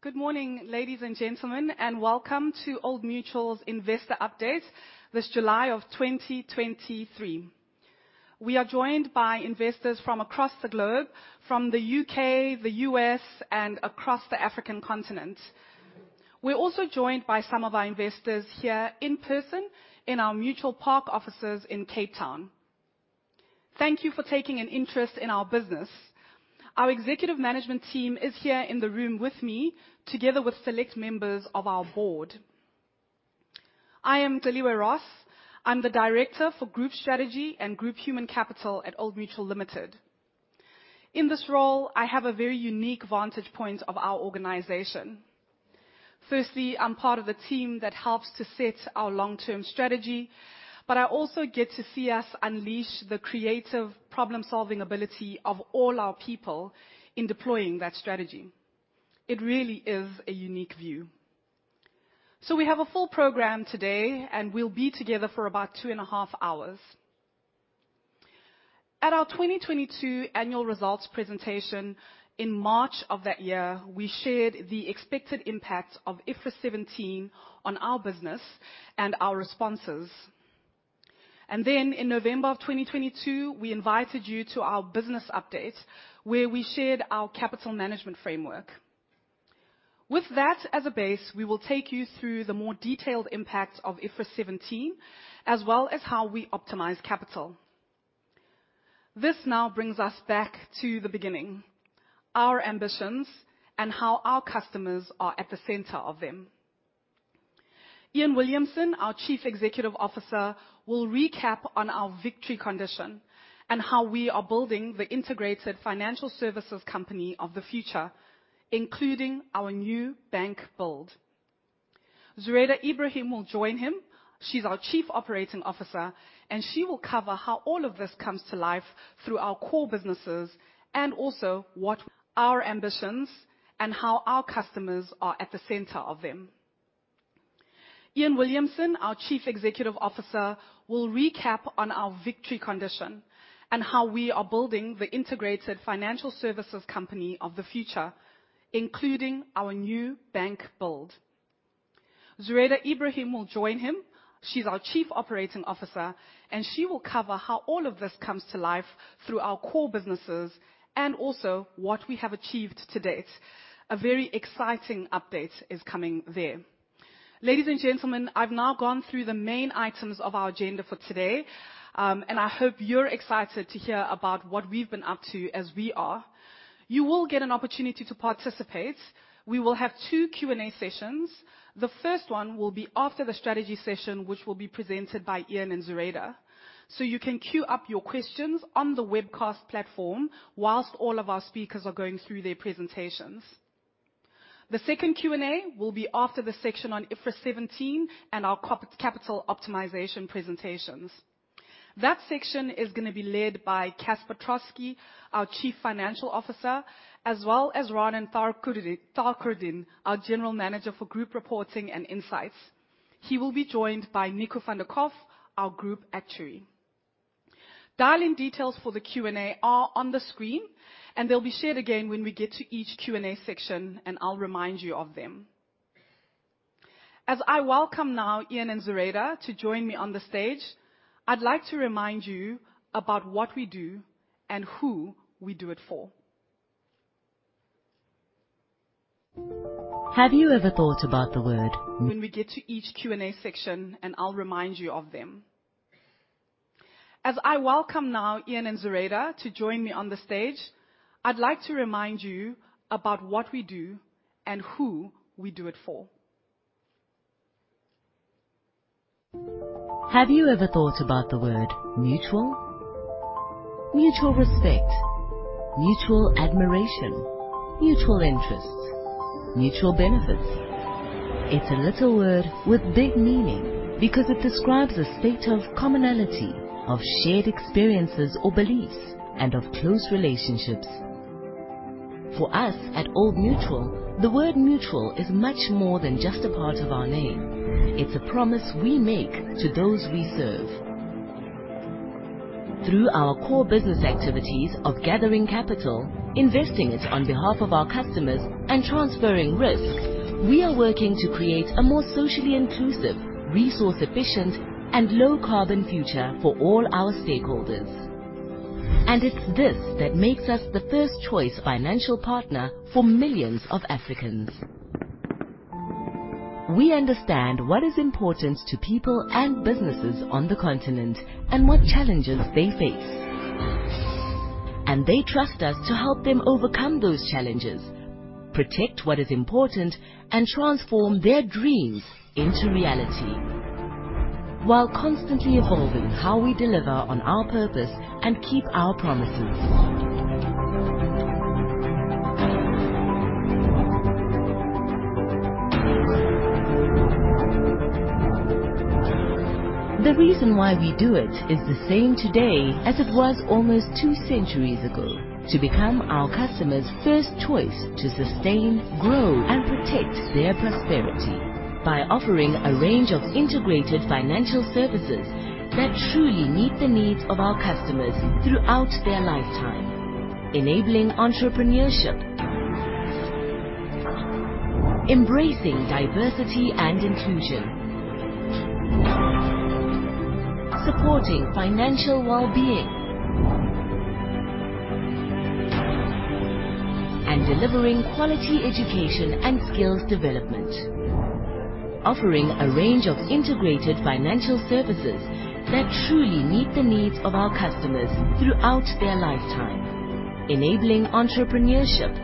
Good morning, ladies and gentlemen, welcome to Old Mutual's Investor Update this July 2023. We are joined by investors from across the globe, from the U.K., the U.S., and across the African continent. We're also joined by some of our investors here in person in our Mutual Park offices in Cape Town. Thank you for taking an interest in our business. Our executive management team is here in the room with me, together with select members of our board. I am Celiwe Ross I'm the Director for Group Strategy and Group Human Capital at Old Mutual Limited. In this role, I have a very unique vantage point of our organization. Firstly, I'm part of the team that helps to set our long-term strategy, but I also get to see us unleash the creative, problem-solving ability of all our people in deploying that strategy. It really is a unique view. We have a full program today, and we'll be together for about two and a half hours. At our 2022 Annual Results presentation in March of that year, we shared the expected impact of IFRS 17 on our business and our responses. In November 2022, we invited you to our business update, where we shared our capital management framework. With that as a base, we will take you through the more detailed impact of IFRS 17, as well as how we optimize capital. This now brings us back to the beginning, our ambitions, and how our customers are at the center of them. Iain Williamson, our Chief Executive Officer, will recap on our victory condition and how we are building the integrated financial services company of the future, including our new bank build. Zureida Ebrahim will join him. She's our Chief Operating Officer. She will cover how all of this comes to life through our core businesses and also our ambitions and how our customers are at the center of them. Iain Williamson, our Chief Executive Officer, will recap on our victory condition and how we are building the integrated financial services company of the future, including our new bank build. Zureida Ebrahim will join him. She's our Chief Operating Officer. She will cover how all of this comes to life through our core businesses and also what we have achieved to date. A very exciting update is coming there. Ladies and gentlemen, I've now gone through the main items of our agenda for today. I hope you're excited to hear about what we've been up to, as we are. You will get an opportunity to participate. We will have two Q&A sessions. The first one will be after the strategy session, which will be presented by Iain and Zureida. You can queue up your questions on the webcast platform whilst all of our speakers are going through their presentations. The second Q&A will be after the section on IFRS 17 and our capital optimization presentations. That section is gonna be led by Casper Troskie, our Chief Financial Officer, as well as Ranen Thakurdin, our General Manager for Group Reporting and Insights. He will be joined by Nico van der Colff, our Group Actuary. Dial-in details for the Q&A are on the screen, and they'll be shared again when we get to each Q&A section, and I'll remind you of them. As I welcome now Iain and Zureida to join me on the stage, I'd like to remind you about what we do and who we do it for when we get to each Q&A section, and I'll remind you of them. As I welcome now Iain and Zureida to join me on the stage, I'd like to remind you about what we do and who we do it for. Have you ever thought about the word mutual? Mutual respect, mutual admiration, mutual interests, mutual benefits. It's a little word with big meaning because it describes a state of commonality, of shared experiences or beliefs, and of close relationships. For us, at Old Mutual, the word mutual is much more than just a part of our name. It's a promise we make to those we serve. Through our core business activities of gathering capital, investing it on behalf of our customers, and transferring risk, we are working to create a more socially inclusive, resource-efficient, and low-carbon future for all our stakeholders. It's this that makes us the first-choice financial partner for millions of Africans. We understand what is important to people and businesses on the continent and what challenges they face. They trust us to help them overcome those challenges, protect what is important, and transform their dreams into reality while constantly evolving how we deliver on our purpose and keep our promises. The reason why we do it is the same today as it was almost two centuries ago: to become our customers' first choice to sustain, grow, and protect their prosperity by offering a range of integrated financial services that truly meet the needs of our customers throughout their lifetime, enabling entrepreneurship. Embracing diversity and inclusion. Supporting financial well-being. Delivering quality education and skills development. Offering a range of integrated financial services that truly meet the needs of our customers throughout their lifetime. Enabling entrepreneurship.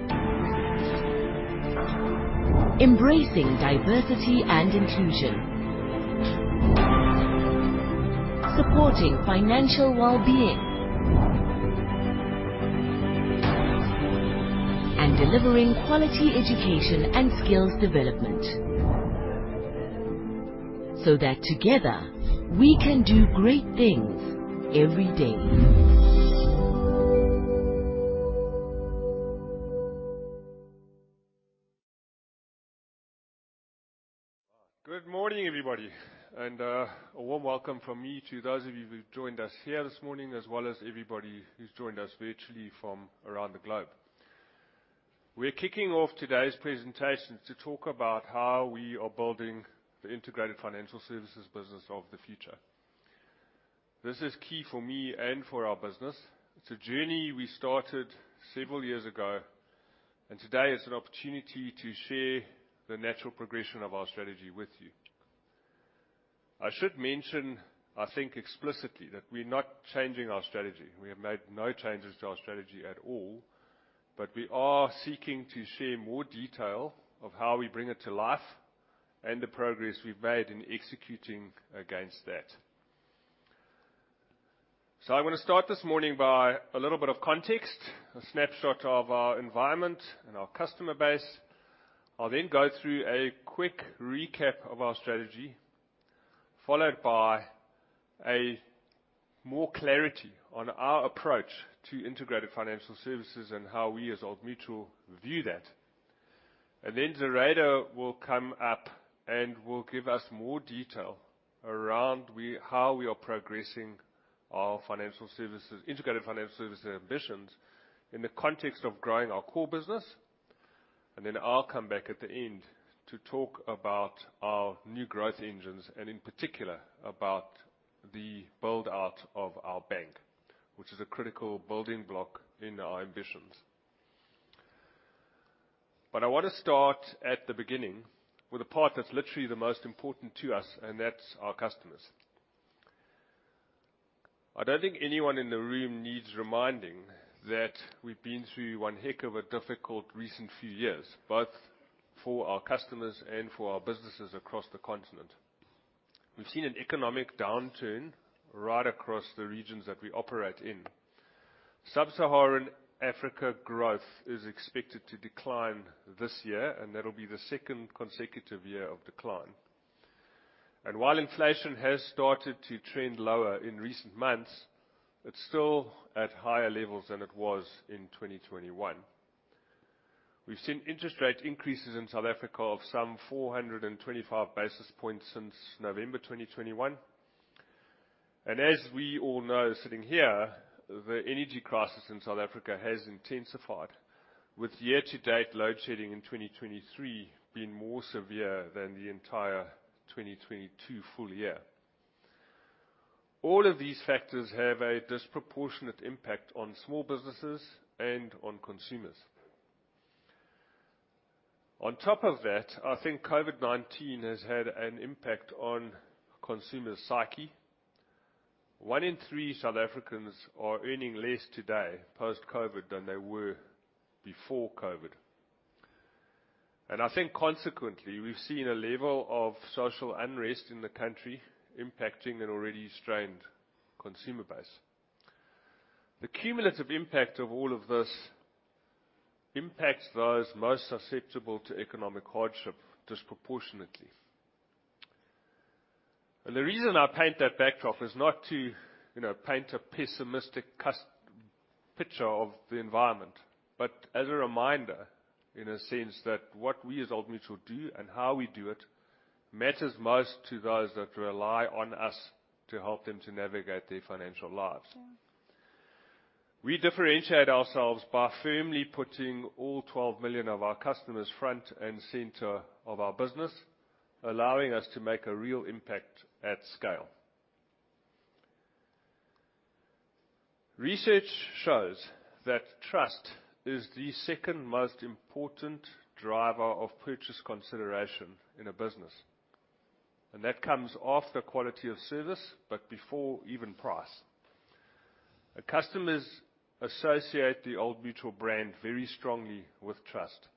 Embracing diversity and inclusion. Supporting financial well-being. Delivering quality education and skills development. That together, we can do great things every day. Good morning, everybody, and a warm welcome from me to those of you who've joined us here this morning, as well as everybody who's joined us virtually from around the globe. We're kicking off today's presentation to talk about how we are building the integrated financial services business of the future. This is key for me and for our business. It's a journey we started several years ago, and today is an opportunity to share the natural progression of our strategy with you. I should mention, I think, explicitly, that we're not changing our strategy. We have made no changes to our strategy at all. We are seeking to share more detail of how we bring it to life and the progress we've made in executing against that. I want to start this morning by a little bit of context, a snapshot of our environment and our customer base. I'll then go through a quick recap of our strategy, followed by a more clarity on our approach to integrated financial services and how we, as Old Mutual, view that. Zureida will come up and will give us more detail around how we are progressing our financial services, integrated financial services ambitions in the context of growing our core business. I'll come back at the end to talk about our new growth engines, and in particular, about the build-out of our bank, which is a critical building block in our ambitions. I want to start at the beginning with a part that's literally the most important to us, and that's our customers. I don't think anyone in the room needs reminding that we've been through one heck of a difficult recent few years, both for our customers and for our businesses across the continent. We've seen an economic downturn right across the regions that we operate in. Sub-Saharan Africa growth is expected to decline this year, and that'll be the second consecutive year of decline. While inflation has started to trend lower in recent months, it's still at higher levels than it was in 2021. We've seen interest rate increases in South Africa of some 425 basis points since November 2021. As we all know, sitting here, the energy crisis in South Africa has intensified, with year-to-date load shedding in 2023 being more severe than the entire 2022 full year. All of these factors have a disproportionate impact on small businesses and on consumers. On top of that, I think COVID-19 has had an impact on consumer psyche. One in three South Africans are earning less today, post-COVID, than they were before COVID. I think consequently, we've seen a level of social unrest in the country impacting an already strained consumer base. The cumulative impact of all of this impacts those most susceptible to economic hardship disproportionately. The reason I paint that backdrop is not to, you know, paint a pessimistic cust picture of the environment, but as a reminder, in a sense, that what we, as Old Mutual, do and how we do it, matters most to those that rely on us to help them to navigate their financial lives. We differentiate ourselves by firmly putting all 12 million of our customers front and center of our business, allowing us to make a real impact at scale. Research shows that trust is the second most important driver of purchase consideration in a business, and that comes after quality of service, but before even price. Our customers associate the Old Mutual brand very strongly with trust.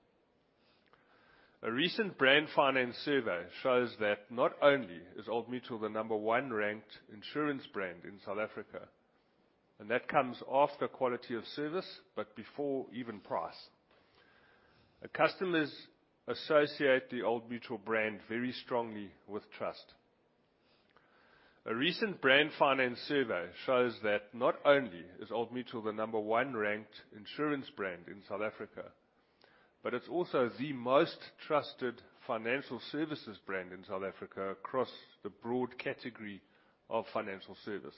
A recent Brand Finance survey shows that not only is Old Mutual the number 1 ranked insurance brand in South Africa, and that comes after quality of service, but before even price. Our customers associate the Old Mutual brand very strongly with trust. A recent Brand Finance survey shows that not only is Old Mutual the number one ranked insurance brand in South Africa, but it's also the most trusted financial services brand in South Africa across the broad category of financial service.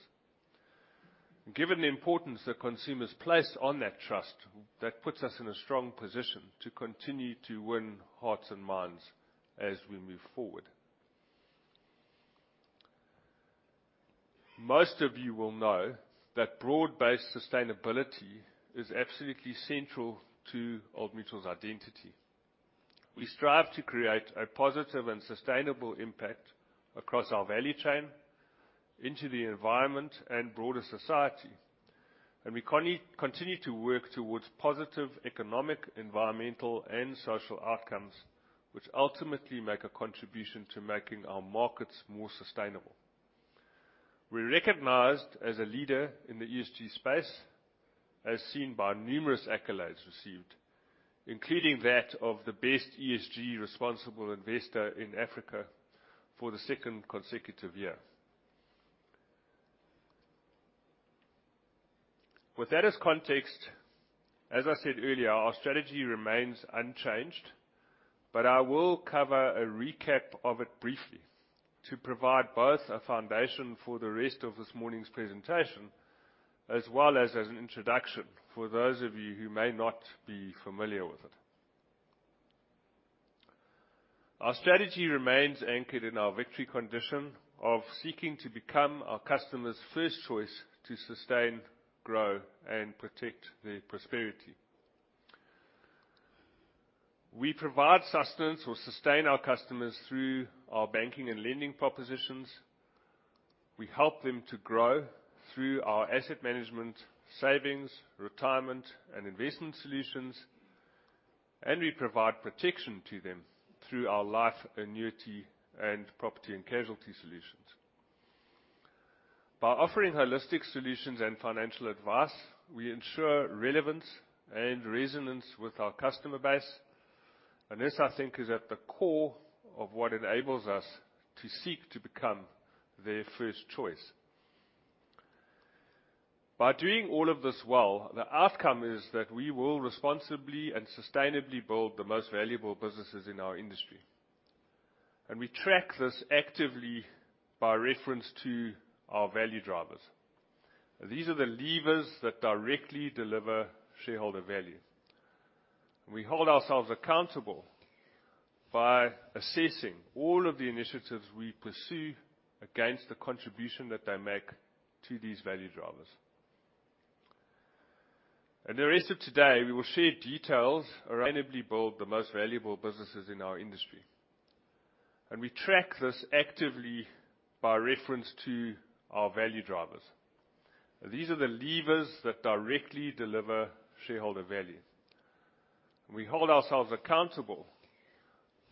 Given the importance that consumers place on that trust, that puts us in a strong position to continue to win hearts and minds as we move forward. Most of you will know that broad-based sustainability is absolutely central to Old Mutual's identity. We strive to create a positive and sustainable impact across our value chain, into the environment and broader society, and we continue to work towards positive economic, environmental, and social outcomes, which ultimately make a contribution to making our markets more sustainable. We're recognized as a leader in the ESG space, as seen by numerous accolades received, including that of the best ESG responsible investor in Africa for the second consecutive year. With that as context, as I said earlier, our strategy remains unchanged. I will cover a recap of it briefly to provide both a foundation for the rest of this morning's presentation, as well as an introduction for those of you who may not be familiar with it. Our strategy remains anchored in our victory condition of seeking to become our customers' first choice to sustain, grow, and protect their prosperity. We provide sustenance or sustain our customers through our banking and lending propositions. We help them to grow through our asset management, savings, retirement, and investment solutions. We provide protection to improve through our life, annuity, and property and casualty solutions. By offering holistic solutions and financial advice, we ensure relevance and resonance with our customer base. This, I think, is at the core of what enables us to seek to become their first choice. By doing all of this well, the outcome is that we will responsibly and sustainably build the most valuable businesses in our industry, and we track this actively by reference to our value drivers. These are the levers that directly deliver shareholder value. We hold ourselves accountable by assessing all of the initiatives we pursue against the contribution that they make to these value drivers. The rest of today, we will share details around build the most valuable businesses in our industry, and we track this actively by reference to our value drivers. These are the levers that directly deliver shareholder value. We hold ourselves accountable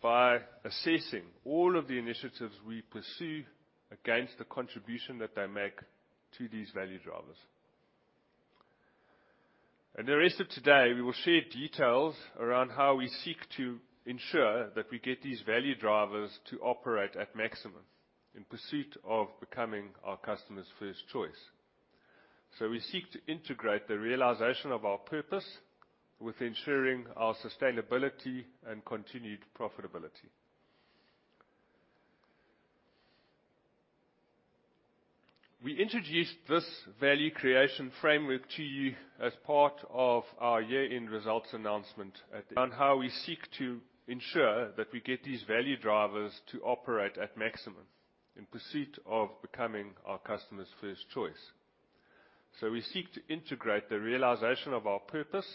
by assessing all of the initiatives we pursue against the contribution that they make to these value drivers. The rest of today, we will share details around how we seek to ensure that we get these value drivers to operate at maximum in pursuit of becoming our customers' first choice. We seek to integrate the realization of our purpose with ensuring our sustainability and continued profitability. We introduced this value creation framework to you as part of our year-end results announcement. On how we seek to ensure that we get these value drivers to operate at maximum in pursuit of becoming our customers' first choice. We seek to integrate the realization of our purpose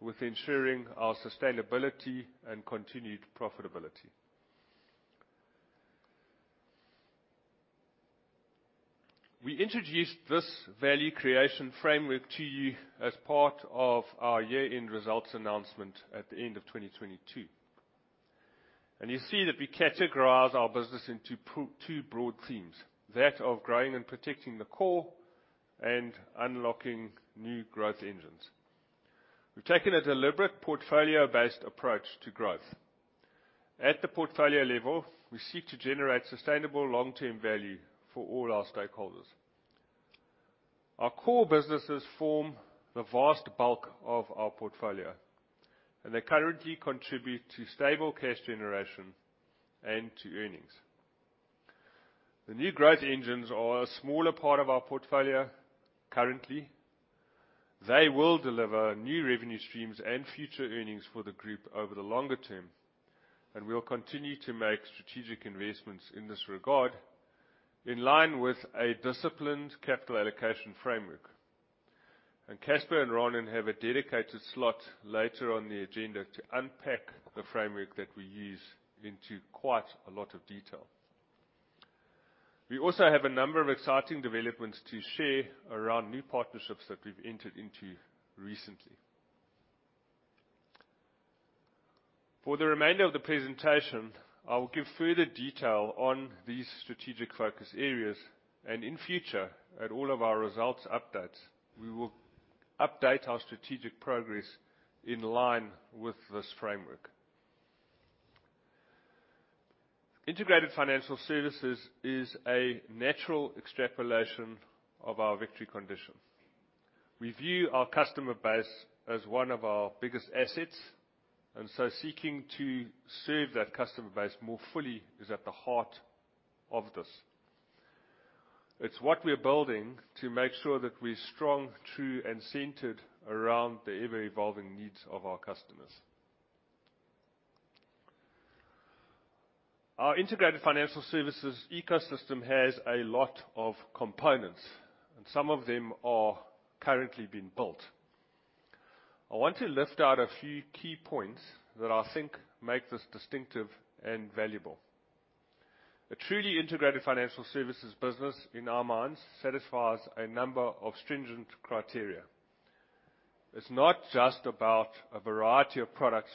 with ensuring our sustainability and continued profitability. We introduced this value creation framework to you as part of our year-end results announcement at the end of 2022, and you see that we categorize our business into two broad themes: that of growing and protecting the core and unlocking new growth engines. We've taken a deliberate portfolio-based approach to growth. At the portfolio level, we seek to generate sustainable long-term value for all our stakeholders. Our core businesses form the vast bulk of our portfolio, and they currently contribute to stable cash generation and to earnings. The new growth engines are a smaller part of our portfolio currently. They will deliver new revenue streams and future earnings for the group over the longer term, and we will continue to make strategic investments in this regard, in line with a disciplined capital allocation framework. Casper and Ranen have a dedicated slot later on the agenda to unpack the framework that we use into quite a lot of detail. We also have a number of exciting developments to share around new partnerships that we've entered into recently. For the remainder of the presentation, I will give further detail on these strategic focus areas, and in future, at all of our results updates, we will update our strategic progress in line with this framework. Integrated financial services is a natural extrapolation of our victory condition.... We view our customer base as one of our biggest assets, and so seeking to serve that customer base more fully is at the heart of this. It's what we are building to make sure that we're strong, true, and centered around the ever-evolving needs of our customers. Our integrated financial services ecosystem has a lot of components, and some of them are currently being built. I want to lift out a few key points that I think make this distinctive and valuable. A truly integrated financial services business, in our minds, satisfies a number of stringent criteria. It's not just about a variety of products.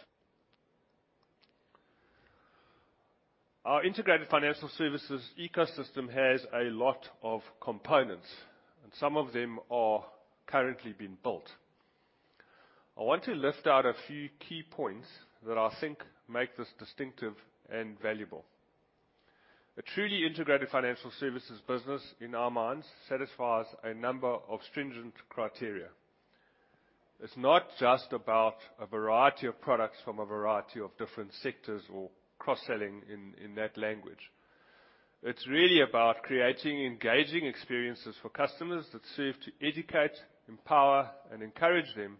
Our integrated financial services ecosystem has a lot of components, and some of them are currently being built. I want to lift out a few key points that I think make this distinctive and valuable. A truly integrated financial services business, in our minds, satisfies a number of stringent criteria. It's not just about a variety of products from a variety of different sectors or cross-selling in, in that language. It's really about creating engaging experiences for customers that serve to educate, empower, and encourage them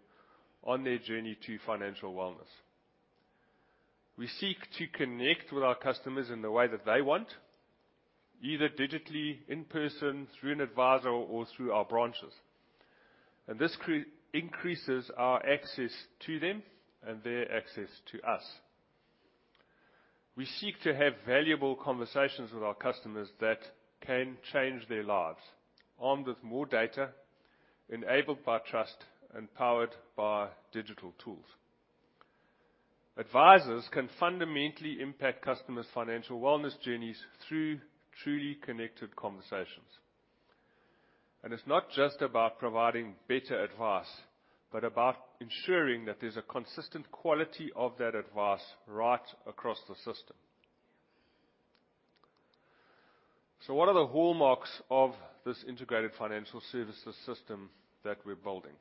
on their journey to financial wellness. We seek to connect with our customers in the way that they want, either digitally, in person, through an advisor, or through our branches, and this increases our access to them and their access to us. We seek to have valuable conversations with our customers that can change their lives, armed with more data, enabled by trust, and powered by digital tools. Advisors can fundamentally impact customers' financial wellness journeys through truly connected conversations. It's not just about providing better advice, but about ensuring that there's a consistent quality of that advice right across the system. What are the hallmarks of this integrated financial services system that we're building?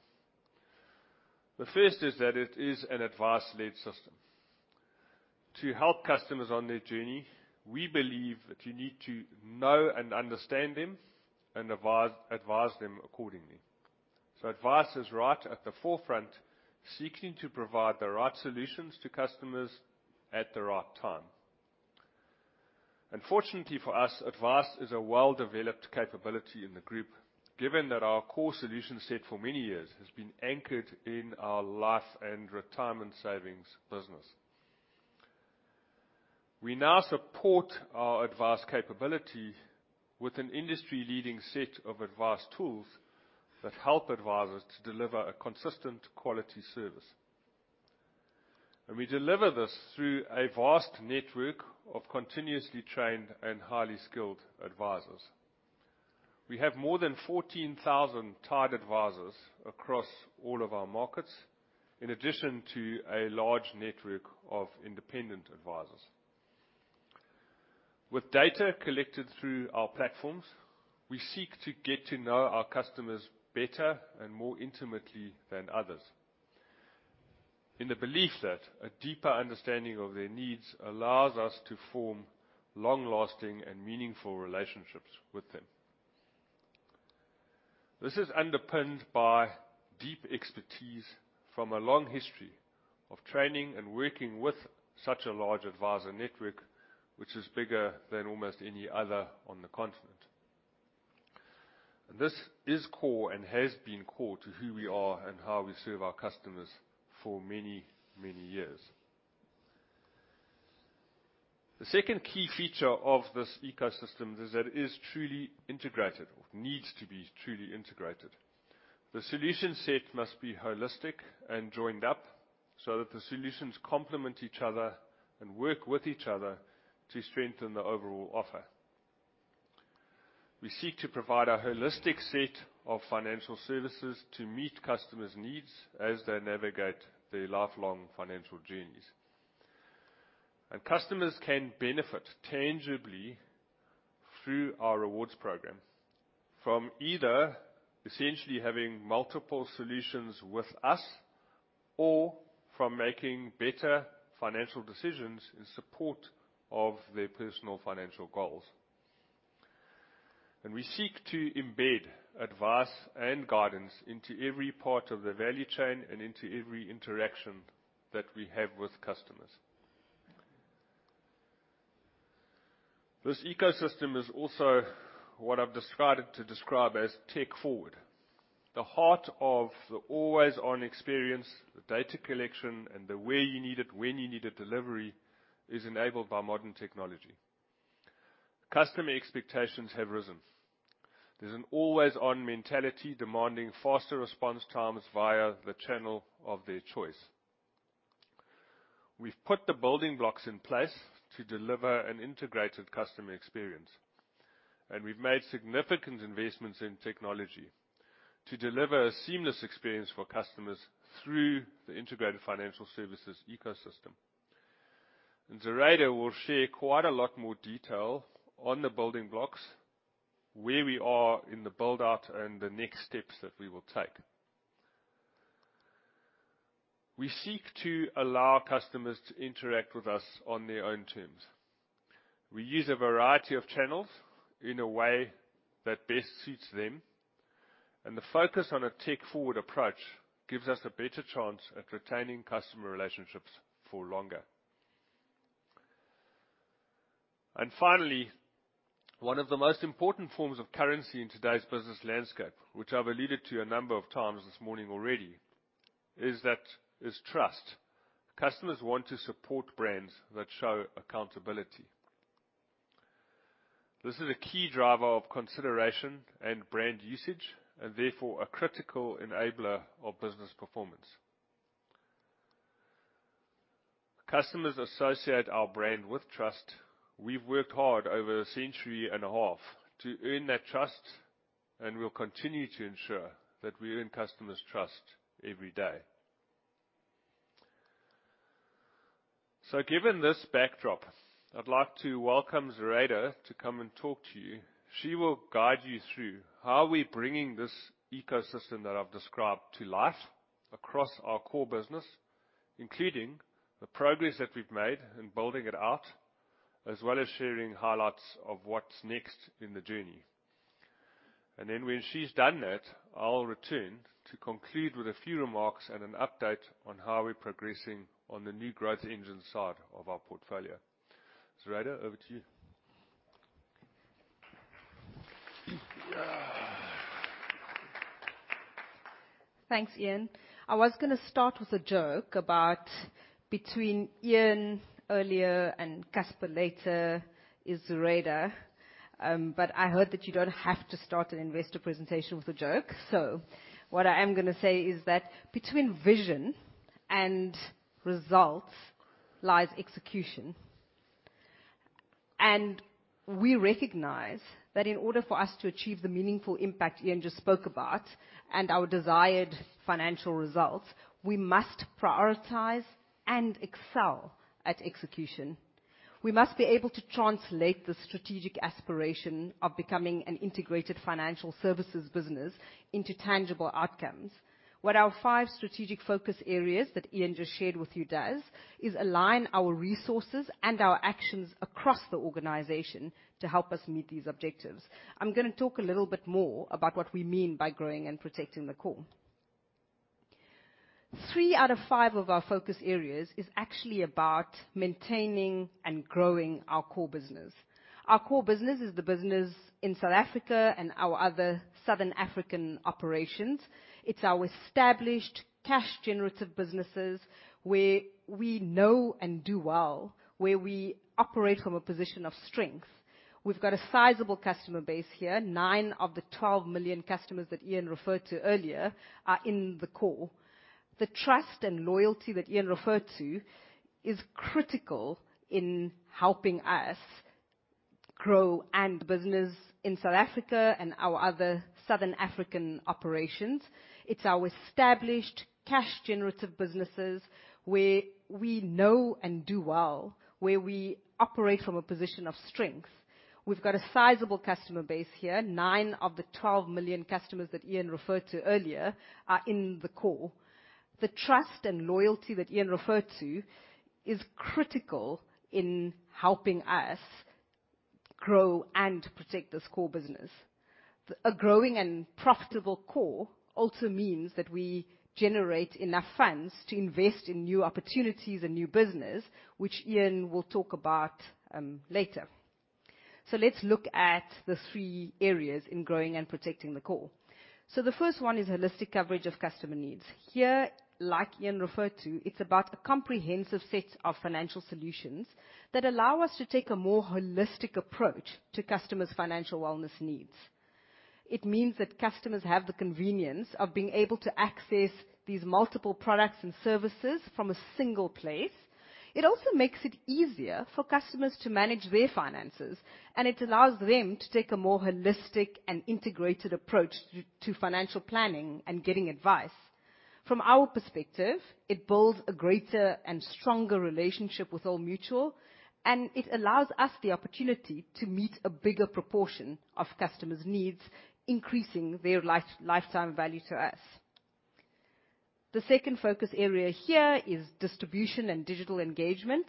The first is that it is an advice-led system. To help customers on their journey, we believe that you need to know and understand them, and advise them accordingly. Advice is right at the forefront, seeking to provide the right solutions to customers at the right time. Fortunately, for us, advice is a well-developed capability in the group, given that our core solution set for many years has been anchored in our life and retirement savings business. We now support our advice capability with an industry-leading set of advice tools that help advisors to deliver a consistent quality service. We deliver this through a vast network of continuously trained and highly skilled advisors. We have more than 14,000 tied advisors across all of our markets, in addition to a large network of independent advisors. With data collected through our platforms, we seek to get to know our customers better and more intimately than others, in the belief that a deeper understanding of their needs allows us to form long-lasting and meaningful relationships with them. This is underpinned by deep expertise from a long history of training and working with such a large advisor network, which is bigger than almost any other on the continent. This is core and has been core to who we are and how we serve our customers for many, many years. The second key feature of this ecosystem is that it is truly integrated, or needs to be truly integrated. The solution set must be holistic and joined up, so that the solutions complement each other and work with each other to strengthen the overall offer. We seek to provide a holistic set of financial services to meet customers' needs as they navigate their lifelong financial journeys. Customers can benefit tangibly through our rewards program from either essentially having multiple solutions with us or from making better financial decisions in support of their personal financial goals. We seek to embed advice and guidance into every part of the value chain and into every interaction that we have with customers. This ecosystem is also what I've described, to describe as tech forward. The heart of the always-on experience, the data collection, and the where you need it, when you need it delivery, is enabled by modern technology. Customer expectations have risen. There's an always-on mentality, demanding faster response times via the channel of their choice. We've put the building blocks in place to deliver an integrated customer experience, and we've made significant investments in technology to deliver a seamless experience for customers through the integrated financial services ecosystem. Zureida will share quite a lot more detail on the building blocks, where we are in the build-out, and the next steps that we will take. We seek to allow customers to interact with us on their own terms. We use a variety of channels in a way that best suits them, and the focus on a tech-forward approach gives us a better chance at retaining customer relationships for longer. Finally, one of the most important forms of currency in today's business landscape, which I've alluded to a number of times this morning already, is that is trust. Customers want to support brands that show accountability. This is a key driver of consideration and brand usage, and therefore, a critical enabler of business performance. Customers associate our brand with trust. We've worked hard over a century and a half to earn that trust, and we'll continue to ensure that we earn customers' trust every day. Given this backdrop, I'd like to welcome Zureida to come and talk to you. She will guide you through how we're bringing this ecosystem that I've described to life across our core business, including the progress that we've made in building it out, as well as sharing highlights of what's next in the journey. Then when she's done that, I'll return to conclude with a few remarks and an update on how we're progressing on the new growth engine side of our portfolio. Zureida, over to you. Thanks, Iain. I was gonna start with a joke about between Iain earlier and Casper later is Zureida. I heard that you don't have to start an investor presentation with a joke. What I am gonna say is that between vision and results lies execution, and we recognize that in order for us to achieve the meaningful impact Iain just spoke about and our desired financial results, we must prioritize and excel at execution. We must be able to translate the strategic aspiration of becoming an integrated financial services business into tangible outcomes. What our five strategic focus areas that Iain just shared with you does is align our resources and our actions across the organization to help us meet these objectives. I'm gonna talk a little bit more about what we mean by growing and protecting the core. Three out of five of our focus areas is actually about maintaining and growing our core business. Our core business is the business in South Africa and our other Southern African operations. It's our established cash-generative businesses, where we know and do well, where we operate from a position of strength. We've got a sizable customer base here. Nine of the 12 million customers that Iain referred to earlier are in the core. The trust and loyalty that Iain referred to is critical in helping us grow, and business in South Africa and our other Southern African operations. It's our established cash-generative businesses, where we know and do well, where we operate from a position of strength. We've got a sizable customer base here. Nine of the 12 million customers that Iain referred to earlier are in the core. The trust and loyalty that Iain referred to is critical in helping us grow and protect this core business. A growing and profitable core also means that we generate enough funds to invest in new opportunities and new business, which Iain will talk about later. Let's look at the three areas in growing and protecting the core. The first one is holistic coverage of customer needs. Here, like Iain referred to, it's about a comprehensive set of financial solutions that allow us to take a more holistic approach to customers' financial wellness needs. It means that customers have the convenience of being able to access these multiple products and services from a single place. It also makes it easier for customers to manage their finances, and it allows them to take a more holistic and integrated approach to, to financial planning and getting advice. From our perspective, it builds a greater and stronger relationship with Old Mutual, and it allows us the opportunity to meet a bigger proportion of customers' needs, increasing their life- lifetime value to us. The second focus area here is distribution and digital engagement.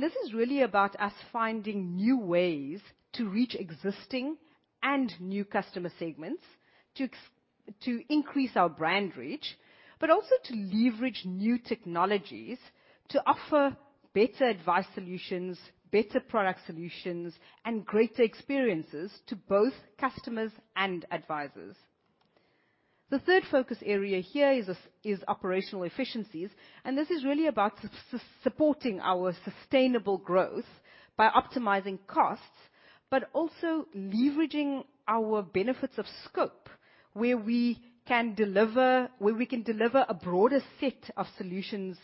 This is really about us finding new ways to reach existing and new customer segments, to increase our brand reach, but also to leverage new technologies to offer better advice solutions, better product solutions, and greater experiences to both customers and advisors. The third focus area here is operational efficiencies, this is really about supporting our sustainable growth by optimizing costs, but also leveraging our benefits of scope, where we can deliver a broader set of solutions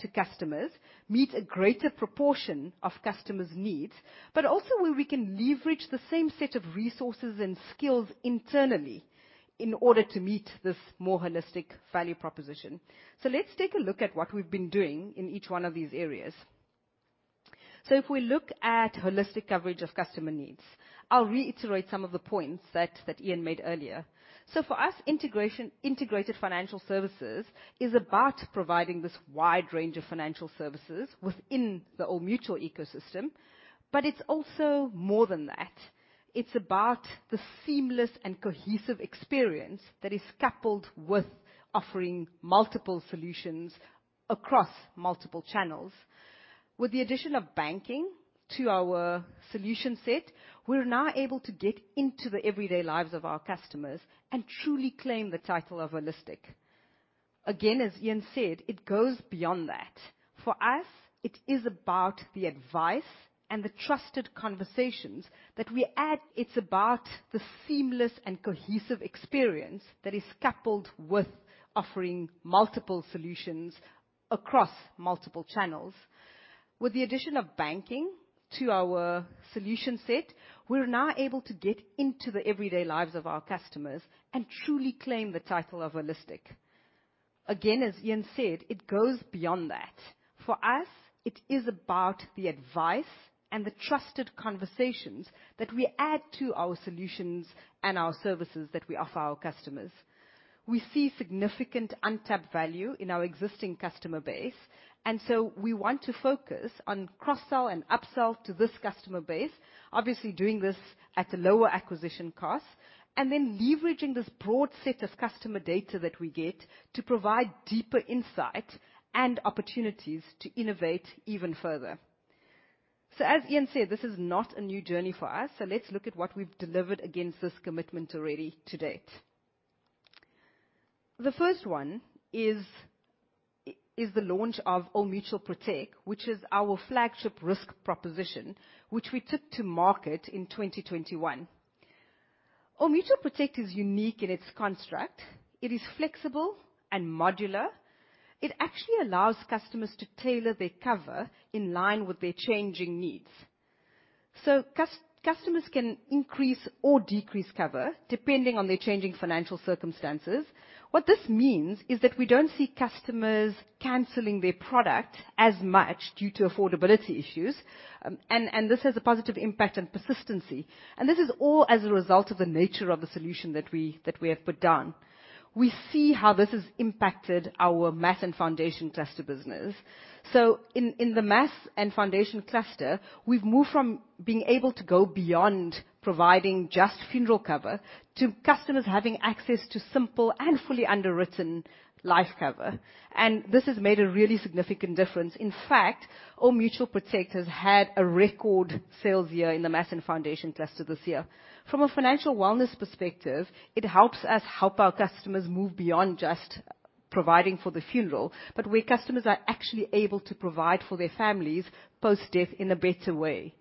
to customers, meet a greater proportion of customers' needs, but also where we can leverage the same set of resources and skills internally in order to meet this more holistic value proposition. Let's take a look at what we've been doing in each one of these areas. If we look at holistic coverage of customer needs, I'll reiterate some of the points that Iain made earlier. For us, integrated financial services is about providing this wide range of financial services within the Old Mutual ecosystem, but it's also more than that. It's about the seamless and cohesive experience that is coupled with offering multiple solutions across multiple channels. With the addition of banking to our solution set, we're now able to get into the everyday lives of our customers and truly claim the title of holistic. Again, as Iain said, it goes beyond that. For us, it is about the advice and the trusted conversations that we add. It's about the seamless and cohesive experience that is coupled with offering multiple solutions across multiple channels. With the addition of banking to our solution set, we're now able to get into the everyday lives of our customers and truly claim the title of holistic. Again, as Iain said, it goes beyond that. For us, it is about the advice and the trusted conversations that we add to our solutions and our services that we offer our customers. We see significant untapped value in our existing customer base, and so we want to focus on cross-sell and upsell to this customer base. Obviously, doing this at a lower acquisition cost, and then leveraging this broad set of customer data that we get to provide deeper insight and opportunities to innovate even further. As Ian said, this is not a new journey for us, so let's look at what we've delivered against this commitment already to date. The first one is the launch of Old Mutual Protect, which is our flagship risk proposition, which we took to market in 2021. Old Mutual Protect is unique in its construct. It is flexible and modular. It actually allows customers to tailor their cover in line with their changing needs. Customers can increase or decrease cover depending on their changing financial circumstances. What this means is that we don't see customers canceling their product as much due to affordability issues, and, and this has a positive impact on persistency. This is all as a result of the nature of the solution that we, that we have put down. We see how this has impacted our Mass and Foundation Cluster business. In, in the Mass and Foundation Cluster, we've moved from being able to go beyond providing just funeral cover, to customers having access to simple and fully underwritten life cover. This has made a really significant difference. In fact, Old Mutual Protect has had a record sales year in the Mass and Foundation Cluster this year. From a financial wellness perspective, it helps us help our customers move beyond just providing for the funeral, but where customers are actually able to provide for their families post-death in a better way.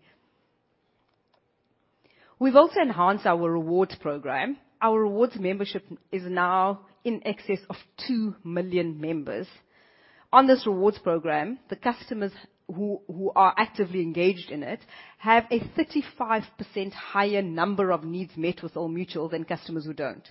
We've also enhanced our rewards program. Our rewards membership is now in excess of two million members. On this rewards program, the customers who, who are actively engaged in it have a 35% higher number of needs met with Old Mutual than customers who don't.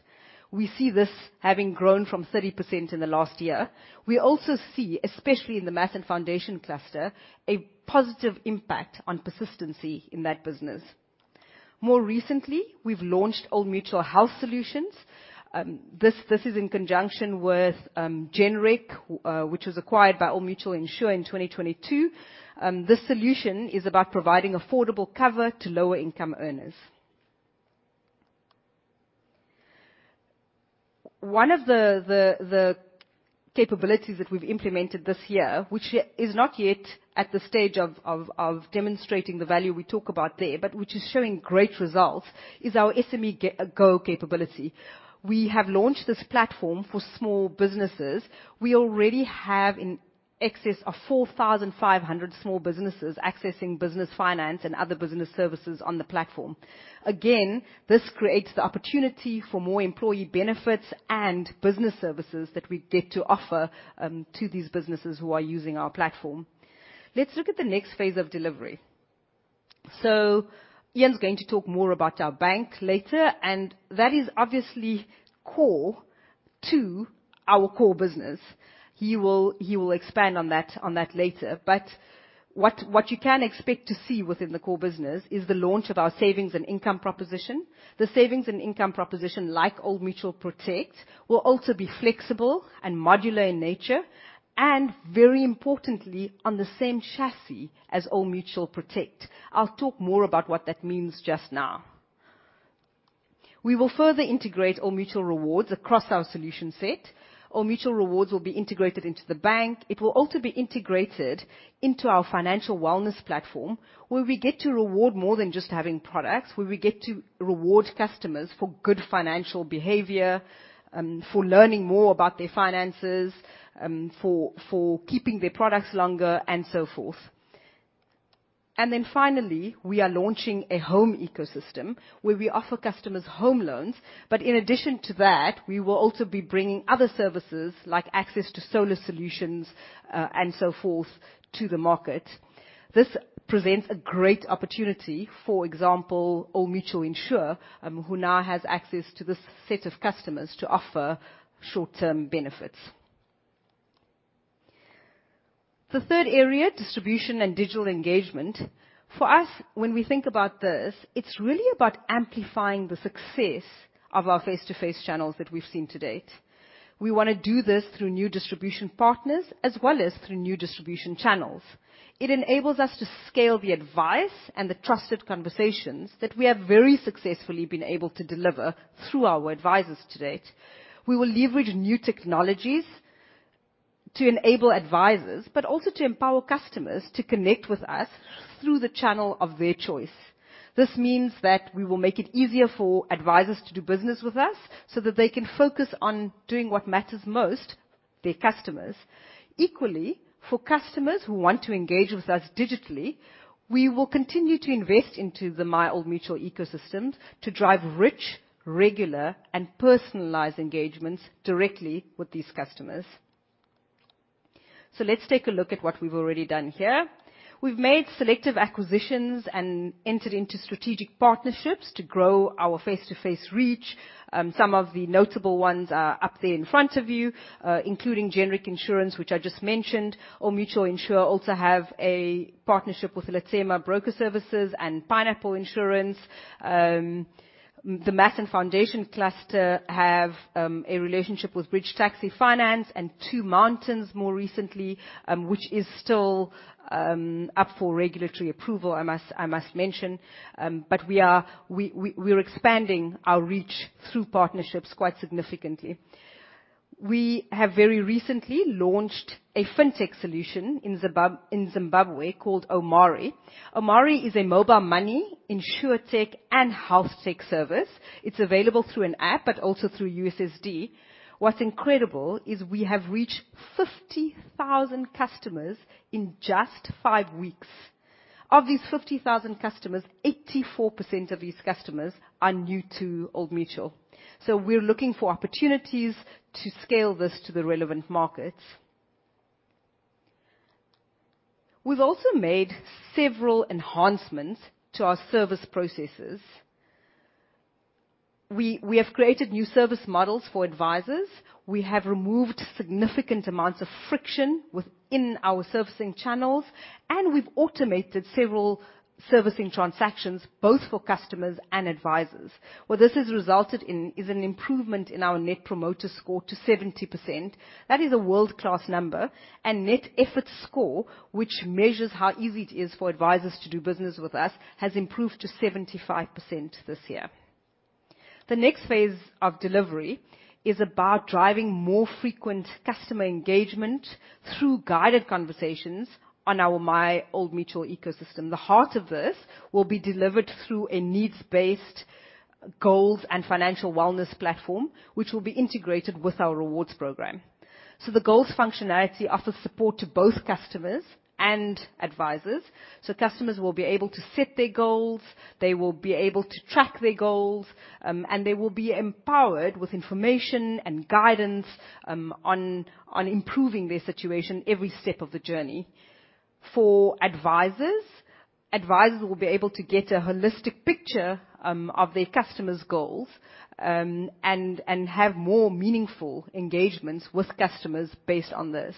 We see this having grown from 30% in the last year. We also see, especially in the Mass and Foundation Cluster, a positive impact on persistency in that business. More recently, we've launched Old Mutual Home Solutions. This, this is in conjunction with Genric, which was acquired by Old Mutual Insure in 2022. This solution is about providing affordable cover to lower-income earners. One of the, the, the capabilities that we've implemented this year, which is, is not yet at the stage of, of, of demonstrating the value we talk about there, but which is showing great results, is our SMEgo capability. We have launched this platform for small businesses. We already have in excess of 4,500 small businesses accessing business finance and other business services on the platform. Again, this creates the opportunity for more employee benefits and business services that we get to offer to these businesses who are using our platform. Let's look at the next phase of delivery. Iain's going to talk more about our bank later, and that is obviously core to our core business. He will, he will expand on that, on that later. What, what you can expect to see within the core business is the launch of our savings and income proposition. The savings and income proposition, like Old Mutual Protect, will also be flexible and modular in nature, and very importantly, on the same chassis as Old Mutual Protect. I'll talk more about what that means just now. We will further integrate Old Mutual Rewards across our solution set. Old Mutual Rewards will be integrated into the bank. It will also be integrated into our financial wellness platform, where we get to reward more than just having products. Where we get to reward customers for good financial behavior, for learning more about their finances, for, for keeping their products longer, and so forth. Then finally, we are launching a home ecosystem where we offer customers home loans. In addition to that, we will also be bringing other services, like access to solar solutions, and so forth, to the market. This presents a great opportunity, for example, Old Mutual Insure, who now has access to this set of customers to offer short-term benefits.... The third area, distribution and digital engagement. For us, when we think about this, it's really about amplifying the success of our face-to-face channels that we've seen to date. We wanna do this through new distribution partners as well as through new distribution channels. It enables us to scale the advice and the trusted conversations that we have very successfully been able to deliver through our advisors to date. We will leverage new technologies to enable advisors, but also to empower customers to connect with us through the channel of their choice. This means that we will make it easier for advisors to do business with us, so that they can focus on doing what matters most, their customers. Equally, for customers who want to engage with us digitally, we will continue to invest into the MyOldMutual ecosystem to drive rich, regular, and personalized engagements directly with these customers. Let's take a look at what we've already done here. We've made selective acquisitions and entered into strategic partnerships to grow our face-to-face reach. Some of the notable ones are up there in front of you, including Genric Insurance, which I just mentioned. Old Mutual Insure also have a partnership with Letsema Broker Services and Pineapple Insurance. The Mass & Foundation Cluster have a relationship with Bridge Taxi Finance and Two Mountains more recently, which is still up for regulatory approval, I must, I must mention. We are expanding our reach through partnerships quite significantly. We have very recently launched a fintech solution in Zimbabwe, called O'mari. O'mari is a mobile money, insurtech, and healthtech service. It's available through an app, but also through USSD. What's incredible is we have reached 50,000 customers in just 5 weeks. Of these 50,000 customers, 84% of these customers are new to Old Mutual. We're looking for opportunities to scale this to the relevant markets. We've also made several enhancements to our service processes. We have created new service models for advisors. We have removed significant amounts of friction within our servicing channels, and we've automated several servicing transactions, both for customers and advisors. What this has resulted in is an improvement in our net promoter score to 70%. That is a world-class number. Net effort score, which measures how easy it is for advisors to do business with us, has improved to 75% this year. The next phase of delivery is about driving more frequent customer engagement through guided conversations on our MyOldMutual ecosystem. The heart of this will be delivered through a needs-based goals and financial wellness platform, which will be integrated with our rewards program. The goals functionality offers support to both customers and advisors. Customers will be able to set their goals, they will be able to track their goals, and they will be empowered with information and guidance on improving their situation every step of the journey. For advisors, advisors will be able to get a holistic picture of their customers' goals and have more meaningful engagements with customers based on this.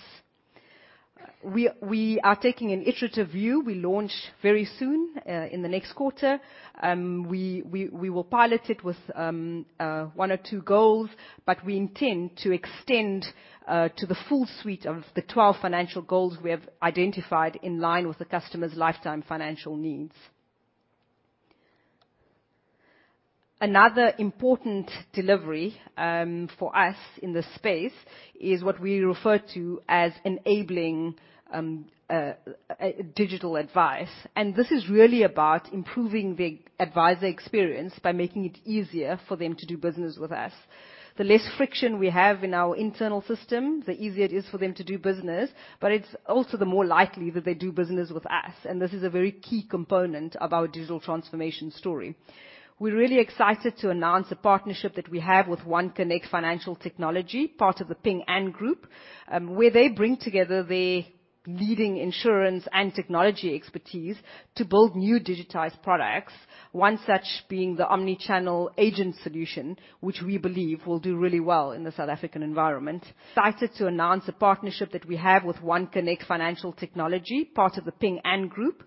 We are taking an iterative view. We launch very soon in the next quarter. We will pilot it with one or two goals, but we intend to extend to the full suite of the 12 financial goals we have identified in line with the customer's lifetime financial needs. Another important delivery for us in this space is what we refer to as enabling a digital advice, and this is really about improving the advisor experience by making it easier for them to do business with us. The less friction we have in our internal system, the easier it is for them to do business, but it's also the more likely that they do business with us, and this is a very key component of our digital transformation story. We're really excited to announce a partnership that we have with OneConnect Financial Technology, part of the Ping An Group, where they bring together their leading insurance and technology expertise to build new digitized products. One such being the Omni-channel Agent Solution, which we believe will do really well in the South African environment. Excited to announce a partnership that we have with OneConnect Financial Technology, part of the Ping An Group,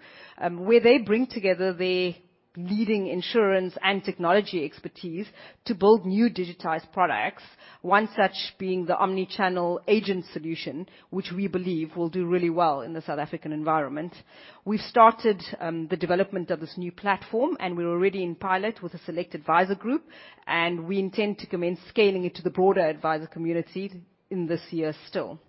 where they bring together their leading insurance and technology expertise to build new digitized products. One such being the Omni-channel Agent Solution, which we believe will do really well in the South African environment. We've started the development of this new platform, and we're already in pilot with a select advisor group, and we intend to commence scaling it to the broader advisor community in this year still.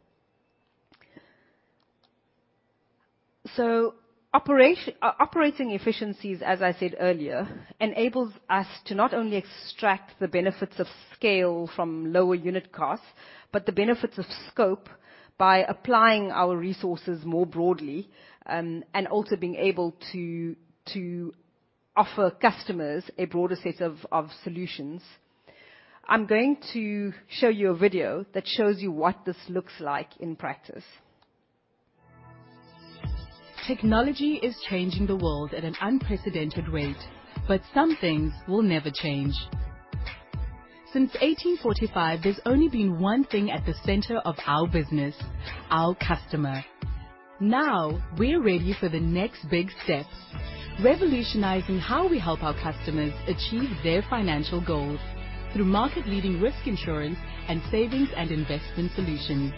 Operating efficiencies, as I said earlier, enables us to not only extract the benefits of scale from lower unit costs, but the benefits of scope by applying our resources more broadly, and also being able to, to offer customers a broader set of, of solutions. I'm going to show you a video that shows you what this looks like in practice. Technology is changing the world at an unprecedented rate, but some things will never change. Since 1845, there's only been one thing at the center of our business, our customer. Now, we're ready for the next big steps, revolutionizing how we help our customers achieve their financial goals through market-leading risk insurance and savings and investment solutions.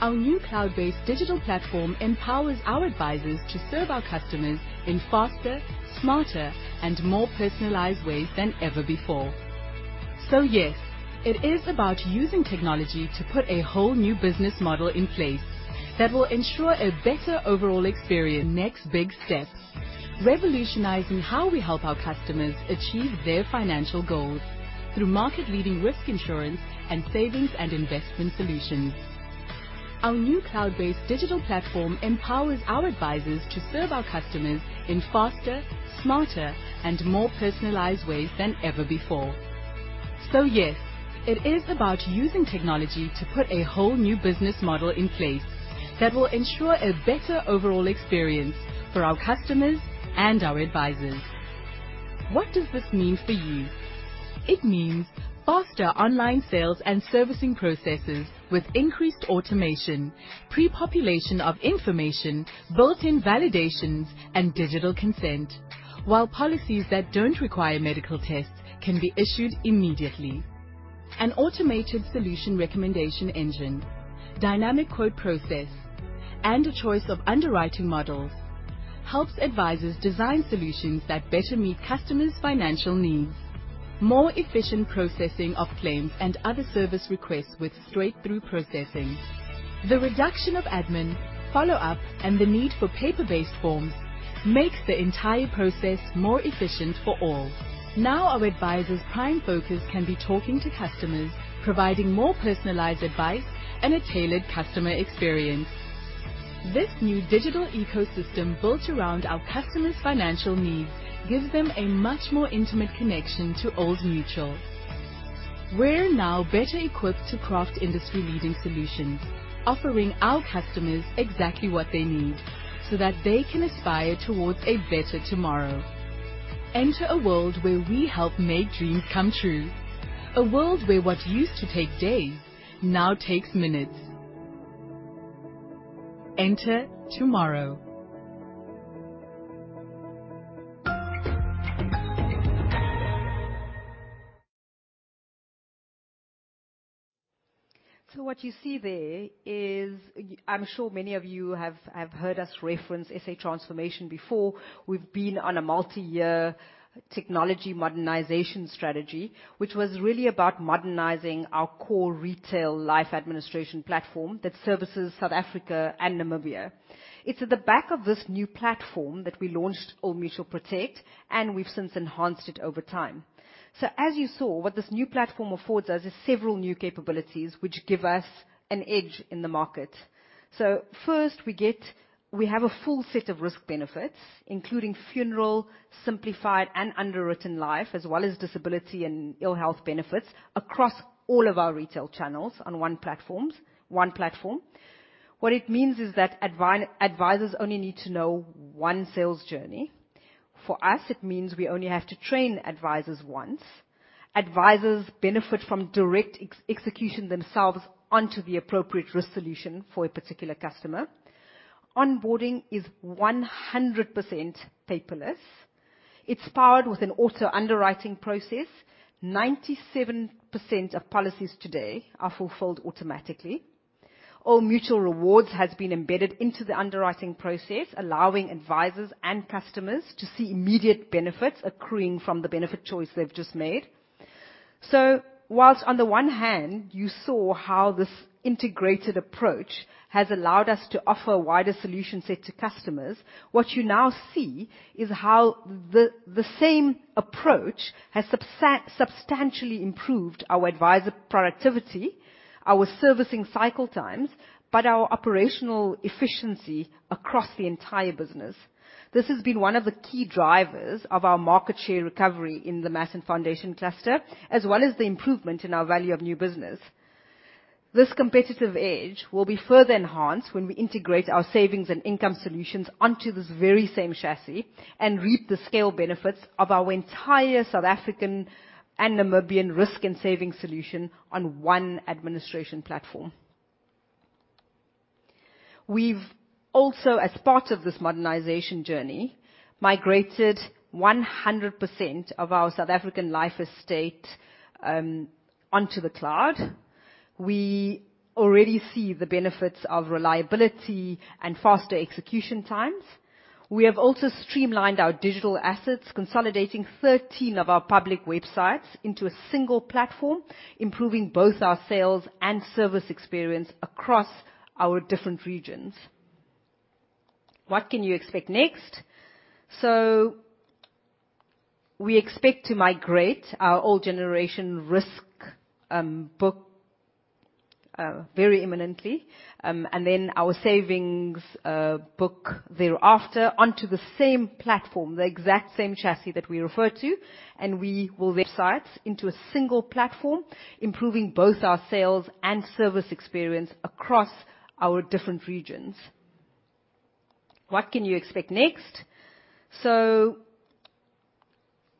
Our new cloud-based digital platform empowers our advisors to serve our customers in faster, smarter, and more personalized ways than ever before. Yes, it is about using technology to put a whole new business model in place that will ensure a better overall experience. Next big steps, revolutionizing how we help our customers achieve their financial goals through market-leading risk insurance and savings and investment solutions. Our new cloud-based digital platform empowers our advisors to serve our customers in faster, smarter, and more personalized ways than ever before. Yes, it is about using technology to put a whole new business model in place that will ensure a better overall experience for our customers and our advisors. What does this mean for you? It means faster online sales and servicing processes with increased automation, pre-population of information, built-in validations, and digital consent. While policies that don't require medical tests can be issued immediately. An automated solution recommendation engine, dynamic quote process, and a choice of underwriting models helps advisors design solutions that better meet customers' financial needs. More efficient processing of claims and other service requests with straight-through processing. The reduction of admin, follow-up, and the need for paper-based forms makes the entire process more efficient for all. Now, our advisors' prime focus can be talking to customers, providing more personalized advice, and a tailored customer experience. This new digital ecosystem, built around our customers' financial needs, gives them a much more intimate connection to Old Mutual. We're now better equipped to craft industry-leading solutions, offering our customers exactly what they need, so that they can aspire towards a better tomorrow. Enter a world where we help make dreams come true. A world where what used to take days now takes minutes. Enter tomorrow. What you see there is I'm sure many of you have heard us reference SA Transformation before. We've been on a multi-year technology modernization strategy, which was really about modernizing our core retail life administration platform that services South Africa and Namibia. It's at the back of this new platform that we launched Old Mutual Protect, and we've since enhanced it over time. As you saw, what this new platform affords us is several new capabilities, which give us an edge in the market. First, we have a full set of risk benefits, including funeral, simplified, and underwritten life, as well as disability and ill health benefits across all of our retail channels on one platform. What it means is that advisors only need to know one sales journey. For us, it means we only have to train advisors once. Advisors benefit from direct ex-execution themselves onto the appropriate risk solution for a particular customer. Onboarding is 100% paperless. It's powered with an auto-underwriting process. 97% of policies today are fulfilled automatically. Old Mutual Rewards has been embedded into the underwriting process, allowing advisors and customers to see immediate benefits accruing from the benefit choice they've just made. Whilst on the one hand, you saw how this integrated approach has allowed us to offer a wider solution set to customers, what you now see is how the same approach has substantially improved our advisor productivity, our servicing cycle times, but our operational efficiency across the entire business. This has been one of the key drivers of our market share recovery in the Mass & Foundation cluster, as well as the improvement in our value of new business. This competitive edge will be further enhanced when we integrate our savings and income solutions onto this very same chassis, and reap the scale benefits of our entire South African and Namibian risk and savings solution on one administration platform. We've also, as part of this modernization journey, migrated 100% of our South African life estate onto the cloud. We already see the benefits of reliability and faster execution times. We have also streamlined our digital assets, consolidating 13 of our public websites into a single platform, improving both our sales and service experience across our different regions. What can you expect next? We expect to migrate our old generation risk book very imminently, and then our savings book thereafter onto the same platform, the exact same chassis that we referred to, and we will websites into a single platform, improving both our sales and service experience across our different regions. What can you expect next?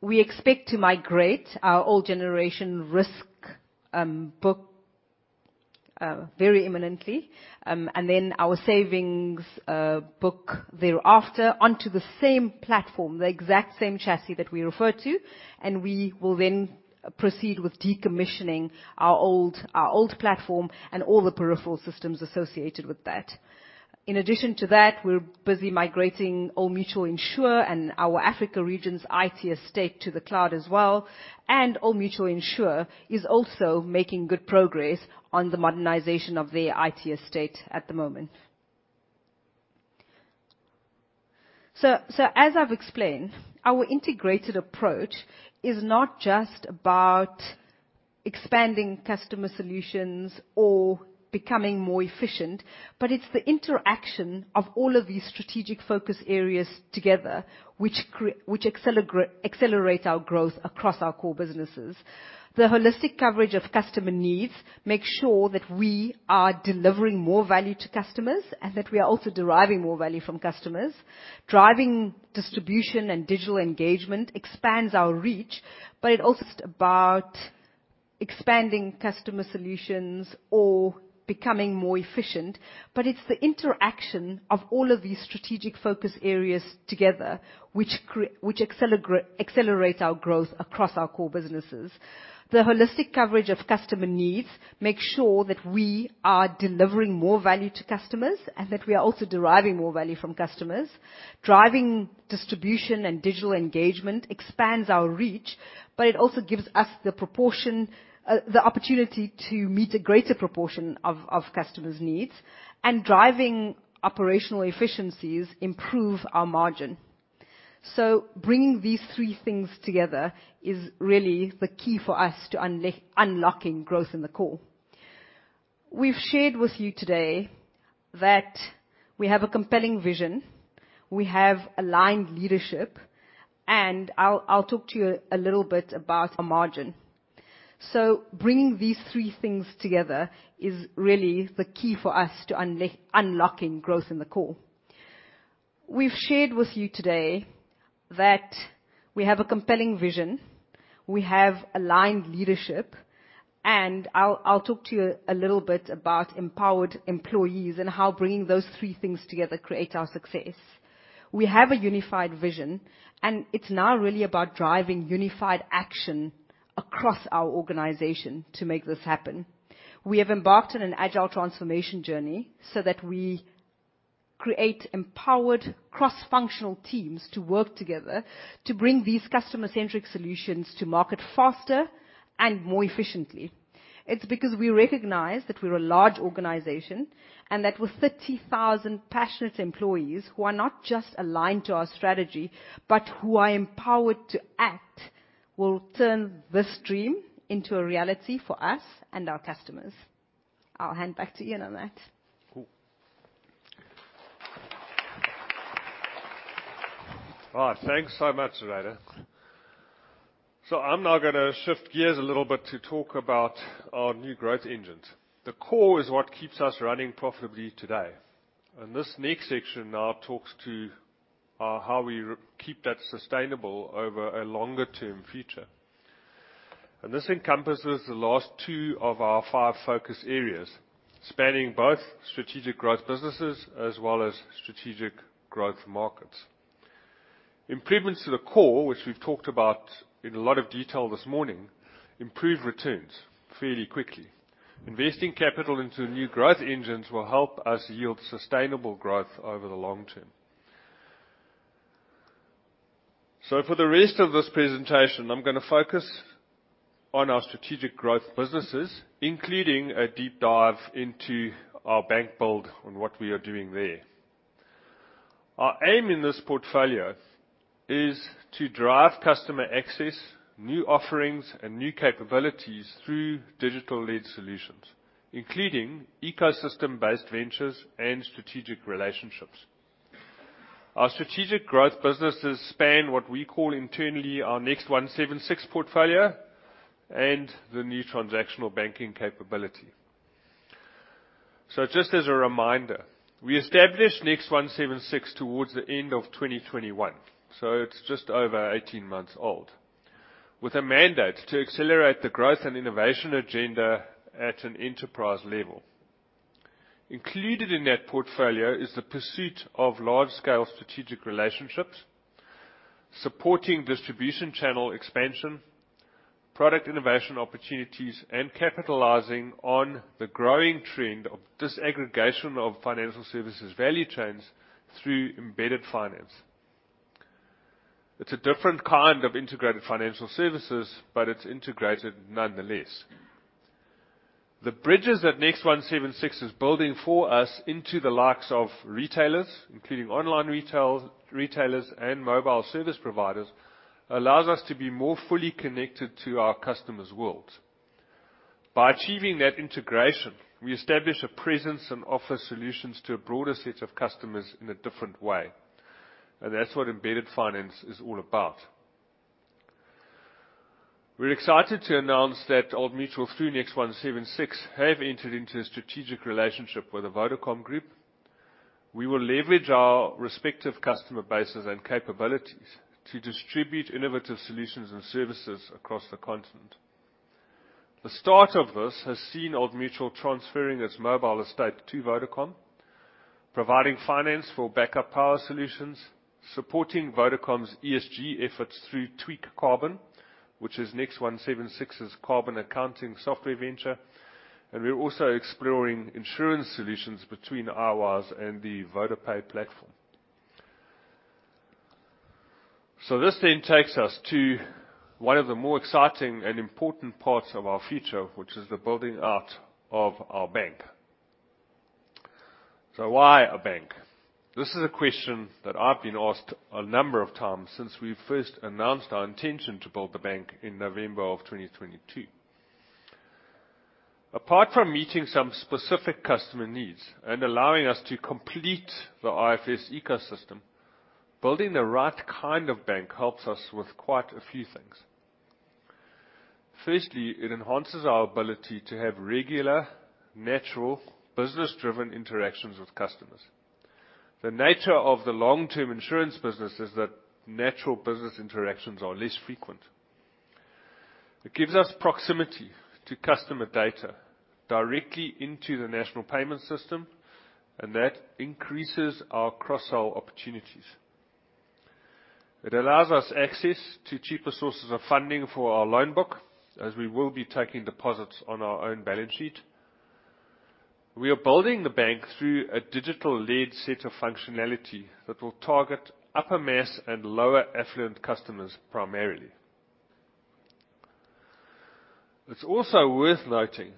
We expect to migrate our old generation risk book very imminently. Then our savings book thereafter onto the same platform, the exact same chassis that we referred to, and we will then proceed with decommissioning our old platform and all the peripheral systems associated with that. In addition to that, we're busy migrating Old Mutual Insure and our Africa Regions' IT estate to the cloud as well, and Old Mutual Insure is also making good progress on the modernization of their IT estate at the moment. So as I've explained, our integrated approach is not just about expanding customer solutions or becoming more efficient, but it's the interaction of all of these strategic focus areas together which accelerate our growth across our core businesses. The holistic coverage of customer needs makes sure that we are delivering more value to customers, and that we are also deriving more value from customers. Driving distribution and digital engagement expands our reach, it also is about expanding customer solutions or becoming more efficient. It's the interaction of all of these strategic focus areas together, which accelerate our growth across our core businesses. The holistic coverage of customer needs makes sure that we are delivering more value to customers, and that we are also deriving more value from customers. Driving distribution and digital engagement expands our reach, it also gives us the proportion, the opportunity to meet a greater proportion of, of customers' needs. Driving operational efficiencies improve our margin. Bringing these three things together is really the key for us to unlocking growth in the core. We've shared with you today that we have a compelling vision, we have aligned leadership, I'll, I'll talk to you a little bit about our margin. Bringing these three things together is really the key for us to unlocking growth in the core. We've shared with you today that we have a compelling vision, we have aligned leadership, and I'll talk to you a little bit about empowered employees and how bringing those three things together create our success. We have a unified vision, and it's now really about driving unified action across our organization to make this happen. We have embarked on an agile transformation journey so that we create empowered cross-functional teams to work together to bring these customer-centric solutions to market faster and more efficiently. It's because we recognize that we're a large organization, and that with 30,000 passionate employees, who are not just aligned to our strategy, but who are empowered to act, will turn this dream into a reality for us and our customers. I'll hand back to you, Iain, on that. Cool. All right, thanks so much, Zureida. I'm now gonna shift gears a little bit to talk about our new growth engines. The core is what keeps us running profitably today, and this next section now talks to how we re- keep that sustainable over a longer-term future. This encompasses the last two of our five focus areas, spanning both strategic growth businesses as well as strategic growth markets. Improvements to the core, which we've talked about in a lot of detail this morning, improve returns fairly quickly. Investing capital into new growth engines will help us yield sustainable growth over the long term. For the rest of this presentation, I'm gonna focus on our strategic growth businesses, including a deep dive into our bank build and what we are doing there. Our aim in this portfolio is to drive customer access, new offerings, and new capabilities through digital-led solutions, including ecosystem-based ventures and strategic relationships. Our strategic growth businesses span what we call internally our NEXT176 portfolio and the new transactional banking capability. Just as a reminder, we established NEXT176 towards the end of 2021, so it's just over 18 months old, with a mandate to accelerate the growth and innovation agenda at an enterprise level. Included in that portfolio is the pursuit of large-scale strategic relationships, supporting distribution channel expansion, product innovation opportunities, and capitalizing on the growing trend of disaggregation of financial services value chains through embedded finance. It's a different kind of integrated financial services, but it's integrated nonetheless. The bridges that NEXT176 is building for us into the likes of retailers, including online retailers, retailers and mobile service providers, allows us to be more fully connected to our customers' worlds. By achieving that integration, we establish a presence and offer solutions to a broader set of customers in a different way, and that's what embedded finance is all about... We're excited to announce that Old Mutual through NEXT176, have entered into a strategic relationship with the Vodacom Group. We will leverage our respective customer bases and capabilities to distribute innovative solutions and services across the continent. The start of this has seen Old Mutual transferring its mobile estate to Vodacom, providing finance for backup power solutions, supporting Vodacom's ESG efforts through Tweak Carbon, which is NEXT176's carbon accounting software venture. We are also exploring insurance solutions between ours and the VodaPay platform. This then takes us to one of the more exciting and important parts of our future, which is the building out of our bank. Why a bank? This is a question that I've been asked a number of times since we first announced our intention to build the bank in November 2022. Apart from meeting some specific customer needs and allowing us to complete the IFS ecosystem, building the right kind of bank helps us with quite a few things. Firstly, it enhances our ability to have regular, natural, business-driven interactions with customers. The nature of the long-term insurance business is that natural business interactions are less frequent. It gives us proximity to customer data directly into the national payment system, and that increases our cross-sell opportunities. It allows us access to cheaper sources of funding for our loan book, as we will be taking deposits on our own balance sheet. We are building the bank through a digital-led set of functionality that will target upper-mass and lower-affluent customers, primarily. It's also worth noting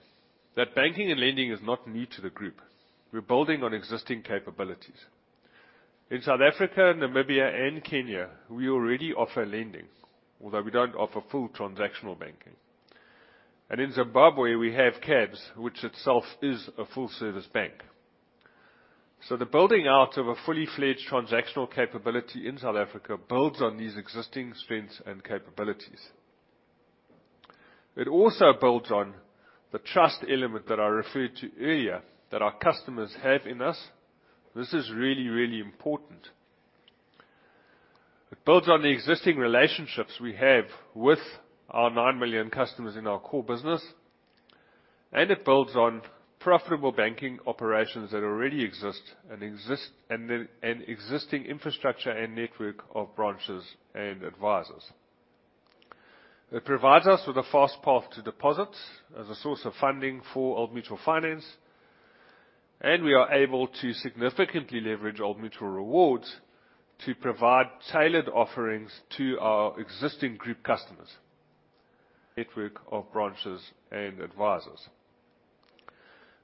that banking and lending is not new to the group. We're building on existing capabilities. In South Africa, Namibia, and Kenya, we already offer lending, although we don't offer full transactional banking. In Zimbabwe, we have CABS, which itself is a full-service bank. The building out of a fully-fledged transactional capability in South Africa builds on these existing strengths and capabilities. It also builds on the trust element that I referred to earlier, that our customers have in us. This is really, really important. It builds on the existing relationships we have with our nine million customers in our core business, and it builds on profitable banking operations that already exist and existing infrastructure and network of branches and advisors. It provides us with a fast path to deposits as a source of funding for Old Mutual Finance, and we are able to significantly leverage Old Mutual Rewards to provide tailored offerings to our existing group customers, network of branches and advisors.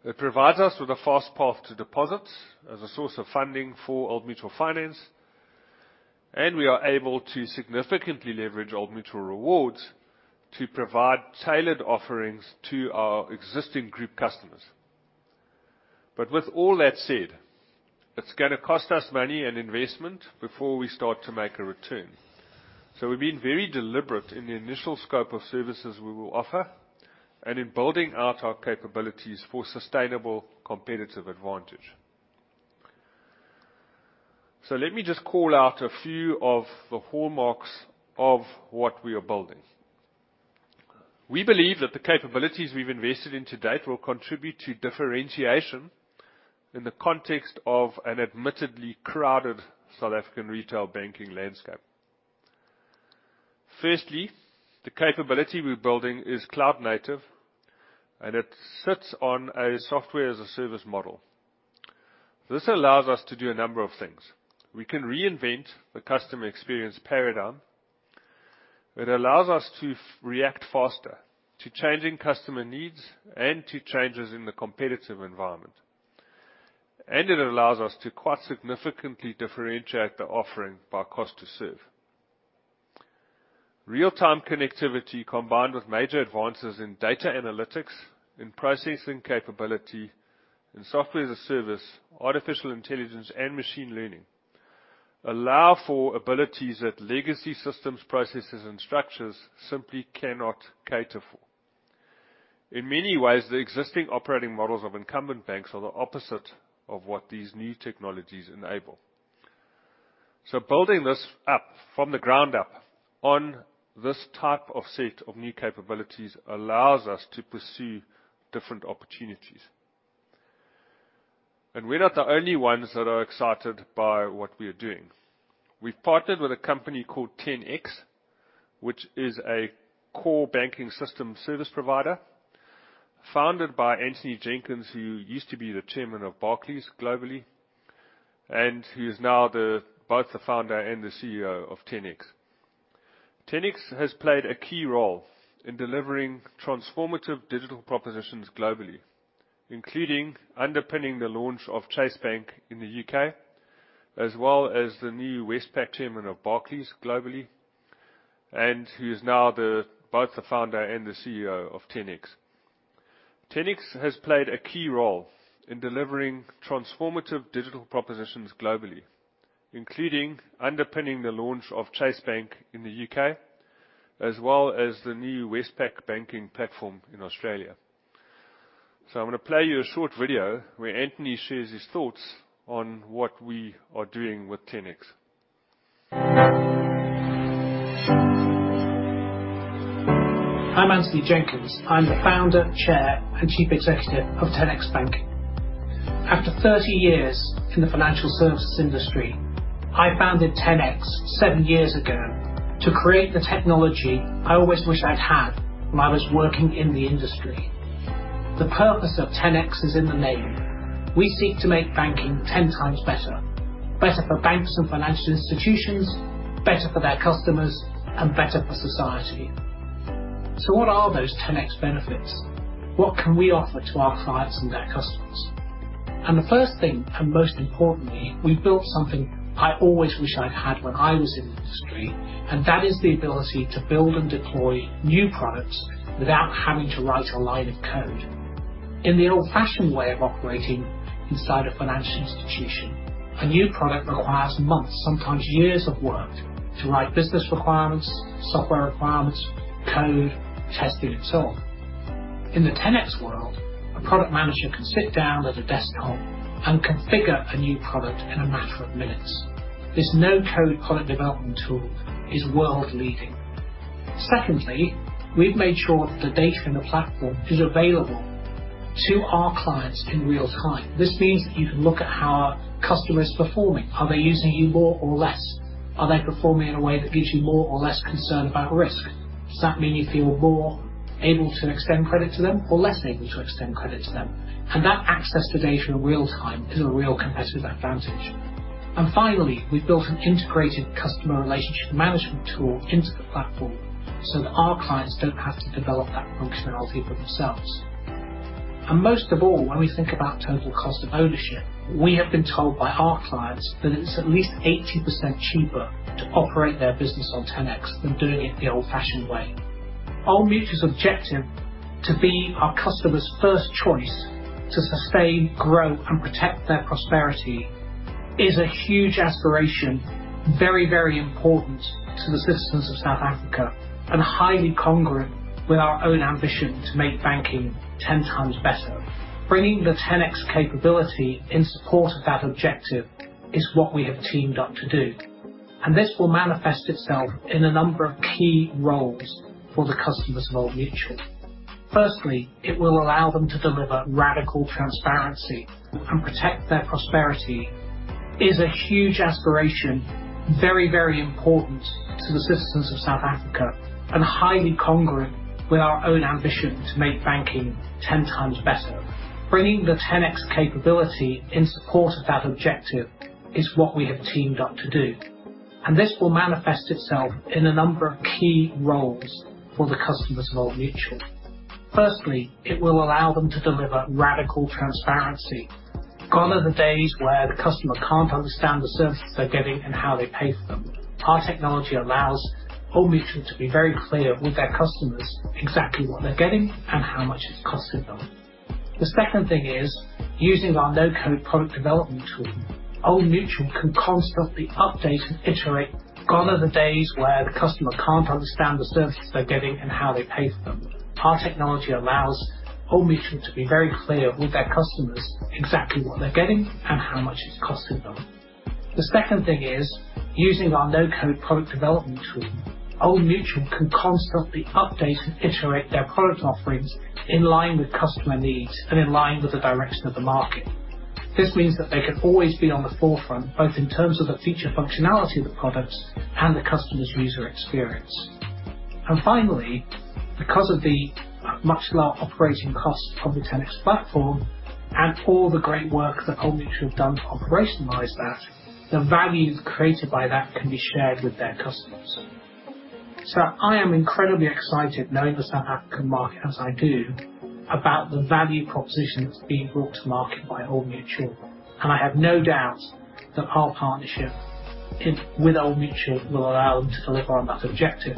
It provides us with a fast path to deposits as a source of funding for Old Mutual Finance, and we are able to significantly leverage Old Mutual Rewards to provide tailored offerings to our existing group customers. With all that said, it's gonna cost us money and investment before we start to make a return. We've been very deliberate in the initial scope of services we will offer and in building out our capabilities for sustainable competitive advantage. Let me just call out a few of the hallmarks of what we are building. We believe that the capabilities we've invested in to date will contribute to differentiation in the context of an admittedly crowded South African retail banking landscape. Firstly, the capability we're building is cloud native, and it sits on a software-as-a-service model. This allows us to do a number of things. We can reinvent the customer experience paradigm. It allows us to react faster to changing customer needs and to changes in the competitive environment. It allows us to quite significantly differentiate the offering by cost to serve. Real-time connectivity, combined with major advances in data analytics, in processing capability, in software-as-a-service, artificial intelligence, and machine learning, allow for abilities that legacy systems, processes, and structures simply cannot cater for. In many ways, the existing operating models of incumbent banks are the opposite of what these new technologies enable. Building this app from the ground up on this type of set of new capabilities allows us to pursue different opportunities. We're not the only ones that are excited by what we are doing. We've partnered with a company called 10x, which is a core banking system service provider, founded by Antony Jenkins, who used to be the chairman of Barclays globally, and he is now both the founder and the CEO of 10x. 10x has played a key role in delivering transformative digital propositions globally, including underpinning the launch of Chase Bank in the UK, as well as the new Westpac chairman of Barclays globally, and he is now the, both the founder and the CEO of 10x. 10x has played a key role in delivering transformative digital propositions globally, including underpinning the launch of Chase Bank in the UK, as well as the new Westpac banking platform in Australia. I'm going to play you a short video where Antony shares his thoughts on what we are doing with 10x. I'm Antony Jenkins. I'm the founder, chair, and Chief Executive of 10x Bank. After 30 years in the financial services industry, I founded 10x 7 years ago to create the technology I always wished I'd had when I was working in the industry. The purpose of 10x is in the name. We seek to make banking 10 times better. Better for banks and financial institutions, better for their customers, and better for society. What are those 10x benefits? What can we offer to our clients and their customers? The first thing, and most importantly, we've built something I always wish I'd had when I was in the industry, and that is the ability to build and deploy new products without having to write a line of code. In the old-fashioned way of operating inside a financial institution, a new product requires months, sometimes years, of work to write business requirements, software requirements, code, testing, and so on. In the 10x world, a product manager can sit down at a desktop and configure a new product in a matter of minutes. This no-code product development tool is world-leading. We've made sure that the data in the platform is available to our clients in real time. This means that you can look at how a customer is performing. Are they using you more or less? Are they performing in a way that gives you more or less concern about risk? Does that mean you feel more able to extend credit to them or less able to extend credit to them? That access to data in real time is a real competitive advantage. Finally, we've built an integrated customer relationship management tool into the platform, so that our clients don't have to develop that functionality for themselves. Most of all, when we think about total cost of ownership, we have been told by our clients that it's at least 80% cheaper to operate their business on 10x than doing it the old-fashioned way. Old Mutual's objective to be our customers' first choice to sustain, grow, and protect their prosperity is a huge aspiration. Very, very important to the citizens of South Africa and highly congruent with our own ambition to make banking 10 times better. Bringing the 10x capability in support of that objective is what we have teamed up to do, and this will manifest itself in a number of key roles for the customers of Old Mutual. Firstly, it will allow them to deliver radical transparency and protect their prosperity. Is a huge aspiration, very, very important to the citizens of South Africa and highly congruent with our own ambition to make banking 10 times better. Bringing the 10x capability in support of that objective is what we have teamed up to do, and this will manifest itself in a number of key roles for the customers of Old Mutual. Firstly, it will allow them to deliver radical transparency. Gone are the days where the customer can't understand the services they're getting and how they pay for them. Our technology allows Old Mutual to be very clear with their customers exactly what they're getting and how much it's costing them. The second thing is, using our no-code product development tool, Old Mutual can constantly update and iterate. Gone are the days where the customer can't understand the services they're getting and how they pay for them. Our technology allows Old Mutual to be very clear with their customers exactly what they're getting and how much it's costing them. The second thing is, using our no-code product development tool, Old Mutual can constantly update and iterate their product offerings in line with customer needs and in line with the direction of the market. This means that they can always be on the forefront, both in terms of the feature functionality of the products and the customer's user experience. Finally, because of the much lower operating costs of the 10x platform and all the great work that Old Mutual have done to operationalize that, the value created by that can be shared with their customers. I am incredibly excited, knowing the South African market as I do, about the value proposition that's being brought to market by Old Mutual. I have no doubt that our partnership with Old Mutual will allow them to deliver on that objective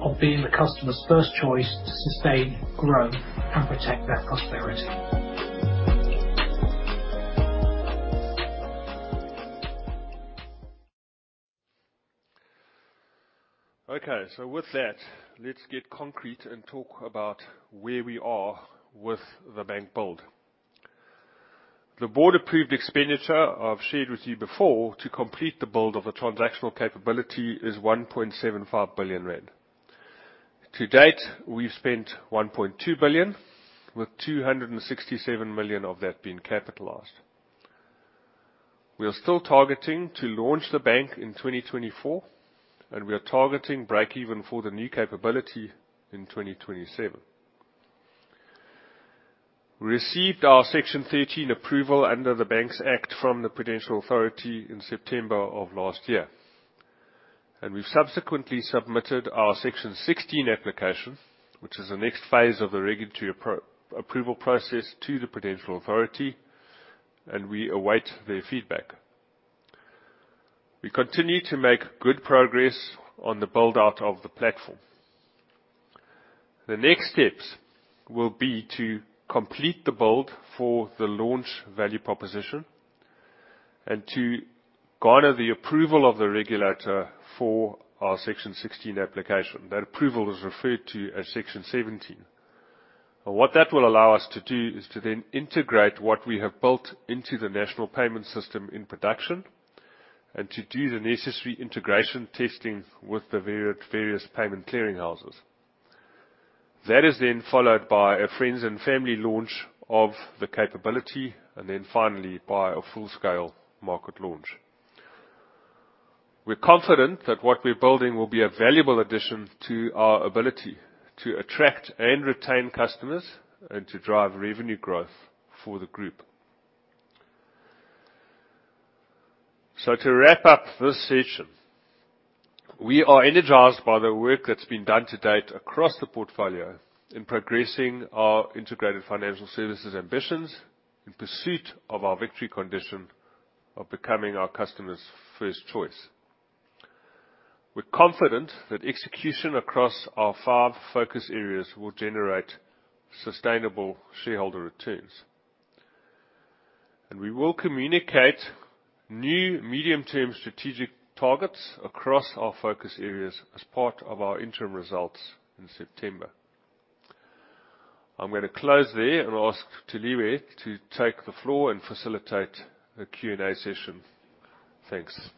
of being the customer's first choice to sustain, grow, and protect their prosperity. Okay, with that, let's get concrete and talk about where we are with the bank build. The board-approved expenditure I've shared with you before, to complete the build of the transactional capability, is 1.75 billion rand. To date, we've spent 1.2 billion, with 267 million of that being capitalized. We are still targeting to launch the bank in 2024, and we are targeting break even for the new capability in 2027. We received our Section 13 approval under the Banks Act from the Prudential Authority in September of last year, and we've subsequently submitted our Section 16 application, which is the next phase of the regulatory approval process, to the Prudential Authority, and we await their feedback. We continue to make good progress on the build-out of the platform. The next steps will be to complete the build for the launch value proposition, and to garner the approval of the regulator for our Section 16 application. That approval is referred to as Section 17. What that will allow us to do is to then integrate what we have built into the national payment system in production, and to do the necessary integration testing with the various payment clearing houses. That is then followed by a friends and family launch of the capability, and then finally, by a full-scale market launch. We're confident that what we're building will be a valuable addition to our ability to attract and retain customers, and to drive revenue growth for the group. To wrap up this section, we are energized by the work that's been done to date across the portfolio in progressing our integrated financial services ambitions, in pursuit of our victory condition of becoming our customers' first choice. We're confident that execution across our 5 focus areas will generate sustainable shareholder returns. We will communicate new medium-term strategic targets across our focus areas as part of our interim results in September. I'm gonna close there and ask Thuliwe to take the floor and facilitate the Q&A session. Thanks.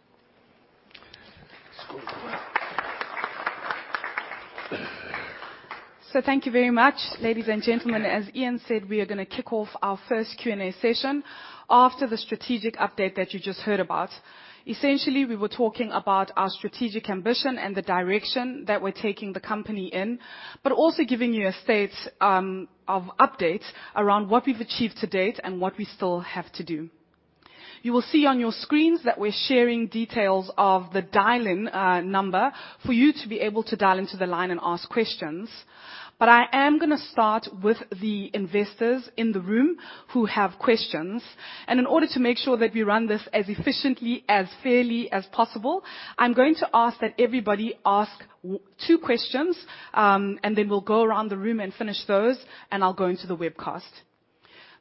Thank you very much, ladies and gentlemen. As Iain said, we are gonna kick off our first Q&A session after the strategic update that you just heard about. Essentially, we were talking about our strategic ambition and the direction that we're taking the company in, but also giving you a state of update around what we've achieved to date and what we still have to do. You will see on your screens that we're sharing details of the dial-in number, for you to be able to dial into the line and ask questions. I am gonna start with the investors in the room who have questions. In order to make sure that we run this as efficiently, as fairly as possible, I'm going to ask that everybody ask two questions, and then we'll go around the room and finish those, and I'll go into the webcast.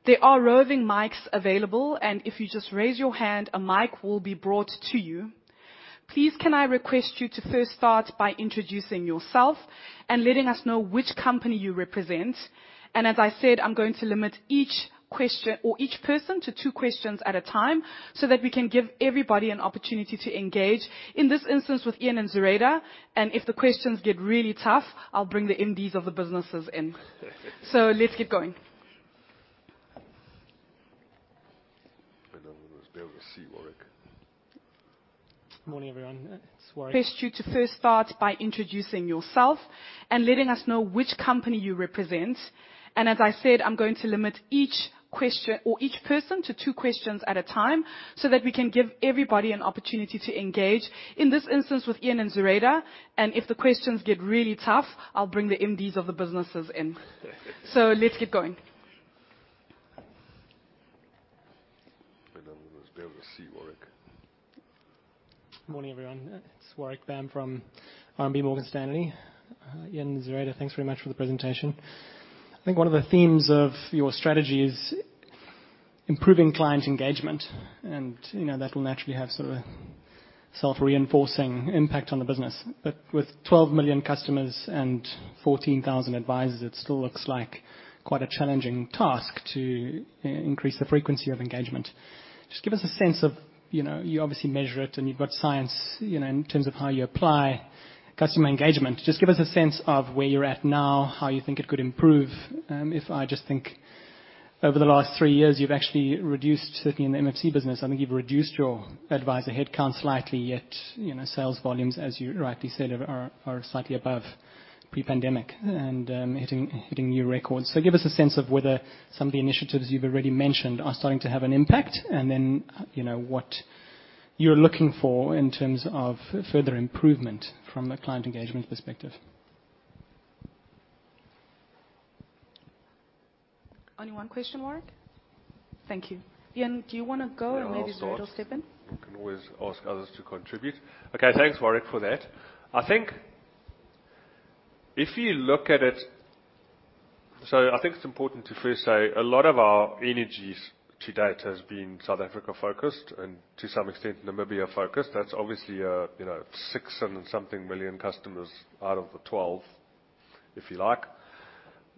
There are roving mics available, and if you just raise your hand, a mic will be brought to you. Please, can I request you to first start by introducing yourself and letting us know which company you represent? As I said, I'm going to limit each question or each person to two questions at a time, so that we can give everybody an opportunity to engage, in this instance, with Iain and Zureida, and if the questions get really tough, I'll bring the MDs of the businesses in. Let's get going. I want to be able to see Warwick. Good morning, everyone. It's Warwick- Request you to first start by introducing yourself and letting us know which company you represent. As I said, I'm going to limit each question or each person to two questions at a time, so that we can give everybody an opportunity to engage, in this instance, with Iain and Zureida, and if the questions get really tough, I'll bring the MDs of the businesses in. Let's get going. I want to be able to see Warwick. Good morning, everyone. It's Warwick Bam from RMB Morgan Stanley. Ian, Zureida, thanks very much for the presentation. I think one of the themes of your strategy is improving client engagement, and, you know, that will naturally have sort of a self-reinforcing impact on the business. But with 12 million customers and 14,000 advisors, it still looks like quite a challenging task to increase the frequency of engagement. Just give us a sense of... You know, you obviously measure it, and you've got science, you know, in terms of how you apply customer engagement. Just give us a sense of where you're at now, how you think it could improve. If I just think over the last three years, you've actually reduced, certainly in the MFC business, I think you've reduced your advisor headcount slightly, yet, you know, sales volumes, as you rightly said, are, are slightly above pre-pandemic and hitting, hitting new records. Give us a sense of whether some of the initiatives you've already mentioned are starting to have an impact, and then, you know, what you're looking for in terms of further improvement from a client engagement perspective. Only one question, Warwick? Thank you. Ian, do you want to go- Yeah, I'll start. Maybe Zureida will step in? We can always ask others to contribute. Okay, thanks, Warwick, for that. I think if you look at it-- I think it's important to first say, a lot of our energies to date has been South Africa-focused and to some extent, Namibia-focused. That's obviously, you know, 600 and something million customers out of the 12, if you like.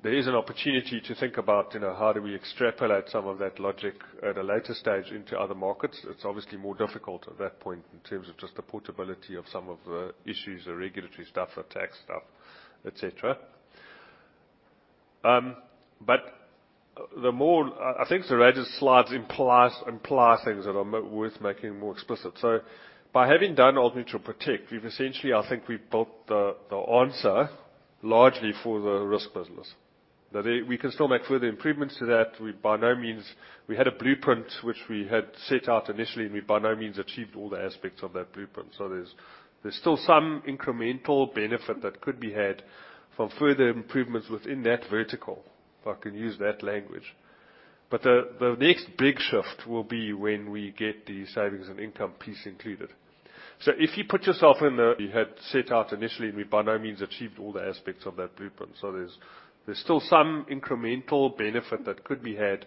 There is an opportunity to think about, you know, how do we extrapolate some of that logic at a later stage into other markets. It's obviously more difficult at that point in terms of just the portability of some of the issues, the regulatory stuff, the tax stuff, et cetera. But the more-- I think Zureida's slides implies, imply things that are worth making more explicit. By having done Old Mutual Protect, we've essentially, I think, we've built the answer largely for the risk business. There, we can still make further improvements to that. We had a blueprint which we had set out initially, and we by no means achieved all the aspects of that blueprint. There's still some incremental benefit that could be had from further improvements within that vertical, if I can use that language. The next big shift will be when we get the savings and income piece included. We had set out initially, and we by no means achieved all the aspects of that blueprint. There's still some incremental benefit that could be had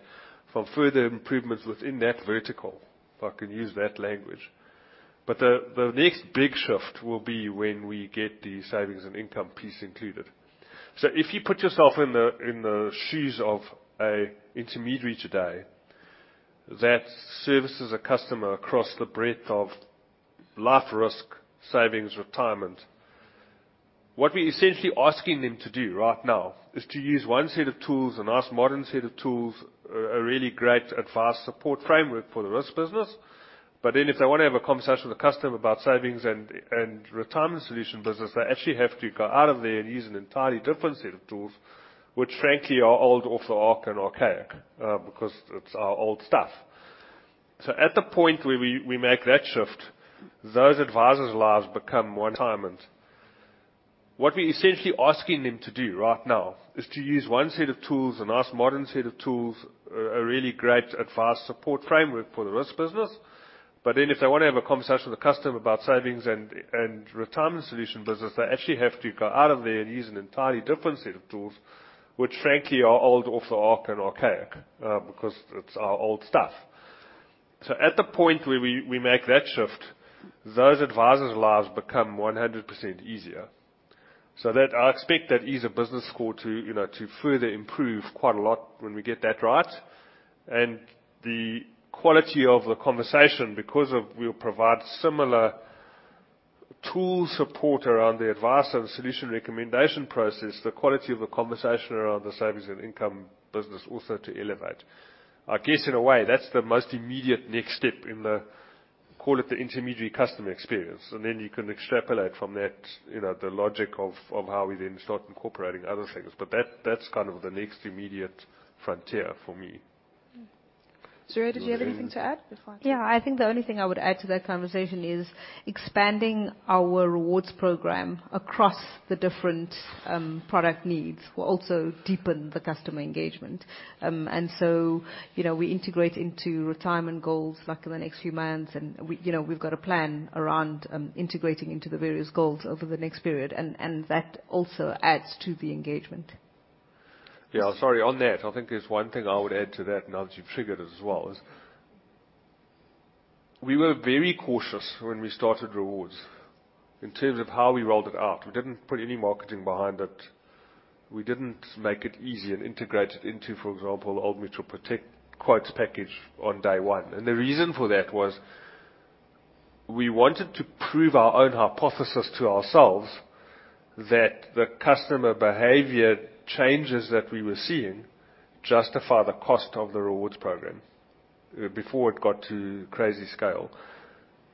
from further improvements within that vertical, if I can use that language. The, the next big shift will be when we get the savings and income piece included. If you put yourself in the, in the shoes of an intermediary today, that services a customer across the breadth of life risk, savings, retirement. What we're essentially asking them to do right now is to use one set of tools, a nice modern set of tools, a really great advice support framework for the risk business. Then if they want to have a conversation with a customer about savings and, and retirement solution business, they actually have to go out of there and use an entirely different set of tools, which frankly, are old, off the arc, and archaic, because it's our old stuff. At the point where we, we make that shift, those advisors' lives become one time. What we're essentially asking them to do right now is to use one set of tools, a nice modern set of tools, a really great advice support framework for the risk business. Then if they want to have a conversation with a customer about savings and, and retirement solution business, they actually have to go out of there and use an entirely different set of tools, which frankly, are old, off the ark, and archaic, because it's our old stuff. At the point where we, we make that shift, those advisors' lives become 100% easier. I expect that ease of business score to, you know, to further improve quite a lot when we get that right. The quality of the conversation, because of we'll provide similar tool support around the advice and solution recommendation process, the quality of the conversation around the savings and income business also to elevate. I guess, in a way, that's the most immediate next step in the, call it, the intermediary customer experience, and then you can extrapolate from that, you know, the logic of, of how we then start incorporating other things. That, that's kind of the next immediate frontier for me. Zureida, do you have anything to add before I- Yeah, I think the only thing I would add to that conversation is expanding our rewards program across the different product needs will also deepen the customer engagement. So, you know, we integrate into retirement goals, like in the next few months, and we, you know, we've got a plan around integrating into the various goals over the next period, and, and that also adds to the engagement. Yeah, sorry, on that, I think there's one thing I would add to that, now that you've triggered it as well, is we were very cautious when we started Rewards in terms of how we rolled it out. We didn't put any marketing behind it. We didn't make it easy and integrate it into, for example, Old Mutual Protect quotes package on day one. The reason for that was, we wanted to prove our own hypothesis to ourselves, that the customer behavior changes that we were seeing justify the cost of the Rewards program before it got to crazy scale.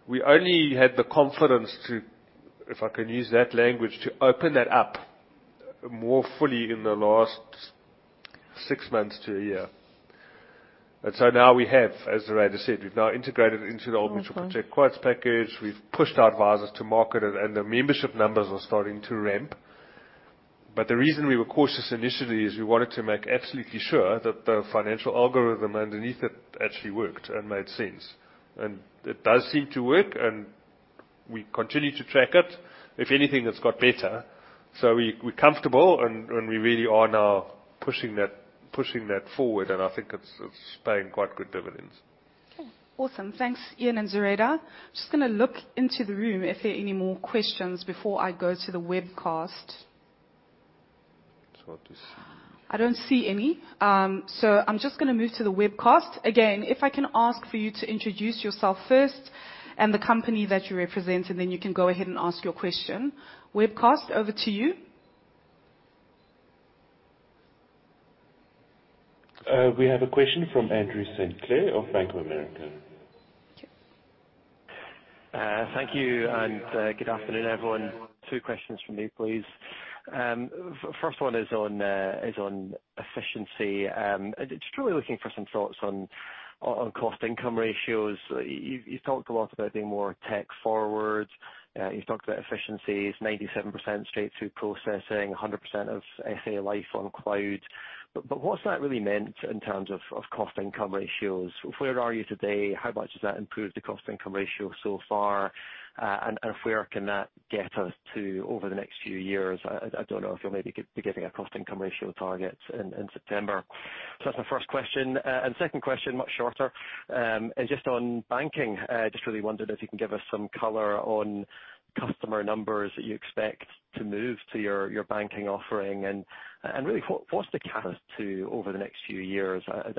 We only had the confidence to, if I can use that language, to open that up more fully in the last 6 months to a year. So now we have, as Zureida said, we've now integrated into the Old Mutual- Mm-hmm Protect quotes package. We've pushed our advisors to market it, and the membership numbers are starting to ramp. The reason we were cautious initially is we wanted to make absolutely sure that the financial algorithm underneath it actually worked and made sense. It does seem to work, and we continue to track it. If anything, it's got better. We're comfortable, and we really are now pushing that forward, and I think it's paying quite good dividends. Okay, awesome. Thanks, Ian and Zureida. Just gonna look into the room if there are any more questions before I go to the webcast. I just- I don't see any. I'm just gonna move to the webcast. Again, if I can ask for you to introduce yourself first and the company that you represent, and then you can go ahead and ask your question. Webcast, over to you. We have a question from Andrew Sinclair of Bank of America. Thank you, good afternoon, everyone. 2 questions from me, please. First one is on, is on efficiency. And just really looking for some thoughts on, on, on cost-income ratios. You, you've talked a lot about being more tech forward. You've talked about efficiencies, 97% straight through processing, 100% of SA Life on cloud. But, but what's that really meant in terms of, of cost-income ratios? Where are you today? How much has that improved the cost-income ratio so far? And where can that get us to over the next few years? I,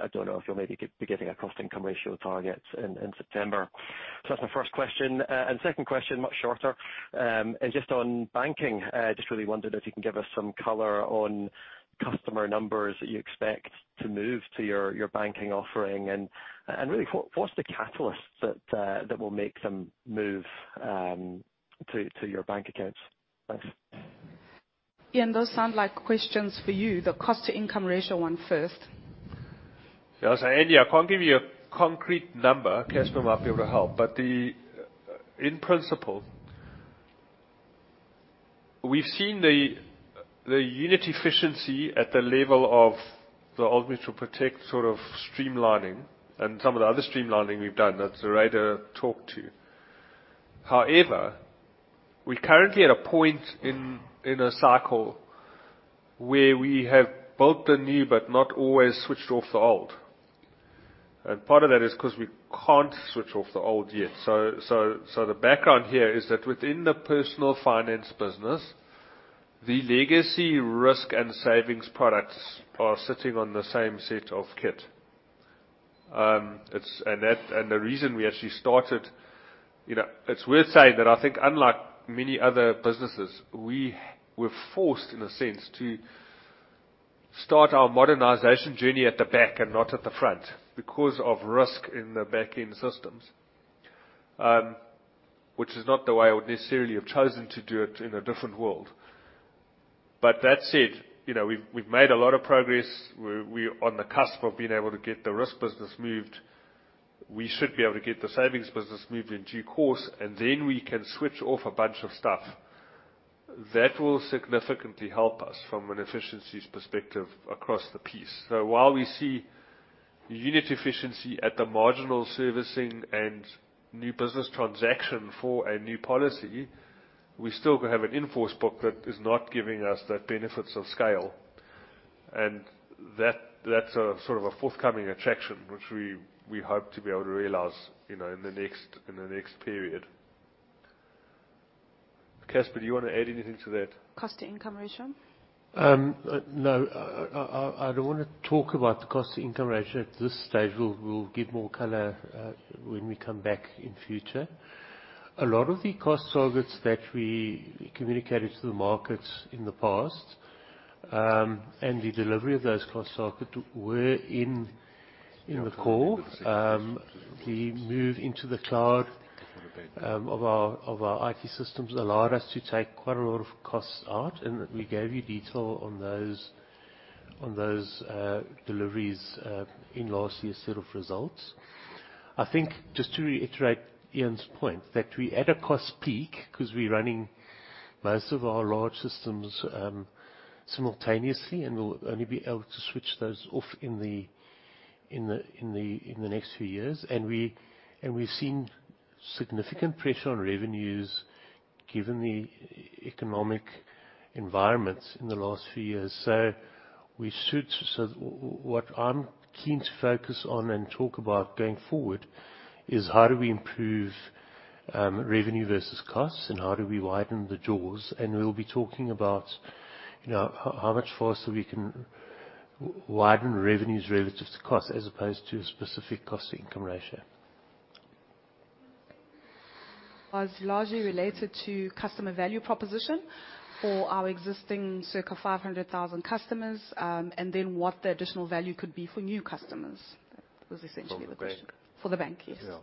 I don't know if you'll maybe be giving a cost-income ratio target in, in September. That's my first question. Second question, much shorter. Just on banking, just really wondered if you can give us some color on customer numbers that you expect to move to your, your banking offering and, and really, what, what's the catalyst to over the next few years? I, I don't know if you'll maybe be giving a cost-income ratio target in, in September. That's my first question. Second question, much shorter. Just on banking, just really wondered if you can give us some color on customer numbers that you expect to move to your, your banking offering, and, and really, what, what's the catalyst that will make them move to, to your bank accounts? Thanks. Ian, those sound like questions for you, the cost-to-income ratio one first. Yes, yeah, I can't give you a concrete number. Casper might be able to help, but the in principle-... We've seen the unit efficiency at the level of the Old Mutual Protect sort of streamlining and some of the other streamlining we've done. That's Zureida talked to. However, we're currently at a point in a cycle where we have built the new, but not always switched off the old. Part of that is because we can't switch off the old yet. The background here is that within the Personal Finance business, the legacy risk and savings products are sitting on the same set of kit. And that, and the reason we actually started... You know, it's worth saying that I think unlike many other businesses, we were forced, in a sense, to start our modernization journey at the back and not at the front, because of risk in the back-end systems. Which is not the way I would necessarily have chosen to do it in a different world. That said, you know, we've, we've made a lot of progress. We're, we're on the cusp of being able to get the risk business moved. We should be able to get the savings business moved in due course, and then we can switch off a bunch of stuff. That will significantly help us from an efficiencies perspective across the piece. While we see unit efficiency at the marginal servicing and new business transaction for a new policy, we still have an in-force book that is not giving us the benefits of scale. That, that's a sort of a forthcoming attraction, which we, we hope to be able to realize, you know, in the next, in the next period. Casper, do you want to add anything to that? Cost to income ratio? No. I, I, I don't want to talk about the cost to income ratio at this stage. We'll, we'll give more color when we come back in future. A lot of the cost targets that we communicated to the markets in the past, and the delivery of those cost targets were in the core. The move into the cloud of our IT systems allowed us to take quite a lot of costs out, and we gave you detail on those, on those deliveries in last year's set of results. I think, just to reiterate Iain's point, that we had a cost peak because we're running most of our large systems simultaneously, and we'll only be able to switch those off in the next few years. We, and we've seen significant pressure on revenues given the economic environment in the last few years. What I'm keen to focus on and talk about going forward is how do we improve revenue versus costs, and how do we widen the doors? We'll be talking about, you know, how much faster we can widen revenues relative to cost as opposed to a specific cost to income ratio. Was largely related to customer value proposition for our existing circle, 500,000 customers, and then what the additional value could be for new customers. That was essentially the question. For the bank. For the bank, yes.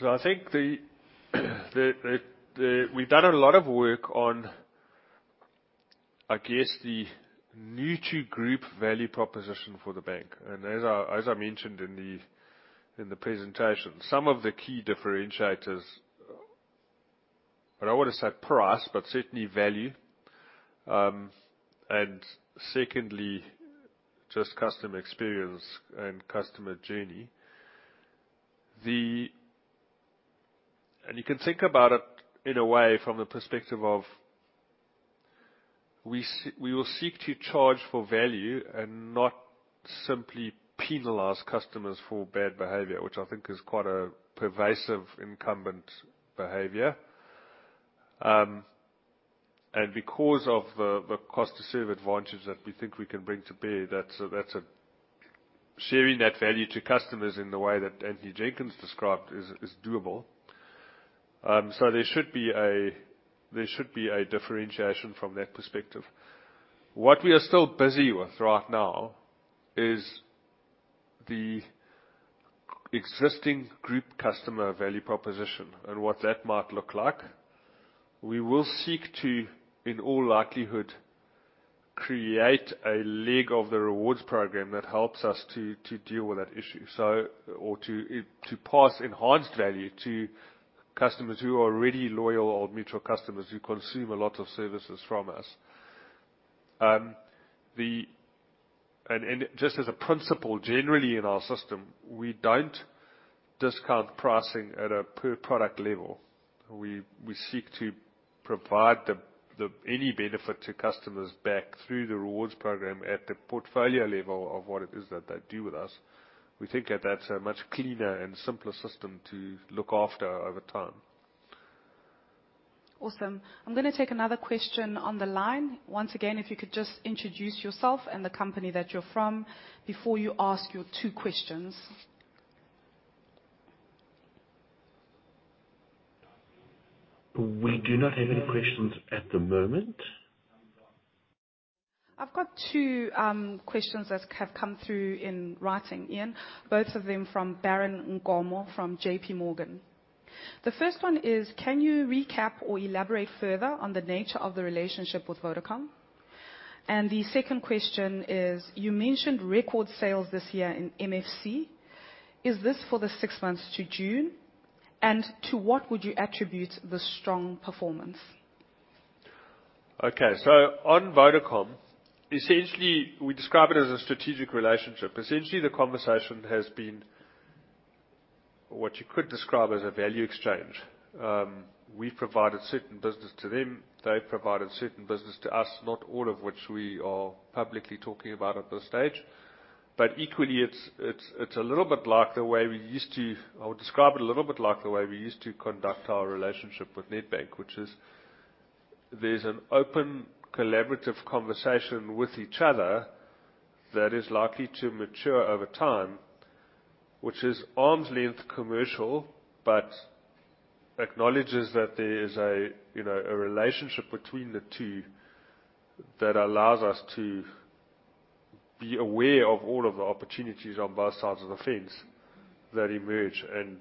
Yeah. I think the, the, the, we've done a lot of work on, I guess, the new to group value proposition for the bank. As I, as I mentioned in the, in the presentation, some of the key differentiators, I don't want to say price, but certainly value. Secondly, just customer experience and customer journey. You can think about it in a way from the perspective of, we will seek to charge for value and not simply penalize customers for bad behavior, which I think is quite a pervasive incumbent behavior. Because of the, the cost to serve advantage that we think we can bring to bear, that's a, that's a sharing that value to customers in the way that Antony Jenkins described is, is doable. So there should be a, there should be a differentiation from that perspective. What we are still busy with right now is the existing group customer value proposition and what that might look like. We will seek to, in all likelihood, create a leg of the rewards program that helps us to deal with that issue, so. Or to, to pass enhanced value to customers who are already loyal Old Mutual customers, who consume a lot of services from us. Just as a principle, generally in our system, we don't discount pricing at a per product level. We seek to provide any benefit to customers back through the rewards program at the portfolio level of what it is that they do with us. We think that that's a much cleaner and simpler system to look after over time. Awesome. I'm gonna take another question on the line. Once again, if you could just introduce yourself and the company that you're from before you ask your two questions. We do not have any questions at the moment. I've got two questions that have come through in writing, Ian, both of them from Bairon Nkomo, from J.P. Morgan. The first one is: Can you recap or elaborate further on the nature of the relationship with Vodacom? The second question is, you mentioned record sales this year in MFC. Is this for the six months to June? To what would you attribute the strong performance? Okay, on Vodacom, essentially, we describe it as a strategic relationship. Essentially, the conversation has been what you could describe as a value exchange. We've provided certain business to them, they've provided certain business to us, not all of which we are publicly talking about at this stage. Equally, it's, it's, it's a little bit like the way we used to... I would describe it a little bit like the way we used to conduct our relationship with Nedbank, which is there's an open, collaborative conversation with each other that is likely to mature over time, which is arm's length commercial, but acknowledges that there is a, you know, a relationship between the two that allows us to be aware of all of the opportunities on both sides of the fence that emerge, and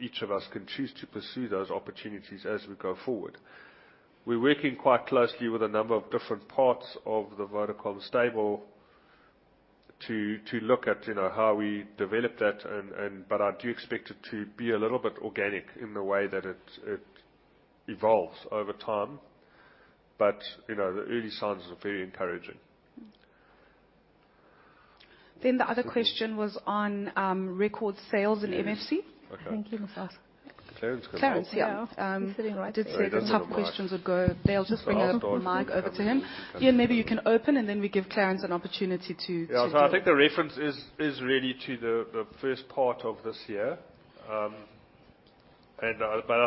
each of us can choose to pursue those opportunities as we go forward. We're working quite closely with a number of different parts of the Vodacom stable to, to look at, you know, how we develop that, but I do expect it to be a little bit organic in the way that it, it evolves over time. You know, the early signs are very encouraging. The other question was on record sales in MFC. Okay. Did say the top questions would go. They'll just bring a mic over to him. Ian, maybe you can open, and then we give Clarence an opportunity to- Yeah, I think the reference is, is really to the, the first part of this year. I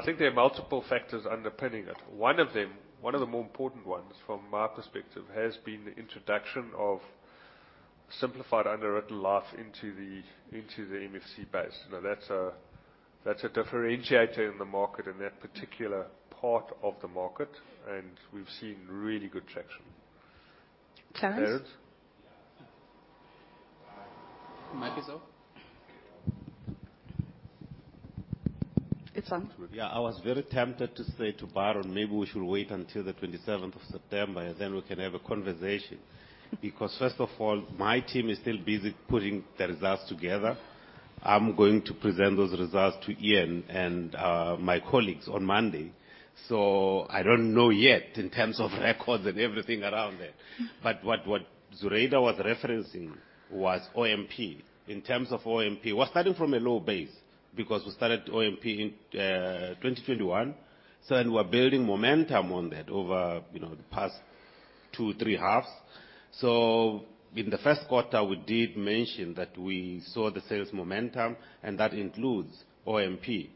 think there are multiple factors underpinning it. One of them, one of the more important ones from my perspective, has been the introduction of simplified underwritten life into the, into the MFC base. Now, that's a, that's a differentiator in the market, in that particular part of the market, and we've seen really good traction. Clarence? Clarence? Yeah. Mic is on. It's on. Yeah. I was very tempted to say to Byron, maybe we should wait until the twenty-seventh of September, then we can have a conversation. First of all, my team is still busy putting the results together. I'm going to present those results to Iain and my colleagues on Monday. I don't know yet in terms of records and everything around that. What Zureida was referencing was OMP. In terms of OMP, we're starting from a low base because we started OMP in 2021, and we're building momentum on that over, you know, the past two, three halves. In the Q1, we did mention that we saw the sales momentum, and that includes OMP. We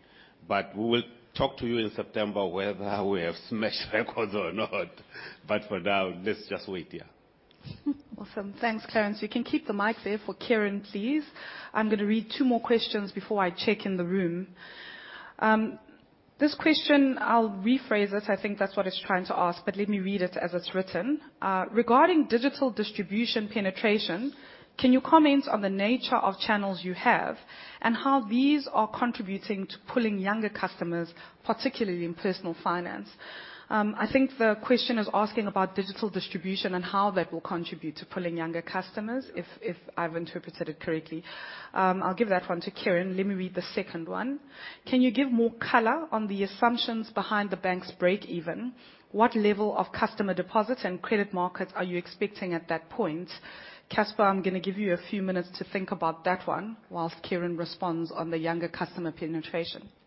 will talk to you in September whether we have smashed records or not. For now, let's just wait. Yeah. Awesome. Thanks, Clarence. You can keep the mic there for Kieran, please. I'm gonna read two more questions before I check in the room. This question, I'll rephrase it. I think that's what it's trying to ask, but let me read it as it's written. "Regarding digital distribution penetration, can you comment on the nature of channels you have and how these are contributing to pulling younger customers, particularly in Personal Finance?" I think the question is asking about digital distribution and how that will contribute to pulling younger customers, if, if I've interpreted it correctly. I'll give that one to Kieran. Let me read the second one. "Can you give more color on the assumptions behind the bank's breakeven? What level of customer deposits and credit markets are you expecting at that point?" Casper, I'm gonna give you a few minutes to think about that one whilst Kieran responds on the younger customer penetration. The mic doesn't seem to Oh, there we go. There we go. We have a few of our sort of starting our products, so things that are, that are relevant typically to people in their sort of early twenties, available on our digital platform. You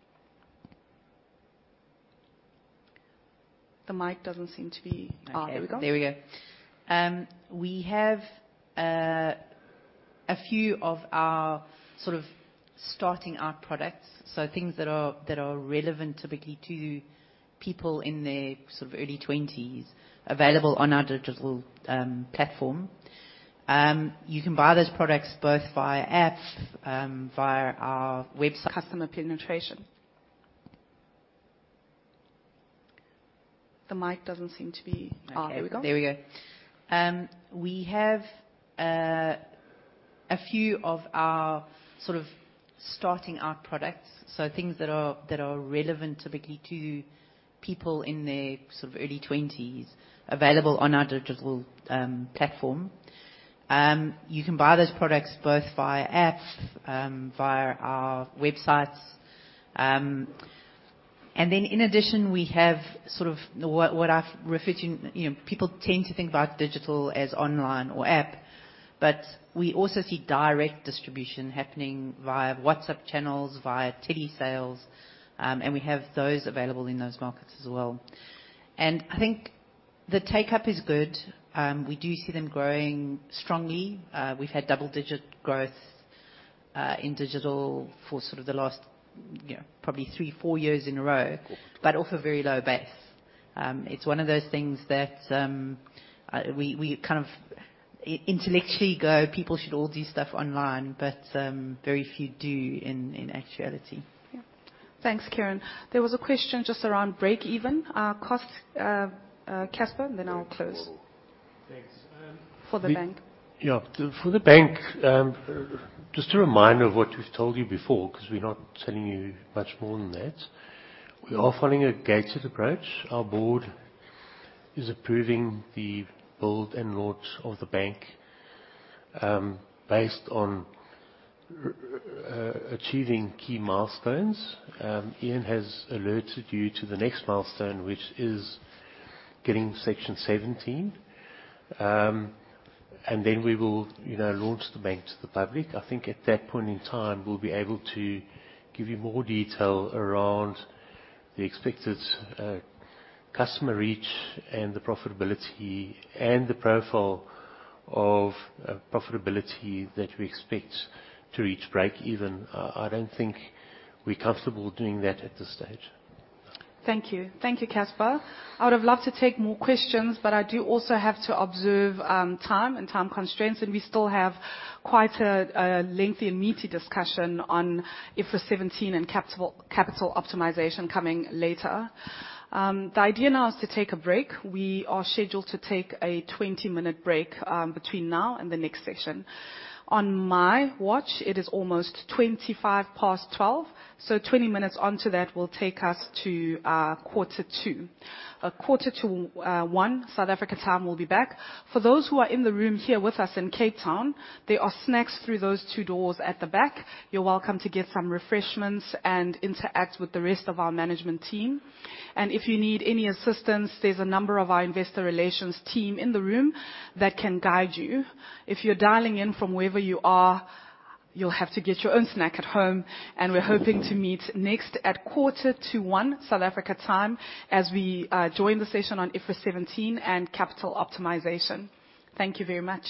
can buy those products both via app, via our website. Customer penetration. The mic doesn't seem to be... Ah, there we go. There we go. We have a few of our sort of starting out products, so things that are, that are relevant typically to people in their sort of early twenties, available on our digital platform. You can buy those products both via app, via our websites. In addition, we have sort of what, what I've referred to, you know, people tend to think about digital as online or app, but we also see direct distribution happening via WhatsApp channels, via telesales, and we have those available in those markets as well. I think the take-up is good. We do see them growing strongly. We've had double-digit growth in digital for sort of the last, you know, probably three, four years in a row, but off a very low base. It's one of those things that, we, we kind of intellectually go, "People should all do stuff online," but, very few do in, in actuality. Yeah. Thanks, Kieran. There was a question just around breakeven costs, Casper, and then I'll close. Thanks. For the bank? Yeah, for the bank, just a reminder of what we've told you before, because we're not telling you much more than that. We are following a gated approach. Our board is approving the build and launch of the bank, based on achieving key milestones. Iain has alerted you to the next milestone, which is getting Section 17. And then we will, you know, launch the bank to the public. I think at that point in time, we'll be able to give you more detail around the expected customer reach and the profitability and the profile of profitability that we expect to reach break even. I don't think we're comfortable doing that at this stage. Thank you. Thank you, Casper. I would have loved to take more questions, but I do also have to observe time and time constraints, and we still have quite a lengthy and meaty discussion on IFRS 17 and capital, capital optimization coming later. The idea now is to take a break. We are scheduled to take a 20-minute break between now and the next session. On my watch, it is almost 12:25 P.M., so 20 minutes onto that will take us to 12:45 P.M., South Africa time, we'll be back. For those who are in the room here with us in Cape Town, there are snacks through those two doors at the back. You're welcome to get some refreshments and interact with the rest of our management team. If you need any assistance, there's a number of our Investor Relations team in the room that can guide you. If you're dialing in from wherever you are, you'll have to get your own snack at home, and we're hoping to meet next at 12:45 P.M. South Africa time, as we join the session on IFRS 17 and capital optimization. Thank you very much.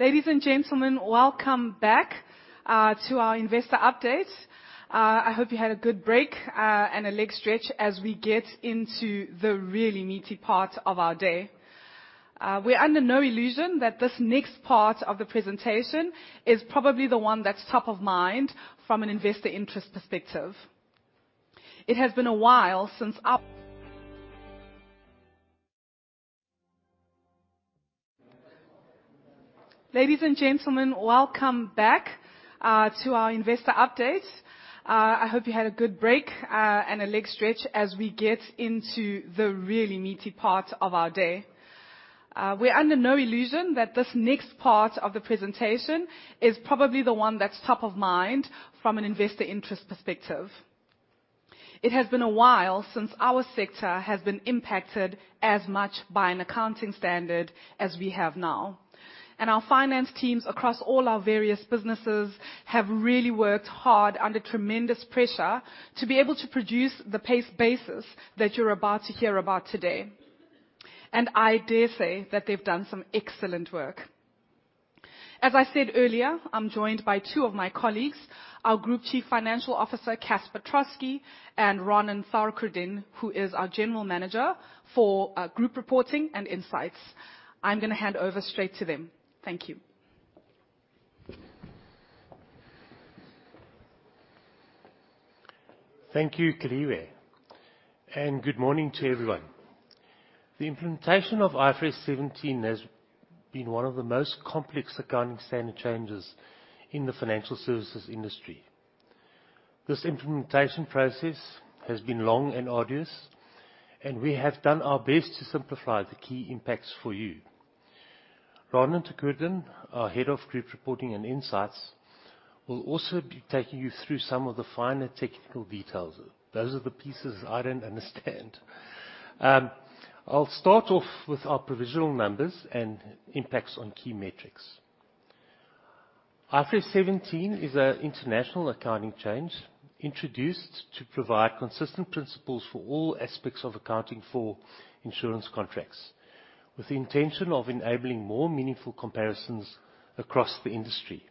Ladies and gentlemen, welcome back to our Investor Update. I hope you had a good break and a leg stretch as we get into the really meaty part of our day. We're under no illusion that this next part of the presentation is probably the one that's top of mind from an investor interest perspective. It has been a while since our...... Ladies and gentlemen, welcome back to our Investor Update. I hope you had a good break and a leg stretch as we get into the really meaty part of our day. We're under no illusion that this next part of the presentation is probably the one that's top of mind from an investor interest perspective. It has been a while since our sector has been impacted as much by an accounting standard as we have now, and our finance teams across all our various businesses have really worked hard under tremendous pressure to be able to produce the pace basis that you're about to hear about today. I dare say that they've done some excellent work. As I said earlier, I'm joined by two of my colleagues, our Group Chief Financial Officer, Casper Troskie, and Ranen Thakor-Din who is our General Manager for Group Reporting and Insights. I'm gonna hand over straight to them. Thank you. Thank you, Celiwe, and good morning to everyone. The implementation of IFRS 17 has been one of the most complex accounting standard changes in the financial services industry. This implementation process has been long and arduous, and we have done our best to simplify the key impacts for you. Ranen Tharkurdin, our Head of Group Reporting and Insights, will also be taking you through some of the finer technical details. Those are the pieces I don't understand. I'll start off with our provisional numbers and impacts on key metrics. IFRS 17 is an international accounting change introduced to provide consistent principles for all aspects of accounting for insurance contracts, with the intention of enabling more meaningful comparisons across the industry.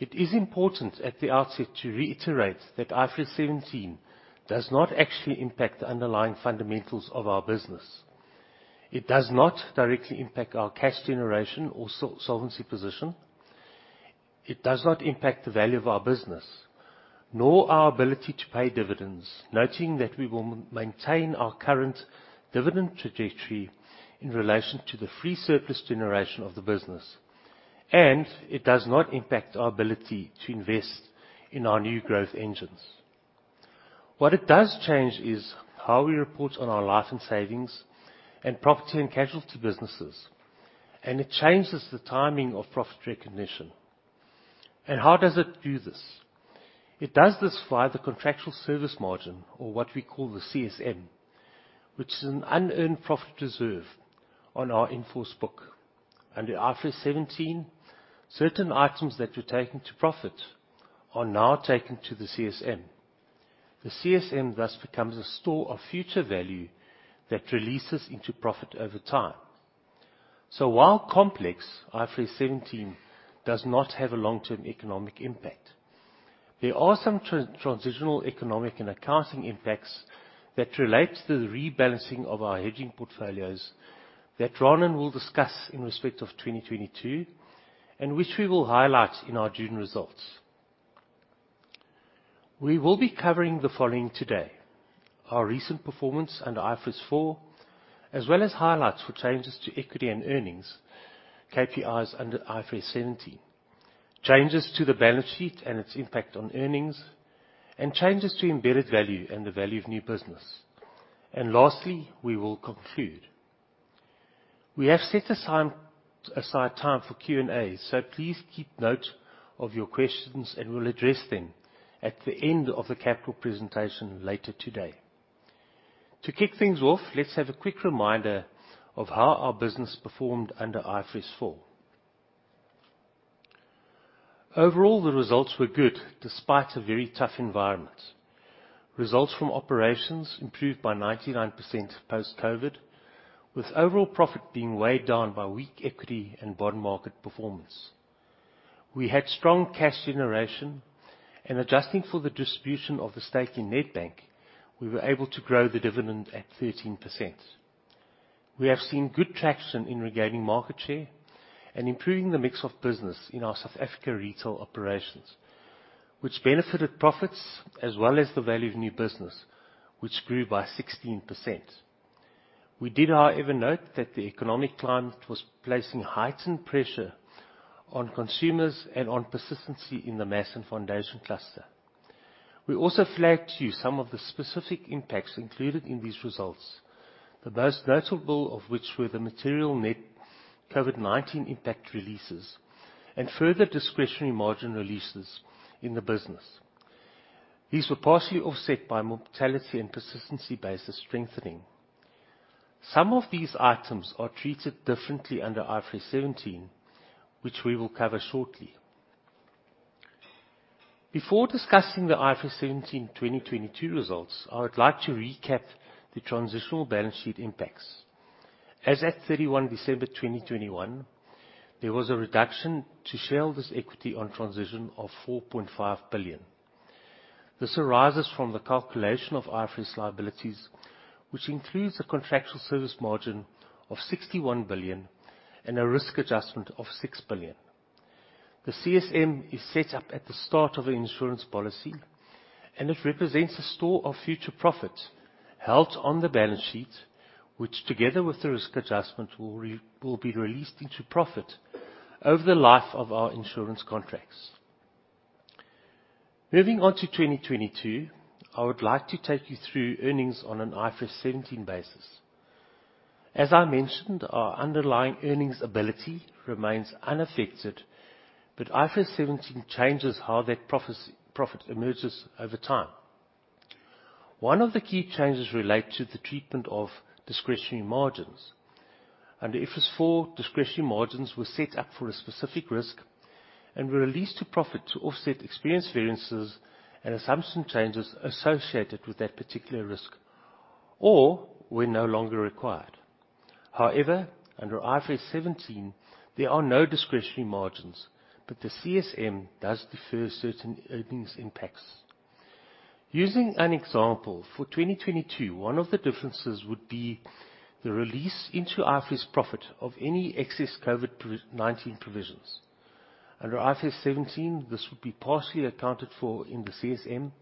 It is important at the outset to reiterate that IFRS 17 does not actually impact the underlying fundamentals of our business. It does not directly impact our cash generation or solvency position. It does not impact the value of our business, nor our ability to pay dividends, noting that we will maintain our current dividend trajectory in relation to the free surplus generation of the business, and it does not impact our ability to invest in our new growth engines. What it does change is how we report on our life and savings, and property and casualty businesses, and it changes the timing of profit recognition. How does it do this? It does this via the contractual service margin or what we call the CSM, which is an unearned profit reserve on our in-force book. Under IFRS 17, certain items that were taken to profit are now taken to the CSM. The CSM thus becomes a store of future value that releases into profit over time. While complex, IFRS 17 does not have a long-term economic impact. There are some transitional economic and accounting impacts that relate to the rebalancing of our hedging portfolios, that Ranen will discuss in respect of 2022, which we will highlight in our June results. We will be covering the following today: Our recent performance under IFRS 4, as well as highlights for changes to equity and earnings, KPIs under IFRS 17, changes to the balance sheet and its impact on earnings, and changes to embedded value and the value of new business. Lastly, we will conclude. We have set aside time for Q&A, so please keep note of your questions, and we'll address them at the end of the capital presentation later today. To kick things off, let's have a quick reminder of how our business performed under IFRS 4. Overall, the results were good despite a very tough environment. Results from operations improved by 99% post-COVID, with overall profit being weighed down by weak equity and bottom market performance. We had strong cash generation, adjusting for the distribution of the stake in Nedbank, we were able to grow the dividend at 13%. We have seen good traction in regaining market share and improving the mix of business in our South Africa retail operations, which benefited profits as well as the value of new business, which grew by 16%. We did, however, note that the economic climate was placing heightened pressure on consumers and on persistency in the Mass & Foundation Cluster. We also flagged to you some of the specific impacts included in these results, the most notable of which were the material net COVID-19 impact releases and further discretionary margin releases in the business. These were partially offset by mortality and persistency basis strengthening. Some of these items are treated differently under IFRS 17, which we will cover shortly. Before discussing the IFRS 17 2022 results, I would like to recap the transitional balance sheet impacts. As at December 31, 2021, there was a reduction to share this equity on transition of 4.5 billion. This arises from the calculation of IFRS liabilities, which includes a contractual service margin of 61 billion and a risk adjustment of 6 billion. The CSM is set up at the start of an insurance policy, and it represents a store of future profit held on the balance sheet, which, together with the risk adjustment, will be released into profit over the life of our insurance contracts. Moving on to 2022, I would like to take you through earnings on an IFRS 17 basis. As I mentioned, our underlying earnings ability remains unaffected, but IFRS 17 changes how that profit emerges over time. One of the key changes relate to the treatment of discretionary margins. Under IFRS 4, discretionary margins were set up for a specific risk and were released to profit to offset experience variances and assumption changes associated with that particular risk, or were no longer required. Under IFRS 17, there are no discretionary margins, but the CSM does defer certain earnings impacts. Using an example, for 2022, one of the differences would be the release into IFRS profit of any excess COVID-19 provisions. Under IFRS 17, this would be partially accounted for in the CSM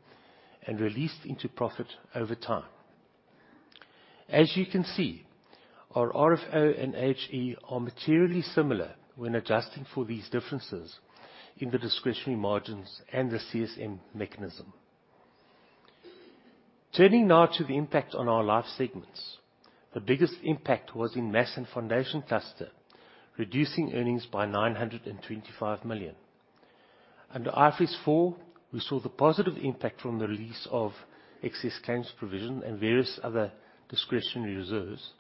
and released into profit over time. As you can see, our RFO and AHE are materially similar when adjusting for these differences in the discretionary margins and the CSM mechanism. Turning now to the impact on our life segments. The biggest impact was in Mass and Foundation Cluster, reducing earnings by 925 million. Under IFRS 4, we saw the positive impact from the release of excess claims provision and various other discretionary reserves,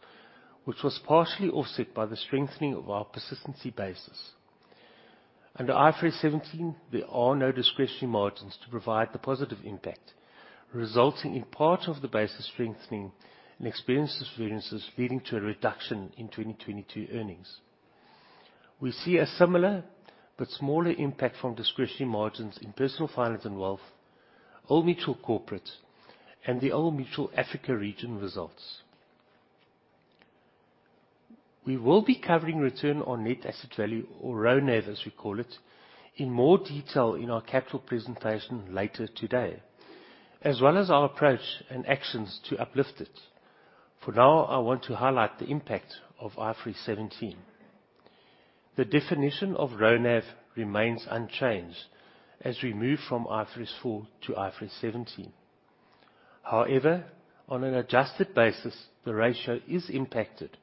which was partially offset by the strengthening of our persistency basis. Under IFRS 17, there are no discretionary margins to provide the positive impact, resulting in part of the basis strengthening and experience variances leading to a reduction in 2022 earnings. We see a similar but smaller impact from discretionary margins in Personal Finance and Wealth, Old Mutual Corporate, and the Old Mutual Africa region results. We will be covering Return on Net Asset Value or RONAV, as we call it, in more detail in our capital presentation later today, as well as our approach and actions to uplift it. For now, I want to highlight the impact of IFRS 17. The definition of RONAV remains unchanged as we move from IFRS 4 to IFRS 17. However, on an adjusted basis, the ratio is impacted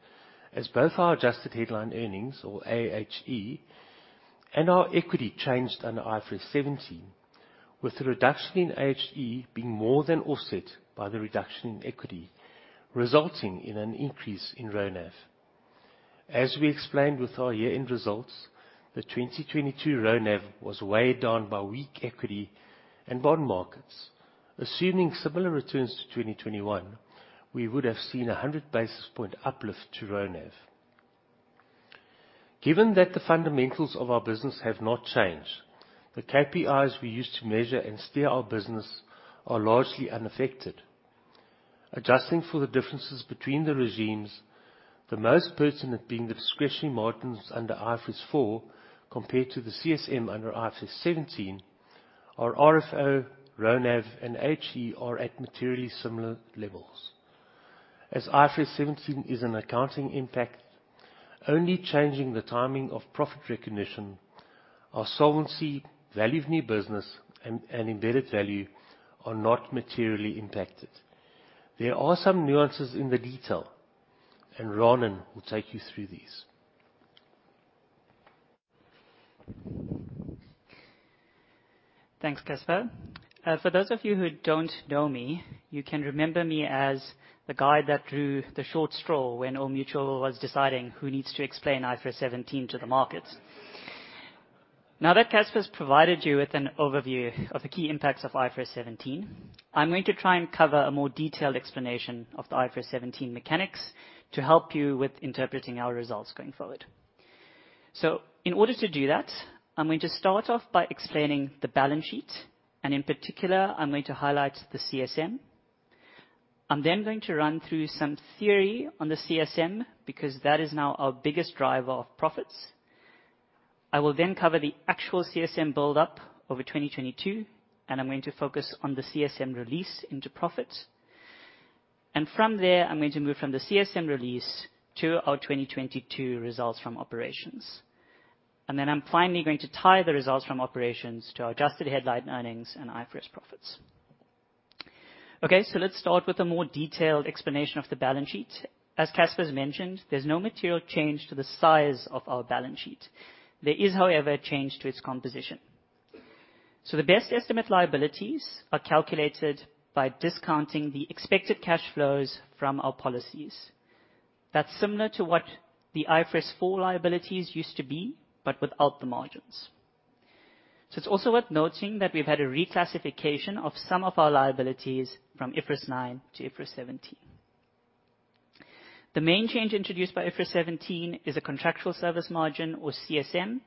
as both our adjusted headline earnings, or AHE, and our equity changed under IFRS 17, with the reduction in AHE being more than offset by the reduction in equity, resulting in an increase in RONAV. As we explained with our year-end results, the 2022 RONAV was weighed down by weak equity and bond markets. Assuming similar returns to 2021, we would have seen a 100 basis point uplift to RONAV. Given that the fundamentals of our business have not changed, the KPIs we use to measure and steer our business are largely unaffected. Adjusting for the differences between the regimes, the most pertinent being the discretionary margins under IFRS 4 compared to the CSM under IFRS 17, our RFO, RONAV, and AHE are at materially similar levels. As IFRS 17 is an accounting impact, only changing the timing of profit recognition, our solvency, value of new business, and embedded value are not materially impacted. There are some nuances in the detail, and Ranen will take you through these. Thanks, Casper. For those of you who don't know me, you can remember me as the guy that drew the short straw when Old Mutual was deciding who needs to explain IFRS 17 to the market. Now that Casper has provided you with an overview of the key impacts of IFRS 17, I'm going to try and cover a more detailed explanation of the IFRS 17 mechanics to help you with interpreting our results going forward. In order to do that, I'm going to start off by explaining the balance sheet, and in particular, I'm going to highlight the CSM. I'm then going to run through some theory on the CSM, because that is now our biggest driver of profits. I will then cover the actual CSM build-up over 2022, and I'm going to focus on the CSM release into profit. From there, I'm going to move from the CSM release to our 2022 results from operations. Then I'm finally going to tie the results from operations to our adjusted headline earnings and IFRS profits. Let's start with a more detailed explanation of the balance sheet. As Casper's mentioned, there's no material change to the size of our balance sheet. There is, however, a change to its composition. The best estimate liabilities are calculated by discounting the expected cash flows from our policies. That's similar to what the IFRS four liabilities used to be, but without the margins. It's also worth noting that we've had a reclassification of some of our liabilities from IFRS nine to IFRS 17. The main change introduced by IFRS 17 is a contractual service margin or CSM.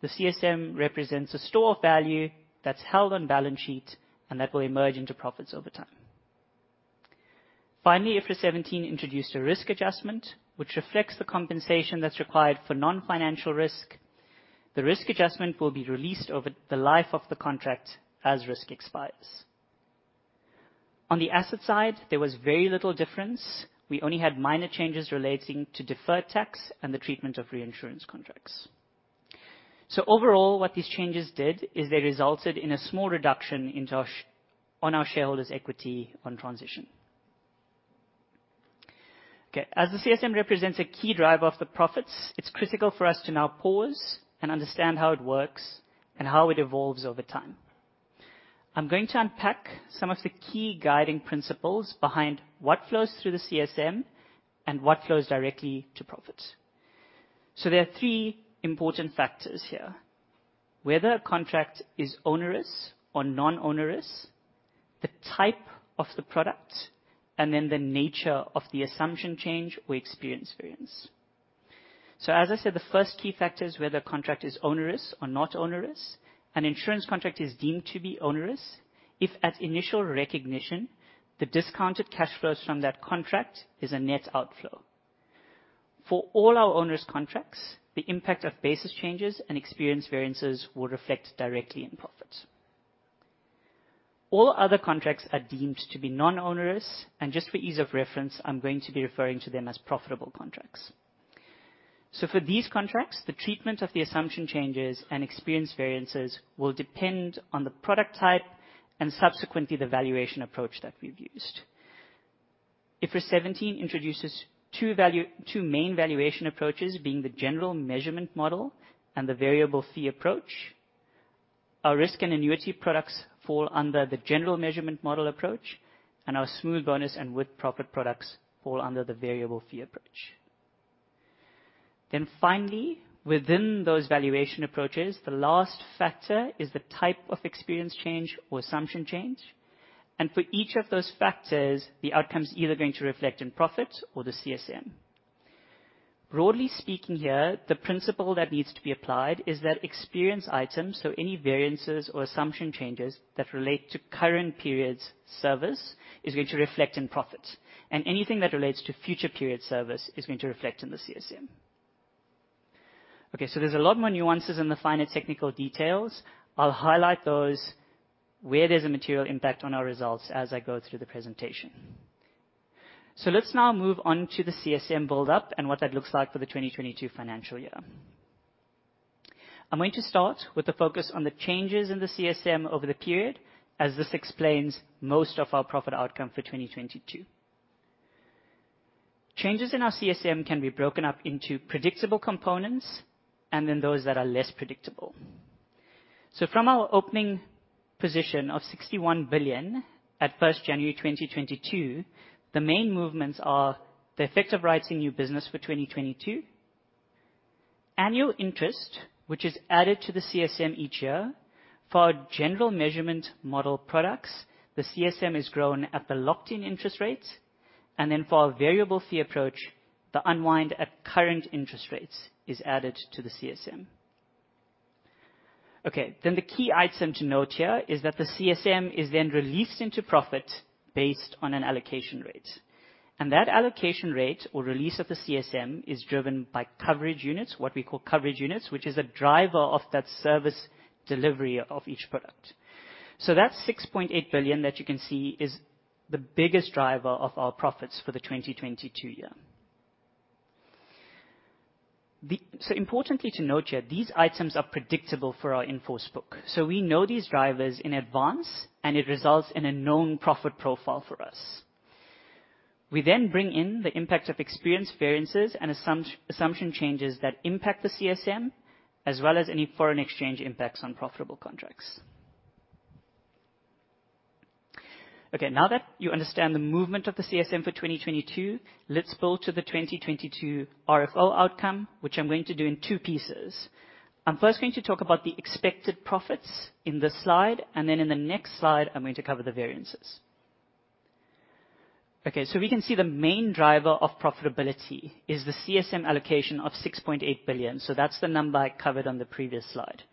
The CSM represents a store of value that's held on balance sheet and that will emerge into profits over time. Finally, IFRS 17 introduced a risk adjustment, which reflects the compensation that's required for non-financial risk. The risk adjustment will be released over the life of the contract as risk expires. On the asset side, there was very little difference. We only had minor changes relating to deferred tax and the treatment of reinsurance contracts. Overall, what these changes did, is they resulted in a small reduction into our, on our shareholders' equity on transition. As the CSM represents a key driver of the profits, it's critical for us to now pause and understand how it works and how it evolves over time. I'm going to unpack some of the key guiding principles behind what flows through the CSM and what flows directly to profit. There are three important factors here: whether a contract is onerous or non-onerous, the type of the product, and then the nature of the assumption change or experience variance. As I said, the first key factor is whether a contract is onerous or not onerous. An insurance contract is deemed to be onerous if at initial recognition, the discounted cash flows from that contract is a net outflow. For all our onerous contracts, the impact of basis changes and experience variances will reflect directly in profit. All other contracts are deemed to be non-onerous, and just for ease of reference, I'm going to be referring to them as profitable contracts. For these contracts, the treatment of the assumption changes and experience variances will depend on the product type and subsequently, the valuation approach that we've used. IFRS 17 introduces two main valuation approaches, being the general measurement model and the variable fee approach. Our risk and annuity products fall under the general measurement model approach, and our smooth bonus and with-profit products fall under the variable fee approach. Finally, within those valuation approaches, the last factor is the type of experience change or assumption change. For each of those factors, the outcome is either going to reflect in profit or the CSM. Broadly speaking here, the principle that needs to be applied is that experience items, so any variances or assumption changes that relate to current periods service, is going to reflect in profits. Anything that relates to future period service is going to reflect in the CSM. Okay, there's a lot more nuances in the finer technical details. I'll highlight those where there's a material impact on our results as I go through the presentation. Let's now move on to the CSM build-up and what that looks like for the 2022 financial year. I'm going to start with the focus on the changes in the CSM over the period, as this explains most of our profit outcome for 2022. Changes in our CSM can be broken up into predictable components and then those that are less predictable. From our opening position of 61 billion at January 1, 2022, the main movements are the effect of writing new business for 2022, annual interest, which is added to the CSM each year. For our general measurement model products, the CSM is grown at the locked-in interest rates, and then for our variable fee approach, the unwind at current interest rates is added to the CSM. Okay, then the key item to note here is that the CSM is then released into profit based on an allocation rate, and that allocation rate or release of the CSM is driven by coverage units, what we call coverage units, which is a driver of that service delivery of each product. That 6.8 billion that you can see is the biggest driver of our profits for the 2022 year. Importantly to note here, these items are predictable for our in-force book. We know these drivers in advance, and it results in a known profit profile for us. We bring in the impact of experience variances and assumption changes that impact the CSM, as well as any foreign exchange impacts on profitable contracts. Now that you understand the movement of the CSM for 2022, let's build to the 2022 RFO outcome, which I'm going to do in two pieces. I'm first going to talk about the expected profits in this slide, and then in the next slide, I'm going to cover the variances. We can see the main driver of profitability is the CSM allocation of ZAR 6.8 billion. That's the number I covered on the previous slide.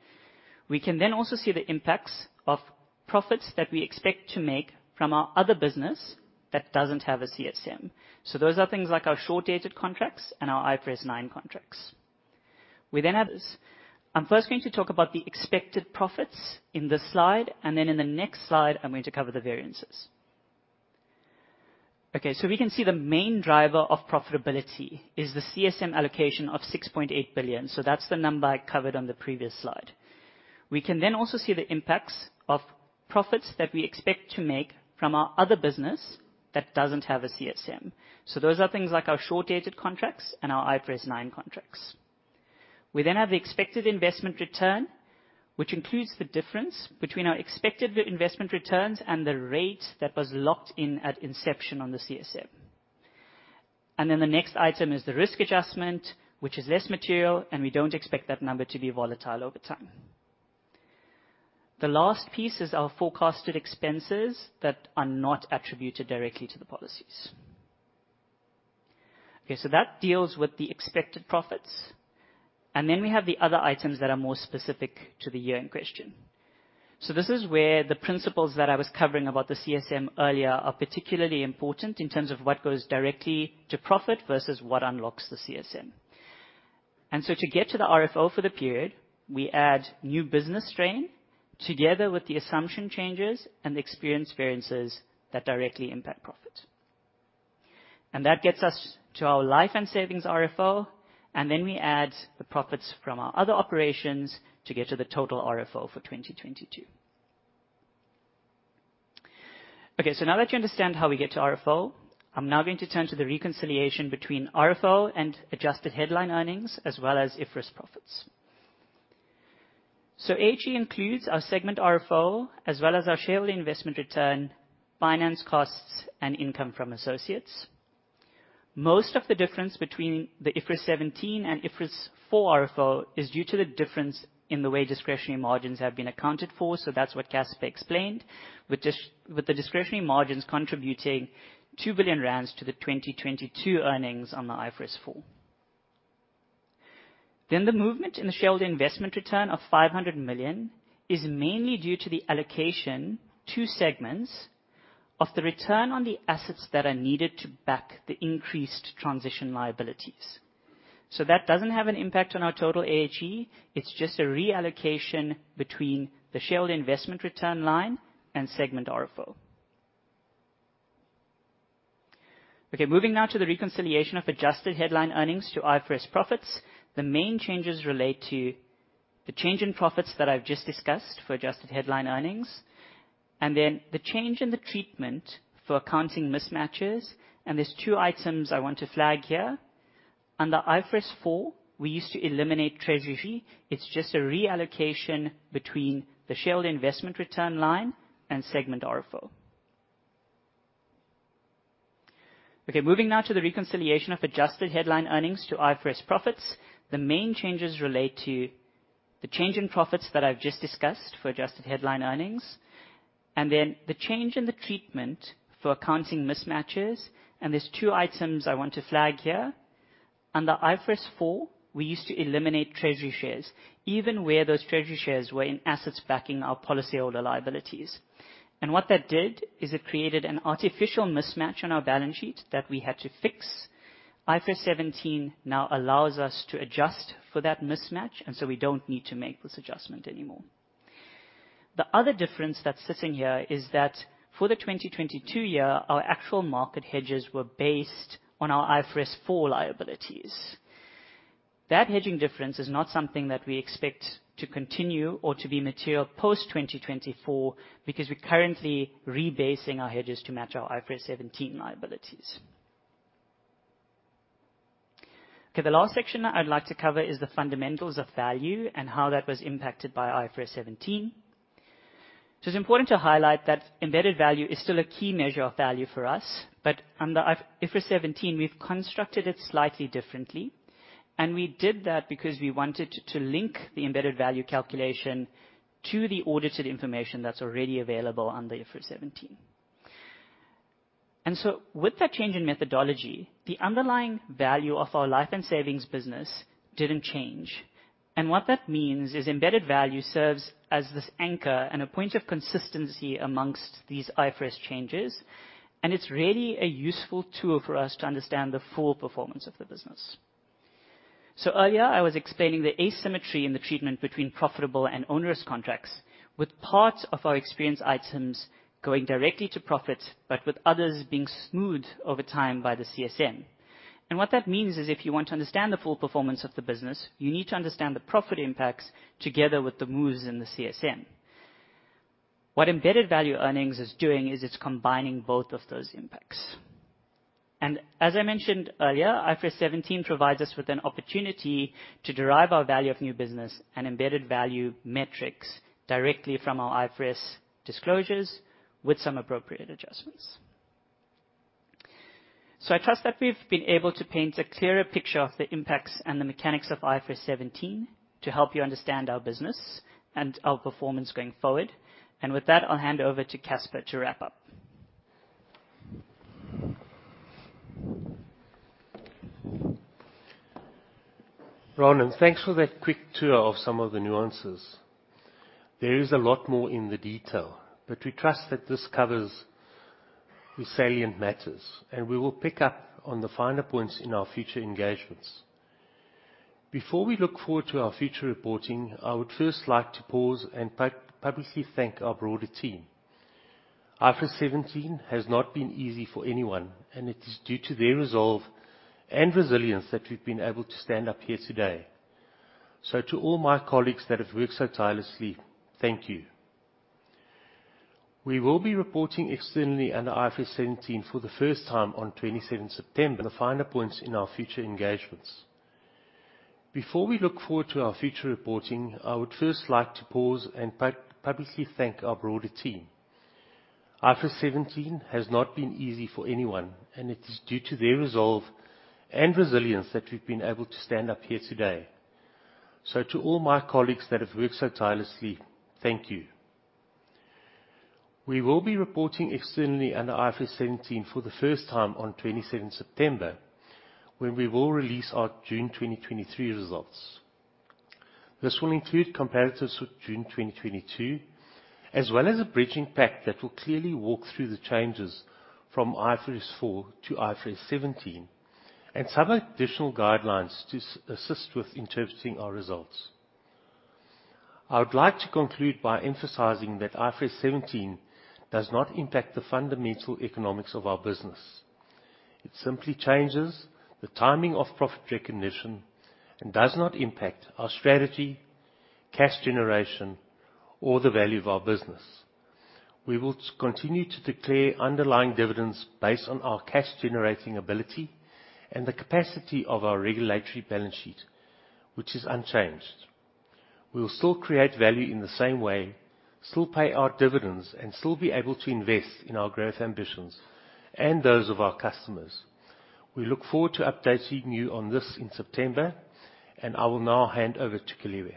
We can also see the impacts of profits that we expect to make from our other business that doesn't have a CSM. Those are things like our short-dated contracts and our IFRS9 contracts. We have this. I'm first going to talk about the expected profits in this slide, and then in the next slide, I'm going to cover the variances. Okay, we can see the main driver of profitability is the CSM allocation of ZAR 6.8 billion. That's the number I covered on the previous slide. We can then also see the impacts of profits that we expect to make from our other business that doesn't have a CSM. Those are things like our short-dated contracts and our IFRS9 contracts. We then have the expected investment return, which includes the difference between our expected investment returns and the rate that was locked in at inception on the CSM. Then the next item is the risk adjustment, which is less material, and we don't expect that number to be volatile over time. The last piece is our forecasted expenses that are not attributed directly to the policies. Okay, so that deals with the expected profits, and then we have the other items that are more specific to the year in question. This is where the principles that I was covering about the CSM earlier are particularly important in terms of what goes directly to profit versus what unlocks the CSM. To get to the RFO for the period, we add new business strain together with the assumption changes and the experience variances that directly impact profit. That gets us to our life and savings RFO, and then we add the profits from our other operations to get to the total RFO for 2022. Now that you understand how we get to RFO, I'm now going to turn to the reconciliation between RFO and adjusted headline earnings as well as IFRS profits. AHE includes our segment RFO, as well as our share of the investment return, finance costs, and income from associates. Most of the difference between the IFRS 17 and IFRS four RFO is due to the difference in the way discretionary margins have been accounted for. That's what Casper explained, with the discretionary margins contributing 2 billion rand to the 2022 earnings on the IFRS four. The movement in the shareholder investment return of 500 million is mainly due to the allocation to segments of the return on the assets that are needed to back the increased transition liabilities. That doesn't have an impact on our total AHE. It's just a reallocation between the shareholder investment return line and segment RFO. Okay, moving now to the reconciliation of adjusted headline earnings to IFRS profits. IFRS 17 now allows us to adjust for that mismatch, and so we don't need to make this adjustment anymore. The other difference that's sitting here is that for the 2022 year, our actual market hedges were based on our IFRS 4 liabilities. That hedging difference is not something that we expect to continue or to be material post-2024, because we're currently rebasing our hedges to match our IFRS 17 liabilities. Okay, the last section I'd like to cover is the fundamentals of value and how that was impacted by IFRS 17. It's important to highlight that embedded value is still a key measure of value for us, but under IFRS 17, we've constructed it slightly differently. We did that because we wanted to link the embedded value calculation to the audited information that's already available under IFRS 17. With that change in methodology, the underlying value of our life and savings business didn't change. What that means is embedded value serves as this anchor and a point of consistency amongst these IFRS changes, and it's really a useful tool for us to understand the full performance of the business. Earlier, I was explaining the asymmetry in the treatment between profitable and onerous contracts, with parts of our experience items going directly to profit, but with others being smoothed over time by the CSM. What that means is, if you want to understand the full performance of the business, you need to understand the profit impacts together with the moves in the CSM. What embedded value earnings is doing is it's combining both of those impacts. As I mentioned earlier, IFRS 17 provides us with an opportunity to derive our value of new business and embedded value metrics directly from our IFRS disclosures with some appropriate adjustments. I trust that we've been able to paint a clearer picture of the impacts and the mechanics of IFRS 17 to help you understand our business and our performance going forward. With that, I'll hand over to Casper to wrap up. Ranen, thanks for that quick tour of some of the nuances. There is a lot more in the detail, but we trust that this covers the salient matters, and we will pick up on the finer points in our future engagements. Before we look forward to our future reporting, I would first like to pause and publicly thank our broader team. IFRS 17 has not been easy for anyone, and it is due to their resolve and resilience that we've been able to stand up here today. To all my colleagues that have worked so tirelessly, thank you. We will be reporting externally under IFRS 17 for the first time on September 22. IFRS 17 has not been easy for anyone, and it is due to their resolve and resilience that we've been able to stand up here today. To all my colleagues that have worked so tirelessly, thank you. We will be reporting externally under IFRS 17 for the first time on September 22 when we will release our June 2023 results. This will include comparatives with June 2022, as well as a bridging pack that will clearly walk through the changes from IFRS four to IFRS 17, and some additional guidelines to assist with interpreting our results. I would like to conclude by emphasizing that IFRS 17 does not impact the fundamental economics of our business. It simply changes the timing of profit recognition and does not impact our strategy, cash generation, or the value of our business. We will continue to declare underlying dividends based on our cash-generating ability and the capacity of our regulatory balance sheet, which is unchanged. We will still create value in the same way, still pay our dividends, and still be able to invest in our growth ambitions and those of our customers. We look forward to updating you on this in September. I will now hand over to Celiwe.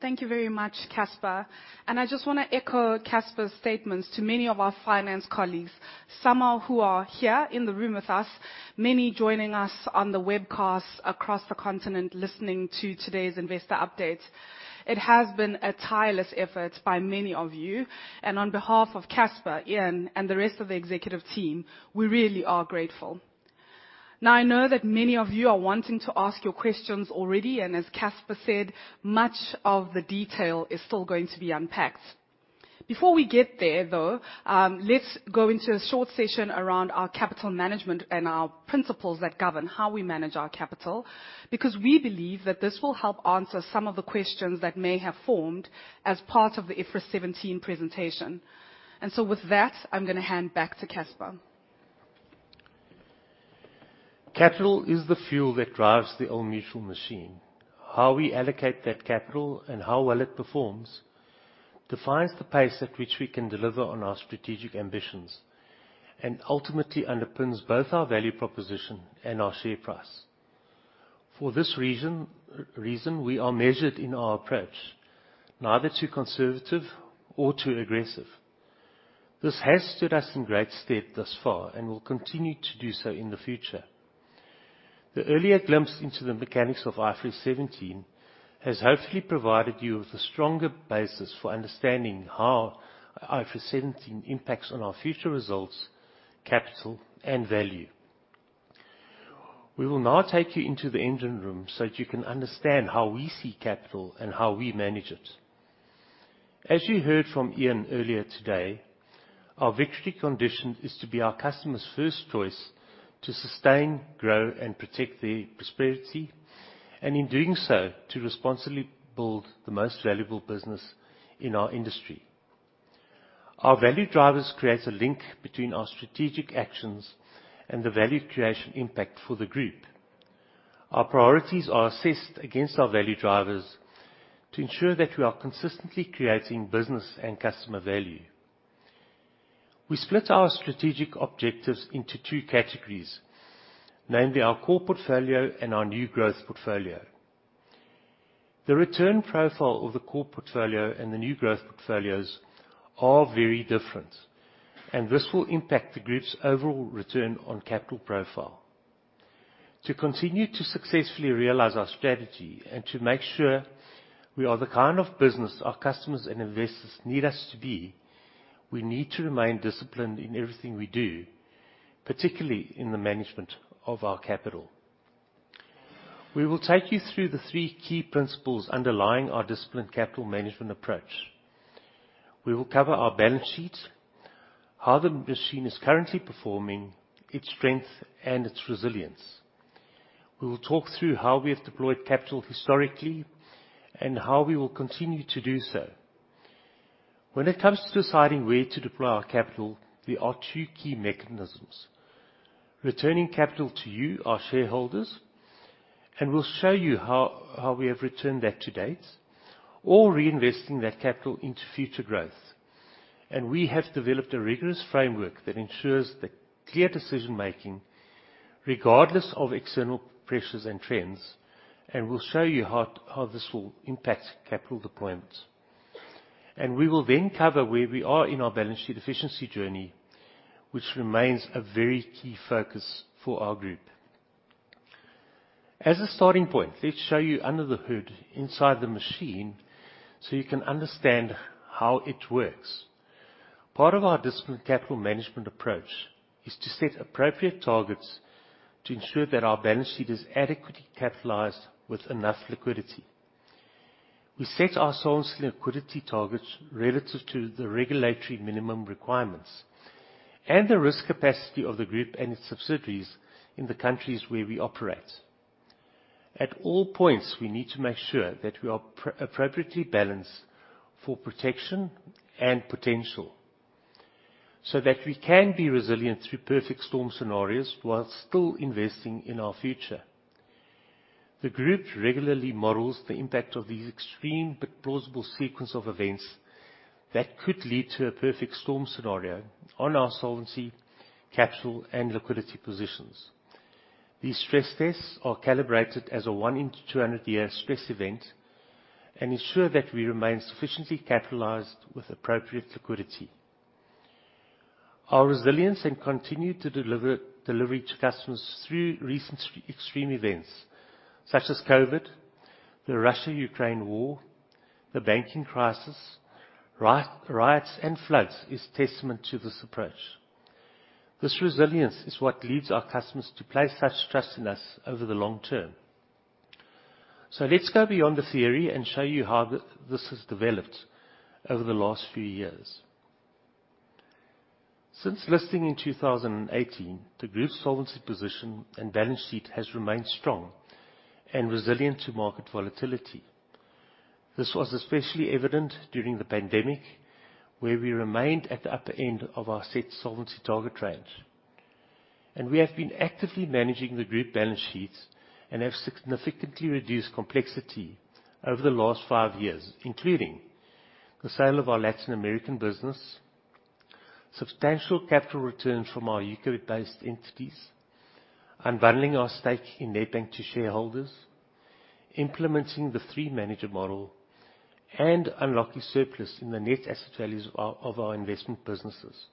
Thank you very much, Casper. I just wanna echo Casper's statements to many of our finance colleagues. Some are, who are here in the room with us, many joining us on the webcast across the continent, listening to today's investor update. It has been a tireless effort by many of you, and on behalf of Casper, Ian, and the rest of the executive team, we really are grateful. I know that many of you are wanting to ask your questions already. As Casper said, much of the detail is still going to be unpacked. Before we get there, though, let's go into a short session around our capital management and our principles that govern how we manage our capital, because we believe that this will help answer some of the questions that may have formed as part of the IFRS 17 presentation. With that, I'm gonna hand back to Casper. Capital is the fuel that drives the Old Mutual machine. How we allocate that capital and how well it performs defines the pace at which we can deliver on our strategic ambitions, and ultimately underpins both our value proposition and our share price. For this reason, we are measured in our approach, neither too conservative or too aggressive. This has stood us in great stead thus far and will continue to do so in the future. The earlier glimpse into the mechanics of IFRS 17 has hopefully provided you with a stronger basis for understanding how IFRS 17 impacts on our future results, capital, and value. We will now take you into the engine room so that you can understand how we see capital and how we manage it. As you heard from Ian earlier today, our victory condition is to be our customer's first choice to sustain, grow and protect their prosperity, and in doing so, to responsibly build the most valuable business in our industry. Our value drivers creates a link between our strategic actions and the value creation impact for the group. Our priorities are assessed against our value drivers to ensure that we are consistently creating business and customer value. We split our strategic objectives into two categories, namely our core portfolio and our new growth portfolio. The return profile of the core portfolio and the new growth portfolios are very different, and this will impact the group's overall return on capital profile. To continue to successfully realize our strategy and to make sure we are the kind of business our customers and investors need us to be, we need to remain disciplined in everything we do, particularly in the management of our capital. We will take you through the 3 key principles underlying our disciplined capital management approach. We will cover our balance sheet, how the machine is currently performing, its strength and its resilience. We will talk through how we have deployed capital historically and how we will continue to do so. When it comes to deciding where to deploy our capital, there are 2 key mechanisms: returning capital to you, our shareholders, and we'll show you how, how we have returned that to date, or reinvesting that capital into future growth. We have developed a rigorous framework that ensures the clear decision-making, regardless of external pressures and trends. We'll show you how this will impact capital deployment. We will then cover where we are in our balance sheet efficiency journey, which remains a very key focus for our Group. As a starting point, let's show you under the hood, inside the machine, so you can understand how it works. Part of our disciplined capital management approach is to set appropriate targets to ensure that our balance sheet is adequately capitalized with enough liquidity. We set our solvency and liquidity targets relative to the regulatory minimum requirements and the risk capacity of the Group and its subsidiaries in the countries where we operate. At all points, we need to make sure that we are appropriately balanced for protection and potential so that we can be resilient through perfect storm scenarios while still investing in our future. The group regularly models the impact of these extreme but plausible sequence of events that could lead to a perfect storm scenario on our solvency, capital, and liquidity positions. These stress tests are calibrated as a 1 in 200-year stress event, and ensure that we remain sufficiently capitalized with appropriate liquidity. Our resilience and continued delivery to customers through recent extreme events, such as COVID-19, the Russia-Ukraine war, the banking crisis, riots, and floods, is testament to this approach. This resilience is what leads our customers to place such trust in us over the long term. Let's go beyond the theory and show you how this has developed over the last few years. Since listing in 2018, the group's solvency position and balance sheet has remained strong and resilient to market volatility. This was especially evident during the pandemic, where we remained at the upper end of our set solvency target range. We have been actively managing the group balance sheets and have significantly reduced complexity over the last 5 years, including the sale of our Latin American business, substantial capital returns from our UK-based entities, unbundling our stake in Nedbank to shareholders, implementing the three-manager model, and unlocking surplus in the net asset values of our investment businesses.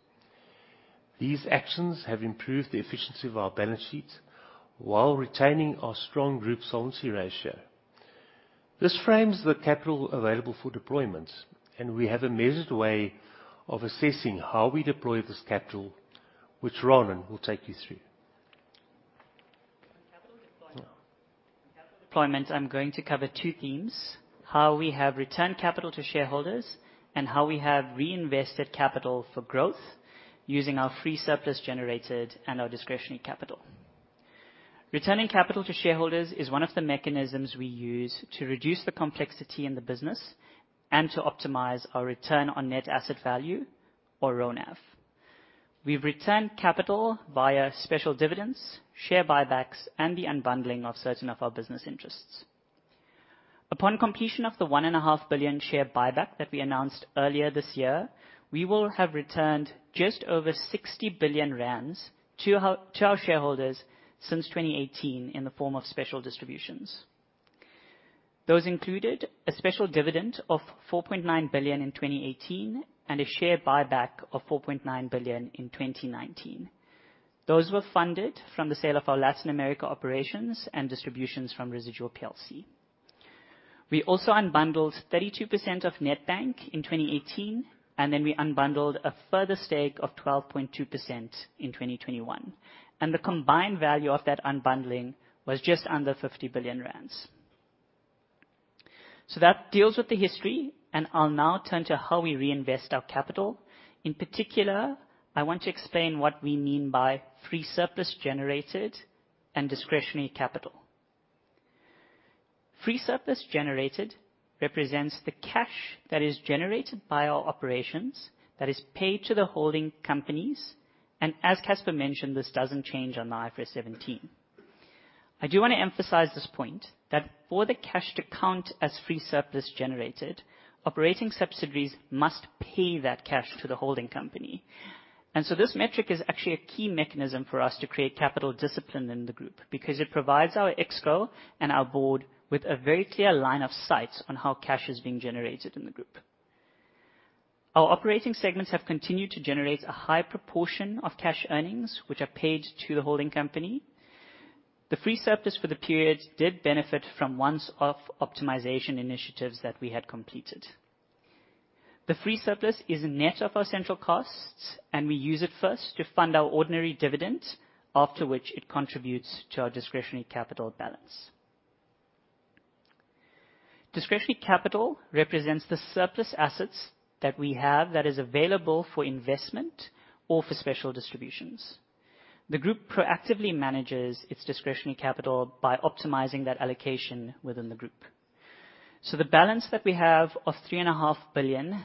These actions have improved the efficiency of our balance sheet while retaining our strong group solvency ratio. This frame the capital available for deployment, and we have a measured way of assessing how we deploy this capital, which Ranen will take you through. On capital deployment. On capital deployment, I'm going to cover two themes: how we have returned capital to shareholders and how we have reinvested capital for growth using our free surplus generated and our discretionary capital. Returning capital to shareholders is one of the mechanisms we use to reduce the complexity in the business and to optimize our return on net asset value, or RONAV. We've returned capital via special dividends, share buybacks, and the unbundling of certain of our business interests. Upon completion of the 1.5 billion share buyback that we announced earlier this year, we will have returned just over 60 billion rand to our shareholders since 2018 in the form of special distributions. Those included a special dividend of 4.9 billion in 2018, and a share buyback of 4.9 billion in 2019. Those were funded from the sale of our Latin America operations and distributions from Residual PLC. We also unbundled 32% of Nedbank in 2018. Then we unbundled a further stake of 12.2% in 2021. The combined value of that unbundling was just under 50 billion rand. That deals with the history. I'll now turn to how we reinvest our capital. In particular, I want to explain what we mean by free surplus generated and discretionary capital. Free surplus generated represents the cash that is generated by our operations, that is paid to the holding companies. As Casper mentioned, this doesn't change on IFRS 17. I do wanna emphasize this point, that for the cash to count as free surplus generated, operating subsidiaries must pay that cash to the holding company. This metric is actually a key mechanism for us to create capital discipline in the group, because it provides our exco and our board with a very clear line of sight on how cash is being generated in the group. Our operating segments have continued to generate a high proportion of cash earnings, which are paid to the holding company. The free surplus for the period did benefit from once-off optimization initiatives that we had completed. The free surplus is net of our central costs, and we use it first to fund our ordinary dividend, after which it contributes to our discretionary capital balance. Discretionary capital represents the surplus assets that we have that is available for investment or for special distributions. The group proactively manages its discretionary capital by optimizing that allocation within the group. The balance that we have of 3.5 billion,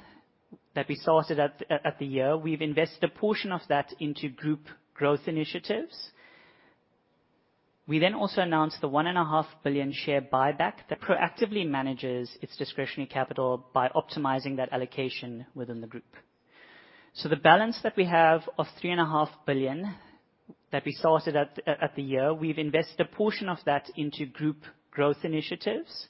that we started at, at, at the year, we've invested a portion of that into group growth initiatives. We also announced the 1.5 billion share buyback that proactively manages its discretionary capital by optimizing that allocation within the group. The balance that we have of 3.5 billion that we started at, at, at the year, we've invested a portion of that into group growth initiatives.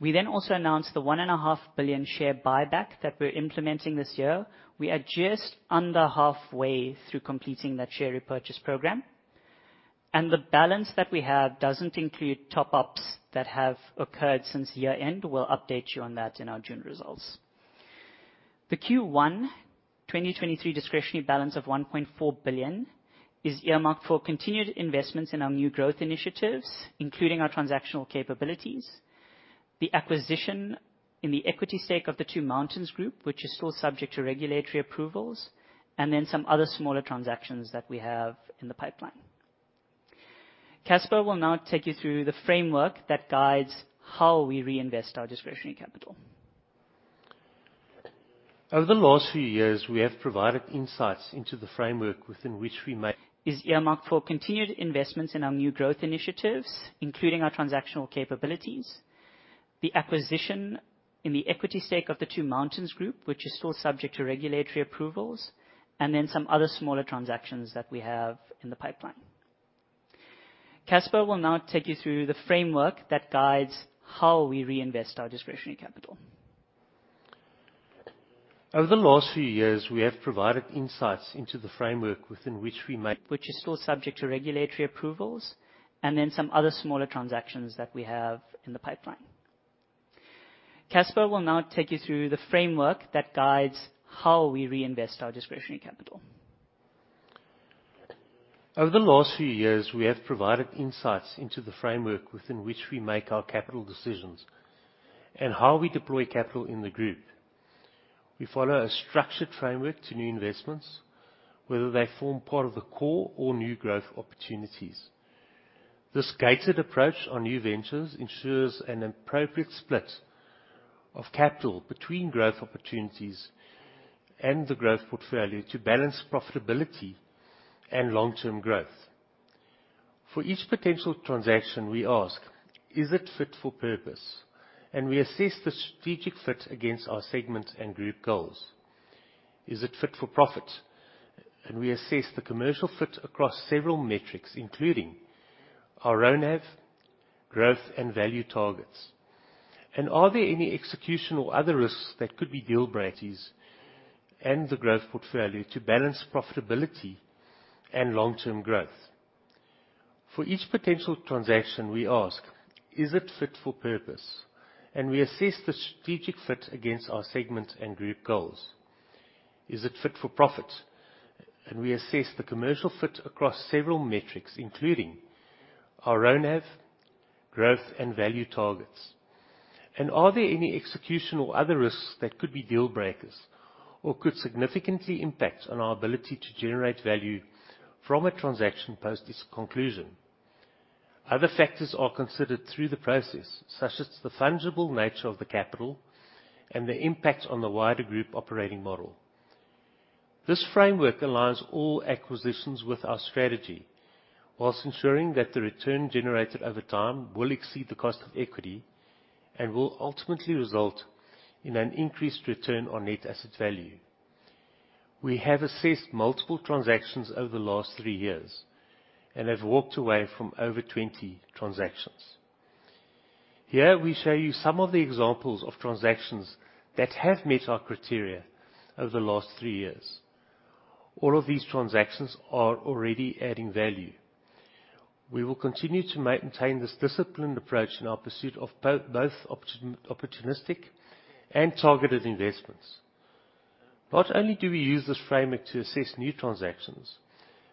We also announced the 1.5 billion share buyback that we're implementing this year. We are just under halfway through completing that share repurchase program. The balance that we have doesn't include top-ups that have occurred since year-end. We'll update you on that in our June results. The Q1 2023 discretionary balance of 1.4 billion is earmarked for continued investments in our new growth initiatives, including our transactional capabilities, the acquisition in the equity stake of the Two Mountains Group, which is still subject to regulatory approvals, and then some other smaller transactions that we have in the pipeline. Casper will now take you through the framework that guides how we reinvest our discretionary capital. Over the last few years, we have provided insights into the framework within which we make- is earmarked for continued investments in our new growth initiatives, including our transactional capabilities, the acquisition in the equity stake of the Two Mountains Group, which is still subject to regulatory approvals, and then some other smaller transactions that we have in the pipeline. Casper will now take you through the framework that guides how we reinvest our discretionary capital. Over the last few years, we have provided insights into the framework within which we make- Which is still subject to regulatory approvals, and then some other smaller transactions that we have in the pipeline. Casper will now take you through the framework that guides how we reinvest our discretionary capital. Over the last few years, we have provided insights into the framework within which we make our capital decisions and how we deploy capital in the group. We follow a structured framework to new investments, whether they form part of the core or new growth opportunities. This gated approach on new ventures ensures an appropriate split of capital between growth opportunities and the growth portfolio to balance profitability and long-term growth. For each potential transaction, we ask, "Is it fit for purpose?" We assess the strategic fit against our segment and group goals. Is it fit for profit? We assess the commercial fit across several metrics, including our RONAV, growth, and value targets. Are there any execution or other risks that could be deal breakers? For each potential transaction, we ask, "Is it fit for purpose?" We assess the strategic fit against our segment and group goals. Is it fit for profit? We assess the commercial fit across several metrics, including our RONAV, growth, and value targets. Are there any execution or other risks that could be deal breakers, or could significantly impact on our ability to generate value from a transaction post its conclusion? Other factors are considered through the process, such as the fungible nature of the capital and the impact on the wider group operating model. This framework aligns all acquisitions with our strategy, while ensuring that the return generated over time will exceed the cost of equity, and will ultimately result in an increased Return on Net Asset Value. We have assessed multiple transactions over the last 3 years, and have walked away from over 20 transactions. Here, we show you some of the examples of transactions that have met our criteria over the last 3 years. All of these transactions are already adding value. We will continue to maintain this disciplined approach in our pursuit of both opportunistic and targeted investments. Not only do we use this framework to assess new transactions,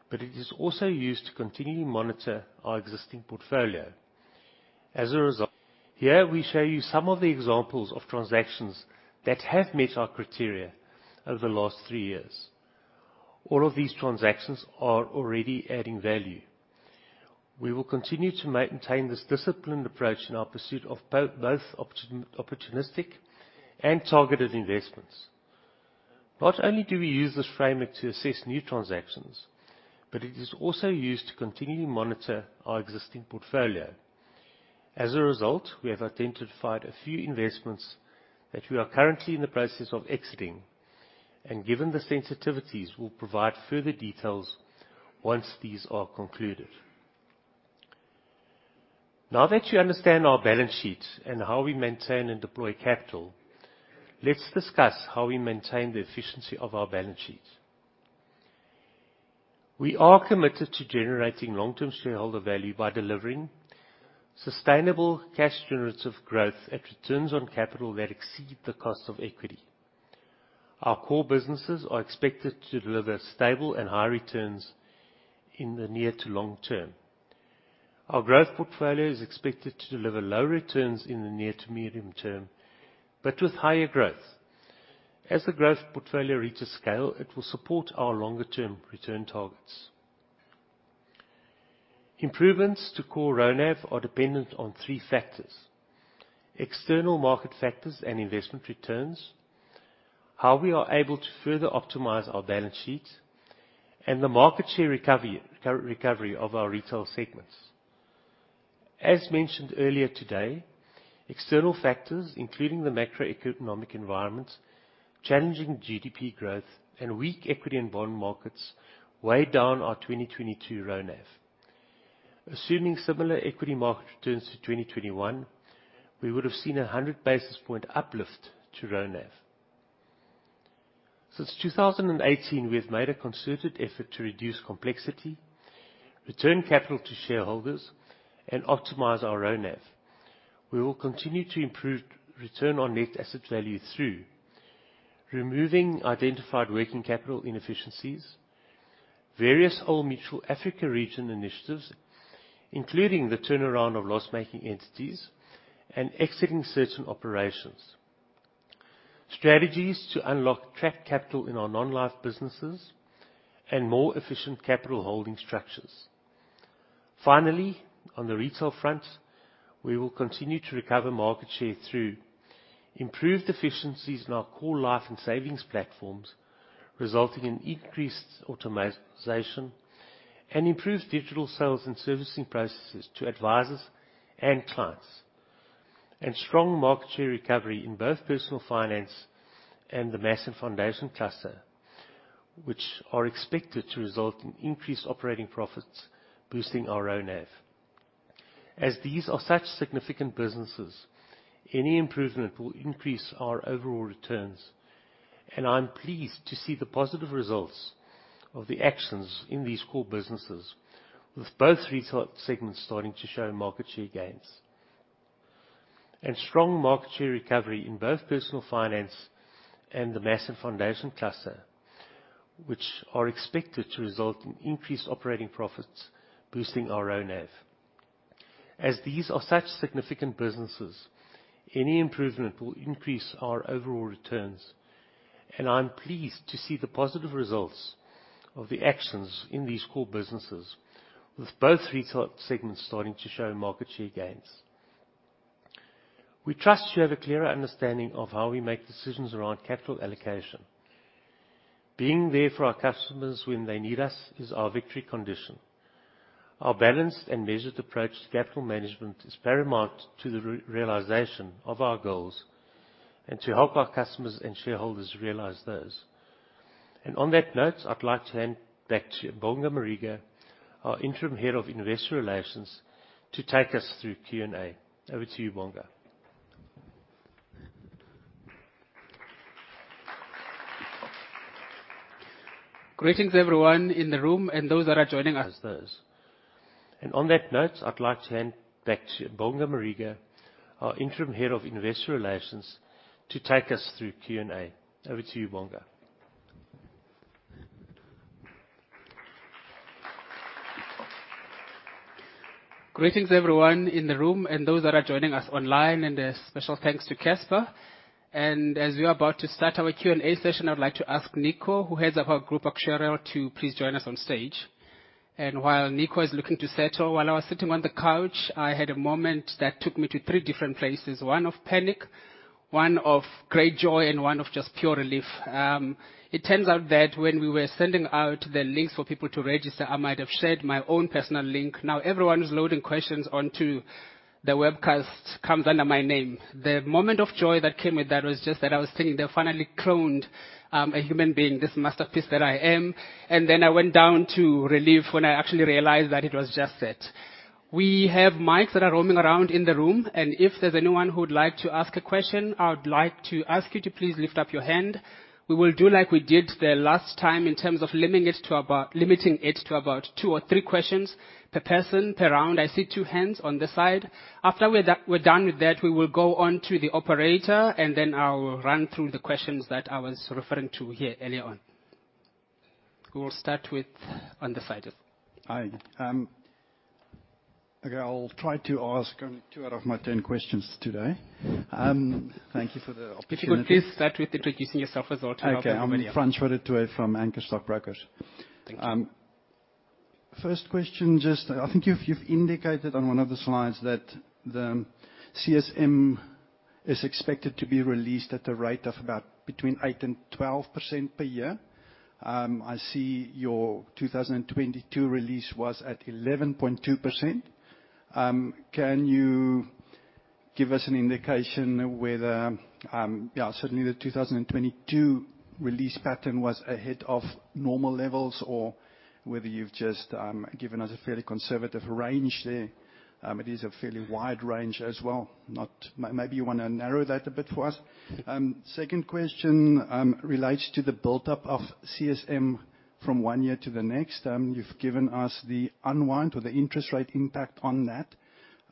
but it is also used to continually monitor our existing portfolio. As a result, here we show you some of the examples of transactions that have met our criteria over the last 3 years. All of these transactions are already adding value. We will continue to maintain this disciplined approach in our pursuit of both opportunistic and targeted investments. Not only do we use this framework to assess new transactions, but it is also used to continually monitor our existing portfolio. As a result, we have identified a few investments that we are currently in the process of exiting, and given the sensitivities, we'll provide further details once these are concluded. Now that you understand our balance sheet and how we maintain and deploy capital, let's discuss how we maintain the efficiency of our balance sheet. We are committed to generating long-term shareholder value by delivering sustainable cash generative growth at returns on capital that exceed the cost of equity. Our core businesses are expected to deliver stable and high returns in the near to long term. Our growth portfolio is expected to deliver lower returns in the near to medium term, but with higher growth. As the growth portfolio reaches scale, it will support our longer-term return targets. Improvements to core RONAV are dependent on three factors: external market factors and investment returns, how we are able to further optimize our balance sheet, and the market share recovery, recovery of our retail segments. As mentioned earlier today, external factors, including the macroeconomic environment, challenging GDP growth, and weak equity and bond markets, weigh down our 2022 RONAV. Assuming similar equity market returns to 2021, we would have seen a 100 basis point uplift to RONAV. Since 2018, we have made a concerted effort to reduce complexity, return capital to shareholders, and optimize our RONAV. We will continue to improve return on net asset value through: removing identified working capital inefficiencies, various Old Mutual Africa Regions initiatives, including the turnaround of loss-making entities and exiting certain operations, strategies to unlock trapped capital in our non-life businesses, and more efficient capital holding structures. Finally, on the retail front, we will continue to recover market share through improved efficiencies in our core life and savings platforms, resulting in increased automatization and improved digital sales and servicing processes to advisors and clients. Strong market share recovery in both Personal Finance and the Mass and Foundation Cluster, which are expected to result in increased operating profits, boosting our own NAV. As these are such significant businesses, any improvement will increase our overall returns, and I'm pleased to see the positive results of the actions in these core businesses, with both retail segments starting to show market share gains. Strong market share recovery in both Personal Finance and the Mass and Foundation Cluster, which are expected to result in increased operating profits, boosting our own NAV. As these are such significant businesses, any improvement will increase our overall returns, and I'm pleased to see the positive results of the actions in these core businesses, with both retail segments starting to show market share gains. We trust you have a clearer understanding of how we make decisions around capital allocation. Being there for our customers when they need us is our victory condition. Our balanced and measured approach to capital management is paramount to the re- realization of our goals, and to help our customers and shareholders realize those. On that note, I'd like to hand back to Bonga Mjiba, our Interim Head of Investor Relations, to take us through Q&A. Over to you, Bonga. Greetings everyone in the room and those that are joining us, those. On that note, I'd like to hand back to Bonga Mjiba, our Interim Head of Investor Relations, to take us through Q&A. Over to you, Bonga. Greetings, everyone in the room and those that are joining us online, a special thanks to Casper. As we are about to start our Q&A session, I would like to ask Nico, who heads up our Group Actuarial, to please join us on stage. While Nico is looking to settle, while I was sitting on the couch, I had a moment that took me to three different places: one of panic, one of great joy, and one of just pure relief. It turns out that when we were sending out the links for people to register, I might have shared my own personal link. Now, everyone who's loading questions onto the webcast comes under my name. The moment of joy that came with that was just that I was thinking, They finally cloned a human being, this masterpiece that I am. I went down to relief when I actually realized that it was just it. We have mics that are roaming around in the room, and if there's anyone who would like to ask a question, I would like to ask you to please lift up your hand. We will do like we did the last time in terms of limiting it to about two or three questions per person, per round. I see two hands on this side. After we're done with that, we will go on to the operator, and then I will run through the questions that I was referring to here earlier on. We will start with on the side. Hi. Okay, I'll try to ask only two out of my 10 questions today. Thank you for the opportunity- If you could please start with introducing yourself as well. Okay. Frans Retief from Anchor Stockbrokers. Thank you. First question, just. I think you've, you've indicated on one of the slides that the CSM is expected to be released at a rate of about between 8% and 12% per year. I see your 2022 release was at 11.2%. Can you give us an indication whether. Yeah, certainly the 2022 release pattern was ahead of normal levels or whether you've just given us a fairly conservative range there? It is a fairly wide range as well. Maybe you wanna narrow that a bit for us. Second question relates to the buildup of CSM from one year to the next. You've given us the unwind or the interest rate impact on that.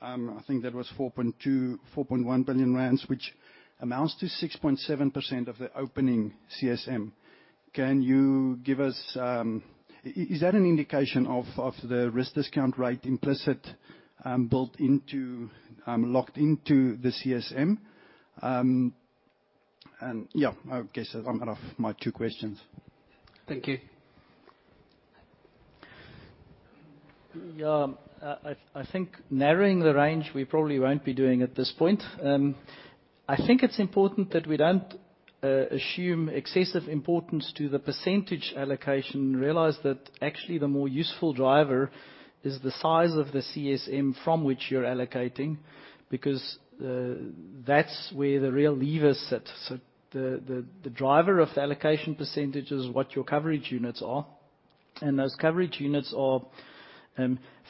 I think that was 4.2 billion rand, 4.1 billion rand, which amounts to 6.7% of the opening CSM. Can you give us, is that an indication of the risk discount rate implicit, built into, locked into the CSM? Yeah, I guess I'm out of my two questions. Thank you. I, I think narrowing the range, we probably won't be doing at this point. I think it's important that we don't assume excessive importance to the percentage allocation and realize that actually the more useful driver is the size of the CSM from which you're allocating, because that's where the real levers sit. The, the, the driver of the allocation percentage is what your coverage units are, and those coverage units are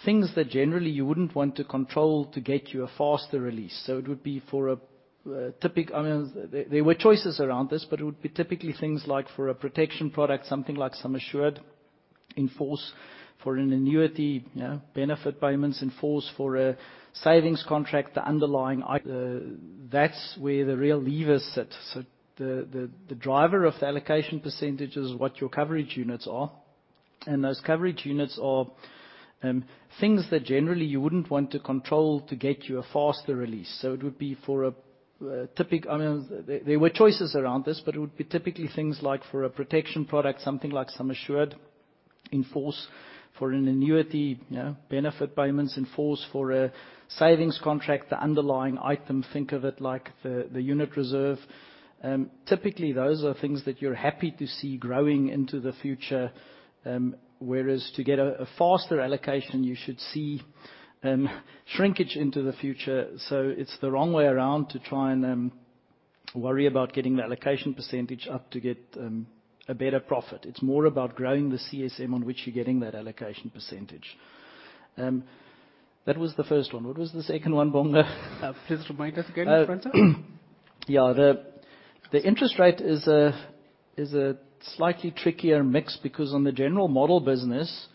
things that generally you wouldn't want to control to get you a faster release. It would be for a, I mean, there were choices around this, but it would be typically things like for a protection product, something like some assured in force for an annuity, you know, benefit payments in force for a savings contract, the underlying, that's where the real levers sit. The, the, the driver of the allocation percentage is what your coverage units are, and those coverage units are, things that generally you wouldn't want to control to get you a faster release. It would be for a, I mean, there were choices around this, but it would be typically things like for a protection product, something like some assured. In force for an annuity, you know, benefit payments in force for a savings contract, the underlying item, think of it like the, the unit reserve. Typically, those are things that you're happy to see growing into the future. Whereas to get a faster allocation, you should see shrinkage into the future. It's the wrong way around to try and worry about getting the allocation percentage up to get a better profit. It's more about growing the CSM on which you're getting that allocation percentage. That was the first one. What was the second one, Bonga? Please remind us again, Francois. Yeah. The, the interest rate is a, is a slightly trickier mix because on the general model business,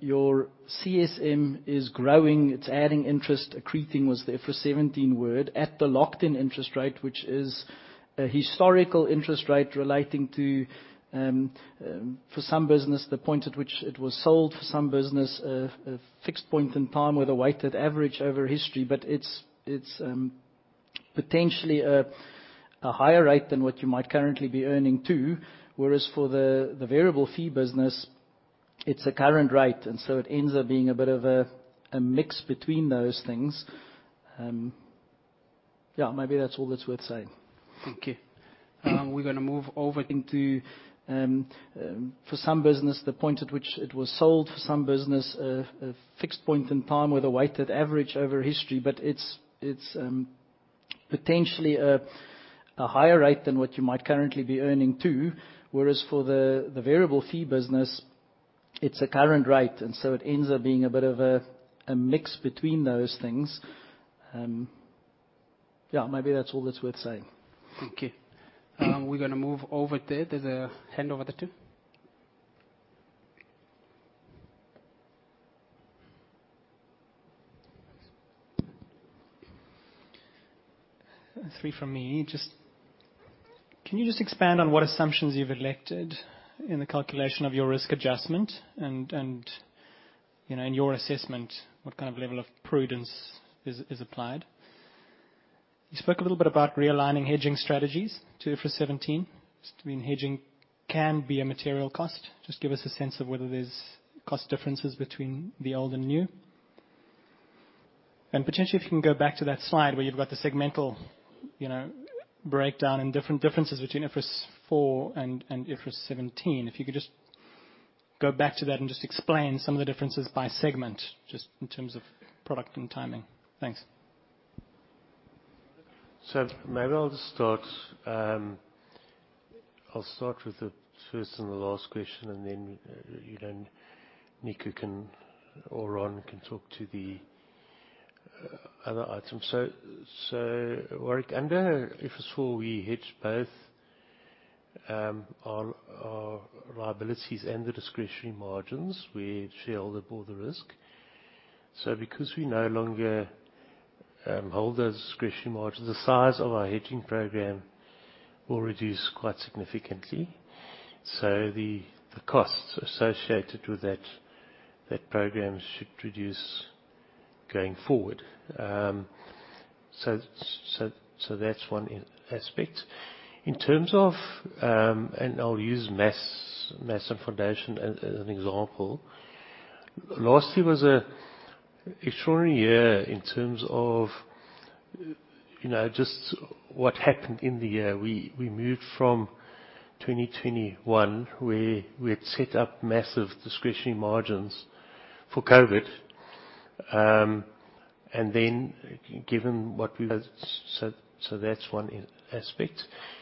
your CSM is growing, it's adding interest. Accreting was the IFRS 17 word at the locked-in interest rate, which is a historical interest rate relating to, for some business, the point at which it was sold. For some business, a fixed point in time with a weighted average over history. It's, it's, potentially a, a higher rate than what you might currently be earning too. Whereas for the, the variable fee business, it's a current rate, and so it ends up being a bit of a, a mix between those things. Yeah, maybe that's all that's worth saying. Okay. We're gonna move over into. For some business, the point at which it was sold. For some business, a fixed point in time with a weighted average over history, but it's, it's, potentially a, a higher rate than what you might currently be earning, too. Whereas for the, the variable fee business, it's a current rate, and so it ends up being a bit of a, a mix between those things. Yeah, maybe that's all that's worth saying. Okay. We're gonna move over there. There's a hand over there, too. 3 from me. Just Can you just expand on what assumptions you've elected in the calculation of your risk adjustment? You know, in your assessment, what kind of level of prudence is, is applied? You spoke a little bit about realigning hedging strategies to IFRS 17. Between hedging can be a material cost. Just give us a sense of whether there's cost differences between the old and new. Potentially, if you can go back to that slide where you've got the segmental, you know, breakdown and different differences between IFRS 4 and, and IFRS 17. If you could just go back to that and just explain some of the differences by segment, just in terms of product and timing. Thanks. Maybe I'll just start. I'll start with the first and the last question, and then, you know, Nico can or Ron can talk to the other items. Warwick, under IFRS 4, we hedge both on liabilities and the discretionary margins. We share all the risk. Because we no longer hold those discretionary margins, the size of our hedging program will reduce quite significantly. The costs associated with that program should reduce going forward. That's one aspect. In terms of Mass & Foundation as an example. Last year was a extraordinary year in terms of, you know, just what happened in the year. We moved from 2021, where we had set up massive discretionary margins for COVID, and then given what we were... That's one aspect. In terms of Mass & Foundation as an example. Last year was an extraordinary year in terms of, you know, just what happened in the year. We moved from 2021, where we had set up massive discretionary margins for COVID.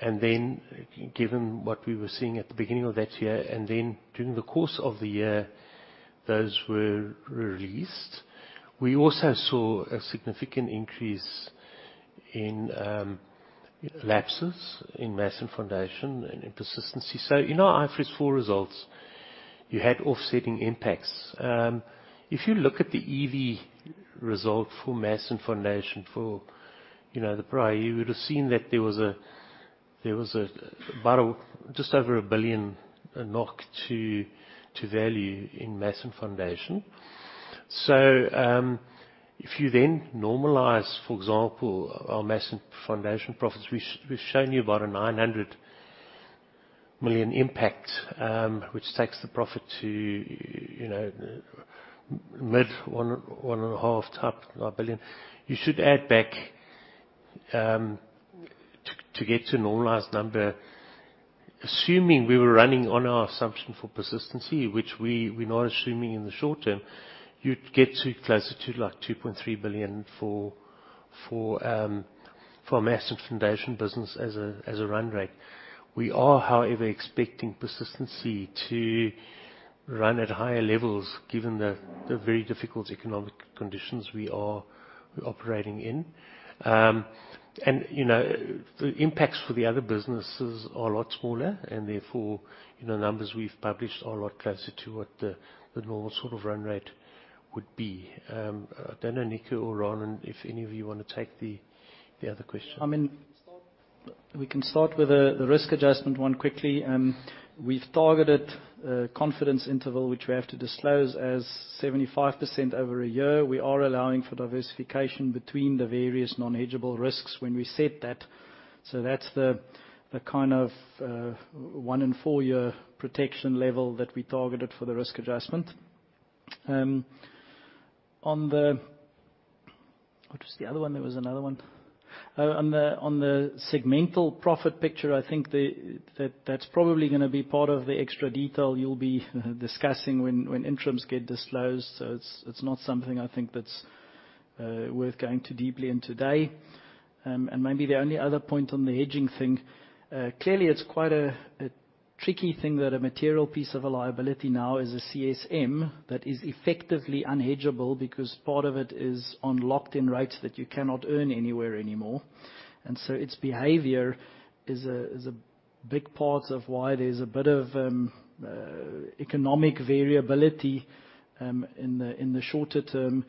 Then, given what we were seeing at the beginning of that year, and then during the course of the year, those were released. We also saw a significant increase in lapses in Mass & Foundation and in persistency. In our IFRS 4 results, you had offsetting impacts. If you look at the EV result for Mass & Foundation for, you know, the prior, you would have seen that there was a just over 1 billion knock to value in Mass & Foundation. If you then normalize, for example, our Mass & Foundation profits, we've, we've shown you about a 900 million impact, which takes the profit to, you know, mid 1 billion-1.5 billion. You should add back to get to a normalized number, assuming we were running on our assumption for persistency, which we, we're not assuming in the short term, you'd get to closer to, like, 2.3 billion for our Mass and Foundation business as a, as a run rate. We are, however, expecting persistency to run at higher levels, given the, the very difficult economic conditions we are operating in. And, you know, the impacts for the other businesses are a lot smaller, and therefore, you know, numbers we've published are a lot closer to what the, the normal sort of run rate would be. I don't know, Nico or Ron, if any of you want to take the, the other question. We can start with the, the risk adjustment one quickly. We've targeted a confidence interval, which we have to disclose, as 75% over a year. We are allowing for diversification between the various non-hedgeable risks when we set that. That's the, the kind of, 1 in 4-year protection level that we targeted for the risk adjustment. On the-- What was the other one? There was another one. On the, on the segmental profit picture, I think the, that, that's probably gonna be part of the extra detail you'll be discussing when, when interims get disclosed. It's, it's not something I think that's worth going too deeply in today. Maybe the only other point on the hedging thing, clearly, it's quite a tricky thing that a material piece of a liability now is a CSM that is effectively unhedgeable, because part of it is on locked-in rates that you cannot earn anywhere anymore. Its behavior is a big part of why there's a bit of economic variability in the shorter term.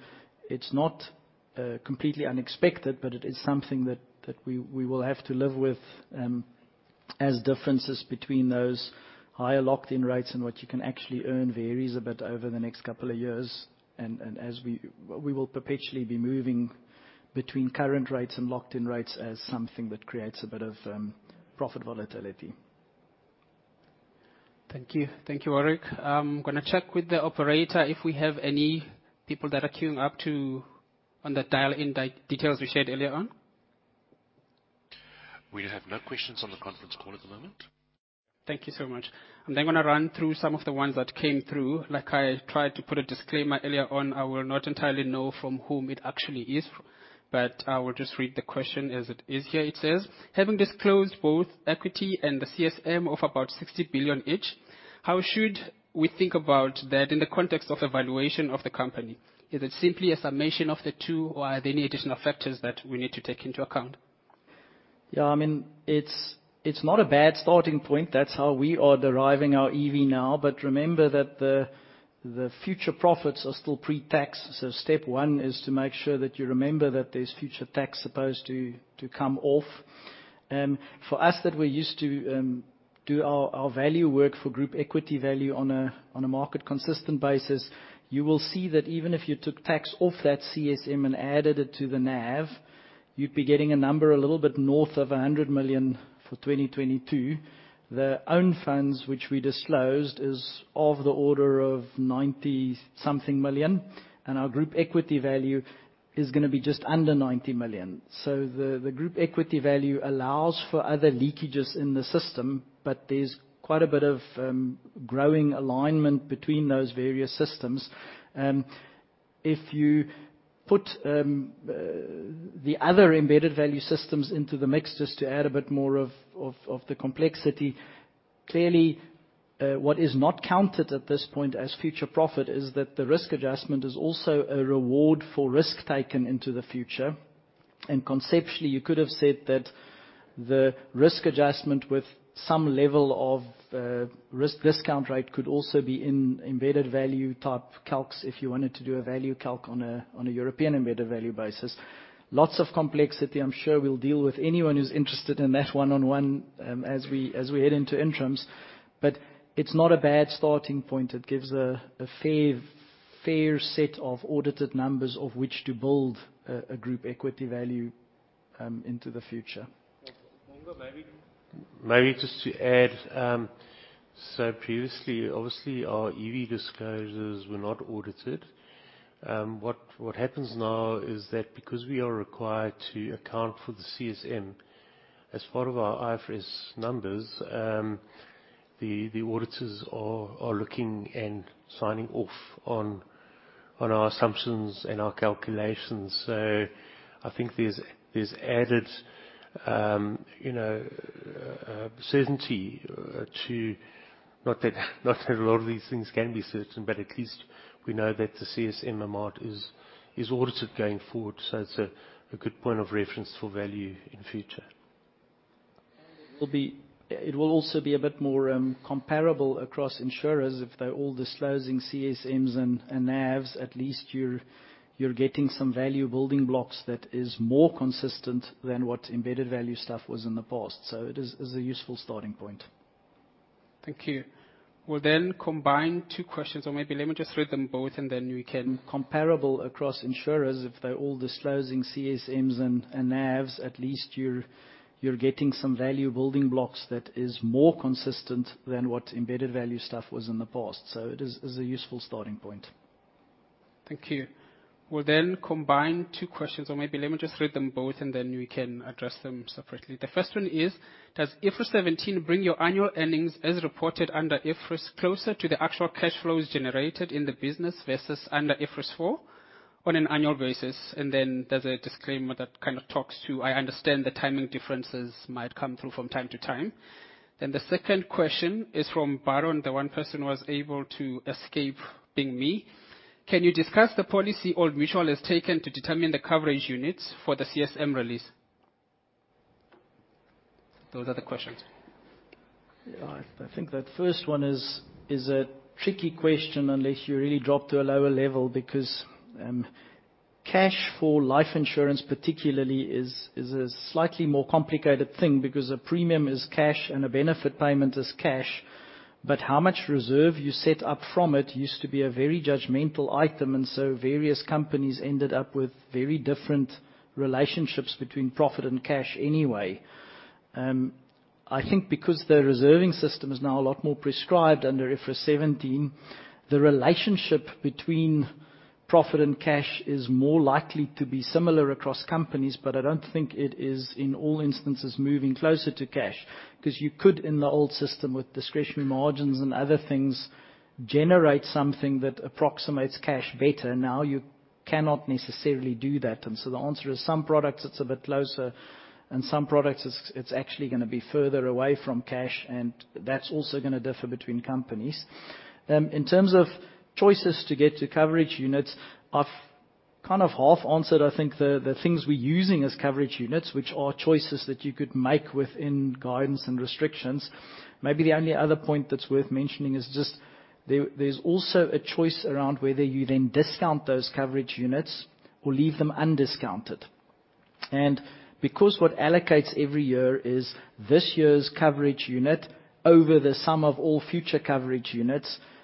It's not completely unexpected, but it is something we will have to live with as differences between those higher locked-in rates and what you can actually earn varies a bit over the next couple of years. We will perpetually be moving between current rates and locked-in rates as something that creates a bit of profit volatility. Thank you. Thank you, Warwick. I'm gonna check with the operator if we have any people that are queuing up to, on the dial-in details we shared earlier on. We have no questions on the conference call at the moment. Thank you so much. I'm gonna run through some of the ones that came through. Like I tried to put a disclaimer earlier on, I will not entirely know from whom it actually is, but I will just read the question as it is here. It says: Having disclosed both equity and the CSM of about 60 billion each, how should we think about that in the context of a valuation of the company? Is it simply a summation of the two, or are there any additional factors that we need to take into account? Yeah, I mean, it's, it's not a bad starting point. That's how we are deriving our EV now. Remember that the future profits are still pre-tax. Step one is to make sure that you remember that there's future tax supposed to come off. For us, that we're used to do our value work for group equity value on a market-consistent basis, you will see that even if you took tax off that CSM and added it to the NAV, you'd be getting a number a little bit north of 100 million for 2022. The own funds, which we disclosed, is of the order of 90 something million, and our group equity value is gonna be just under 90 million. The, the group equity value allows for other leakages in the system, but there's quite a bit of growing alignment between those various systems. If you put the other embedded value systems into the mix, just to add a bit more of the complexity, clearly, what is not counted at this point as future profit is that the risk adjustment is also a reward for risk taken into the future. Conceptually, you could have said that the risk adjustment with some level of risk discount rate could also be in embedded value type calcs, if you wanted to do a value calc on a, on a European embedded value basis. Lots of complexity. I'm sure we'll deal with anyone who's interested in that one-on-one as we, as we head into interims, but it's not a bad starting point. It gives a fair set of audited numbers of which to build a group equity value into the future. Maybe, just to add, previously, obviously, our EV disclosures were not audited. What happens now is that because we are required to account for the CSM as part of our IFRS numbers, the auditors are looking and signing off on our assumptions and our calculations. I think there's added, you know, certainty to. Not that a lot of these things can be certain, but at least we know that the CSM amount is audited going forward, so it's a good point of reference for value in future. It will also be a bit more comparable across insurers if they're all disclosing CSMs and NAVs. At least you're getting some value building blocks that is more consistent than what embedded value stuff was in the past, so it is a useful starting point. Thank you. We'll then combine 2 questions, or maybe let me just read them both, and then you can. Comparable across insurers, if they're all disclosing CSMs and, and NAVs, at least you're, you're getting some value building blocks that is more consistent than what embedded value stuff was in the past. It is, is a useful starting point. Thank you. We'll then combine two questions, or maybe let me just read them both, and then you can address them separately. The first one is: Does IFRS 17 bring your annual earnings, as reported under IFRS, closer to the actual cash flows generated in the business versus under IFRS 4 on an annual basis? There's a disclaimer that kind of talks to, I understand the timing differences might come through from time to time. The second question is from Baron, the one person who was able to escape being me: Can you discuss the policy Old Mutual has taken to determine the coverage units for the CSM release? Those are the questions. Yeah, I, I think that first one is, is a tricky question unless you really drop to a lower level, because cash for life insurance particularly is, is a slightly more complicated thing, because a premium is cash and a benefit payment is cash. But how much reserve you set up from it used to be a very judgmental item, and so various companies ended up with very different relationships between profit and cash anyway. I think because the reserving system is now a lot more prescribed under IFRS 17, the relationship between profit and cash is more likely to be similar across companies, but I don't think it is, in all instances, moving closer to cash. 'Cause you could, in the old system, with discretionary margins and other things, generate something that approximates cash better. Now, you cannot necessarily do that. The answer is, some products, it's a bit closer, and some products, it's actually gonna be further away from cash, and that's also gonna differ between companies. In terms of choices to get to coverage units, I've kind of half-answered, I think, the things we're using as coverage units, which are choices that you could make within guidance and restrictions. Maybe the only other point that's worth mentioning is just there's also a choice around whether you then discount those coverage units or leave them undiscounted. Because what allocates every year is this year's coverage unit over the sum of all future coverage units, simplistically,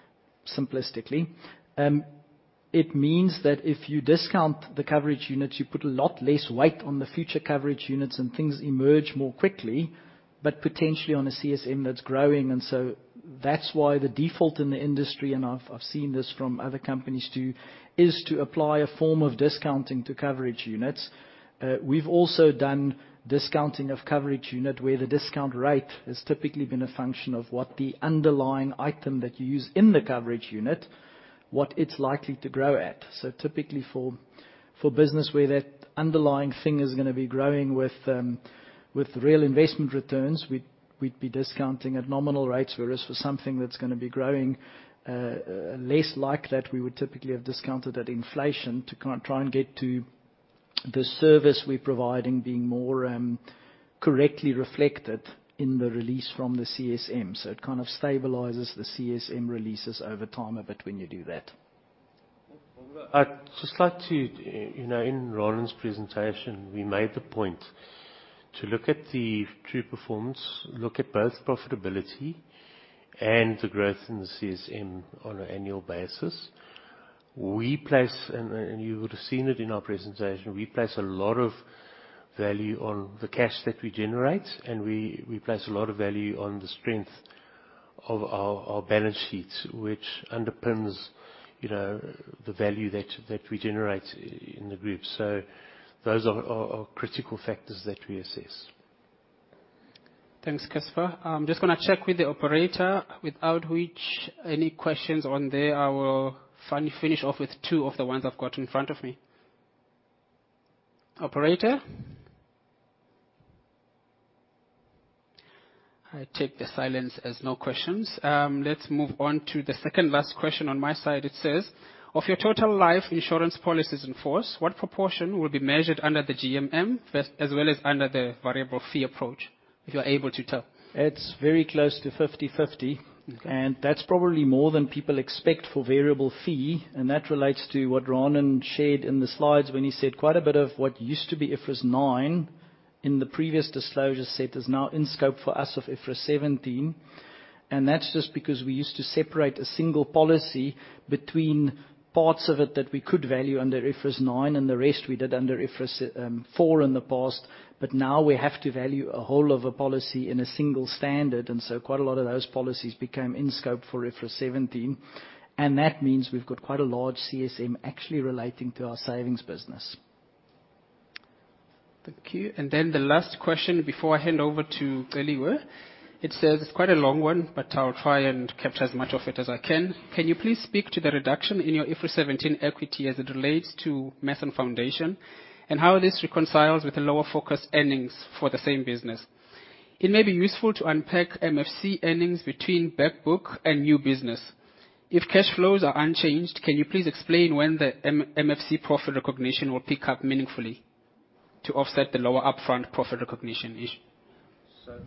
it means that if you discount the coverage units, you put a lot less weight on the future coverage units, and things emerge more quickly, but potentially on a CSM that's growing. So that's why the default in the industry, and I've, I've seen this from other companies, too, is to apply a form of discounting to coverage units. We've also done discounting of coverage unit, where the discount rate has typically been a function of what the underlying item that you use in the coverage unit, what it's likely to grow at. Typically for, for business where that underlying thing is gonna be growing with, with real investment returns, we'd, we'd be discounting at nominal rates. Whereas for something that's gonna be growing, less like that, we would typically have discounted at inflation to kind of try and get to the service we're providing being more, correctly reflected in the release from the CSM. It kind of stabilizes the CSM releases over time a bit when you do that. I'd just like to, you know, in Ruaan's presentation, we made the point to look at the true performance, look at both profitability and the growth in the CSM on an annual basis. We place, and you would have seen it in our presentation, we place a lot of value on the cash that we generate, and we, we place a lot of value on the strength of our balance sheets, which underpins, you know, the value that we generate in the group. Those are critical factors that we assess. Thanks, Casper. I'm just gonna check with the operator, without which, any questions on there, I will finally finish off with two of the ones I've got in front of me. Operator? I take the silence as no questions. Let's move on to the second last question on my side. It says: Of your total life insurance policies in force, what proportion will be measured under the GMM, first, as well as under the variable fee approach, if you're able to tell? It's very close to 50/50. Okay. That's probably more than people expect for variable fee, and that relates to what Ranen shared in the slides when he said quite a bit of what used to be IFRS9 in the previous disclosure set is now in scope for us of IFRS 17. That's just because we used to separate a single policy between parts of it that we could value under IFRS9, and the rest we did under IFRS 4 in the past. Now we have to value a whole other policy in a single standard, and so quite a lot of those policies became in scope for IFRS 17, and that means we've got quite a large CSM actually relating to our savings business. Thank you. The last question before I hand over to Delia. It says. It's quite a long one, but I'll try and capture as much of it as I can. Can you please speak to the reduction in your IFRS 17 equity as it relates to Mass& Foundation, and how this reconciles with the lower focused earnings for the same business? It may be useful to unpack MFC earnings between backbook and new business. If cash flows are unchanged, can you please explain when the MFC profit recognition will pick up meaningfully to offset the lower upfront profit recognition issue?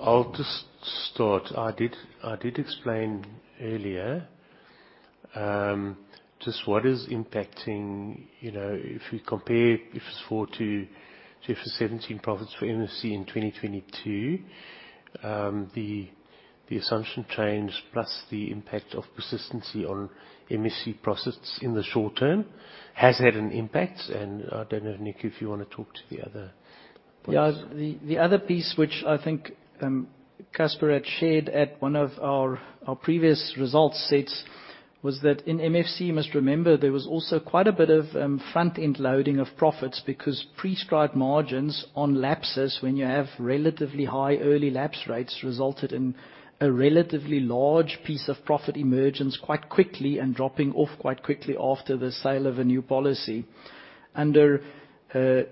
I'll just start. I did, I did explain earlier, just what is impacting, you know, if you compare IFRS 4 to IFRS 17 profits for MFC in 2022, the, the assumption change, plus the impact of persistency on MFC profits in the short term, has had an impact. I don't know, Nick, if you want to talk to the other points. Yeah, the, the other piece, which I think Casper had shared at one of our, our previous results sets, was that in MFC, you must remember, there was also quite a bit of front-end loading of profits. Because prescribed margins on lapses when you have relatively high early lapse rates resulted in a relatively large piece of profit emergence quite quickly and dropping off quite quickly after the sale of a new policy. Under IFRS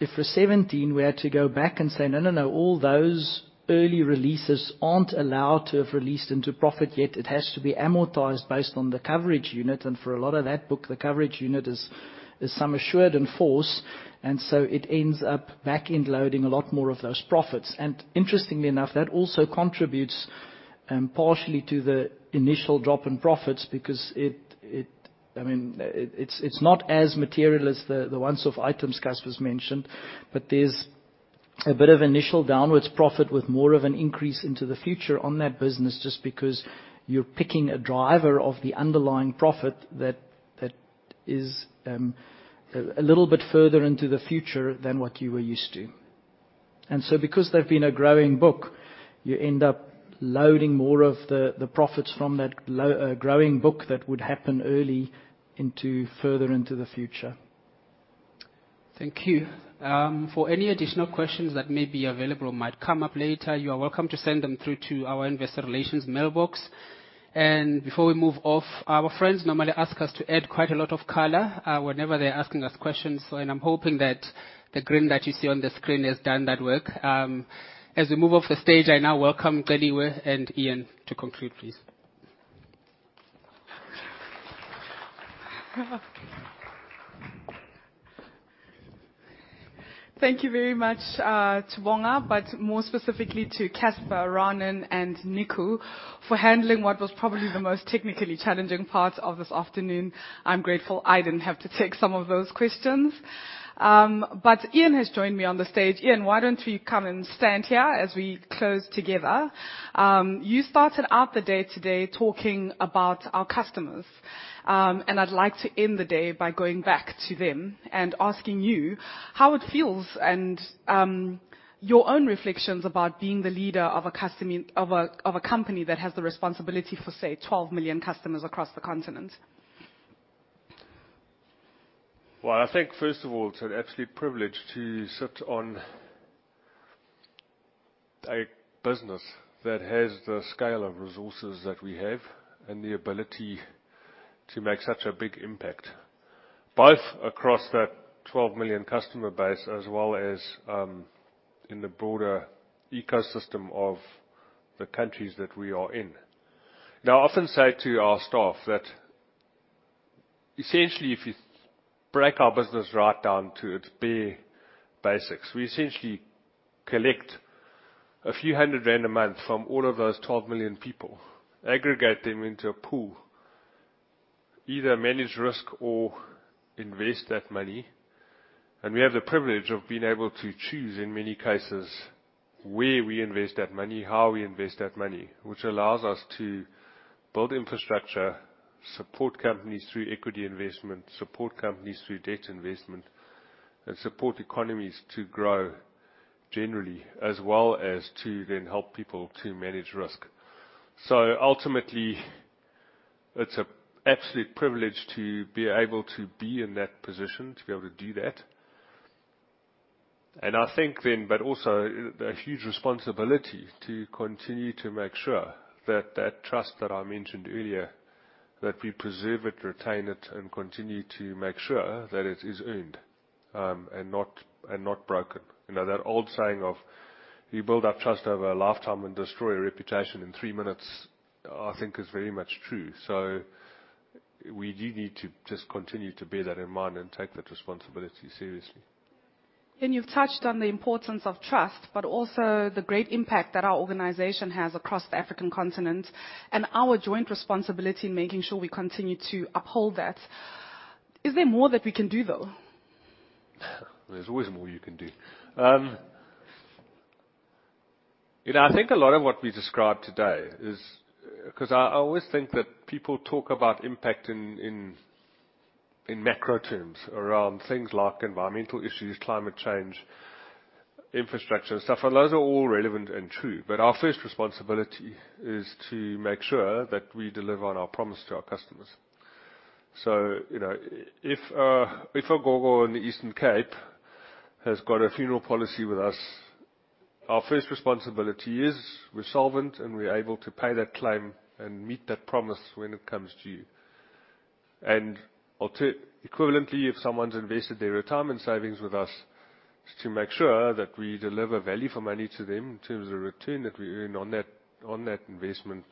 17, we had to go back and say, "No, no, no, all those early releases aren't allowed to have released into profit yet. It has to be amortized based on the coverage unit." And for a lot of that book, the coverage unit is, is some assured in force, and so it ends up back-end loading a lot more of those profits. And interestingly enough, that also contributes- Partially to the initial drop in profits, because it, I mean, it's not as material as the once-off items Casper's mentioned, but there's a bit of initial downwards profit with more of an increase into the future on that business, just because you're picking a driver of the underlying profit that is a little bit further into the future than what you were used to. Because they've been a growing book, you end up loading more of the profits from that growing book that would happen early into further into the future. Thank you. For any additional questions that may be available or might come up later, you are welcome to send them through to our investor relations mailbox. Before we move off, our friends normally ask us to add quite a lot of color, whenever they're asking us questions, so and I'm hoping that the grin that you see on the screen has done that work. As we move off the stage, I now welcome Celiwe and Iain to conclude, please. Thank you very much to Bonga, but more specifically to Casper, Ranen, and Nico for handling what was probably the most technically challenging part of this afternoon. I'm grateful I didn't have to take some of those questions. Iain has joined me on the stage. Iain, why don't you come and stand here as we close together? You started out the day today talking about our customers. I'd like to end the day by going back to them and asking you how it feels, and your own reflections about being the leader of a company that has the responsibility for, say, 12 million customers across the continent. Well, I think, first of all, it's an absolute privilege to sit on a business that has the scale of resources that we have and the ability to make such a big impact, both across that 12 million customer base as well as, in the broader ecosystem of the countries that we are in. I often say to our staff that essentially, if you break our business right down to its bare basics, we essentially collect a few hundred ZAR a month from all of those 12 million people, aggregate them into a pool, either manage risk or invest that money. We have the privilege of being able to choose, in many cases, where we invest that money, how we invest that money, which allows us to build infrastructure, support companies through equity investment, support companies through debt investment, and support economies to grow generally, as well as to then help people to manage risk. Ultimately, it's an absolute privilege to be able to be in that position, to be able to do that. I think then, but also a huge responsibility to continue to make sure that that trust that I mentioned earlier, that we preserve it, retain it, and continue to make sure that it is earned, and not, and not broken. You know, that old saying of you build up trust over a lifetime and destroy a reputation in three minutes, I think is very much true. We do need to just continue to bear that in mind and take that responsibility seriously. You've touched on the importance of trust, but also the great impact that our organization has across the African continent and our joint responsibility in making sure we continue to uphold that. Is there more that we can do, though? There's always more you can do. you know, I think a lot of what we described today is... 'cause I, I always think that people talk about impact in, in, in macro terms around things like environmental issues, climate change, infrastructure and stuff, and those are all relevant and true, but our first responsibility is to make sure that we deliver on our promise to our customers. you know, if, if a gogo in the Eastern Cape has got a funeral policy with us, our first responsibility is we're solvent, and we're able to pay that claim and meet that promise when it comes to you. Equivalently, if someone's invested their retirement savings with us, is to make sure that we deliver value for money to them in terms of return that we earn on that, on that investment,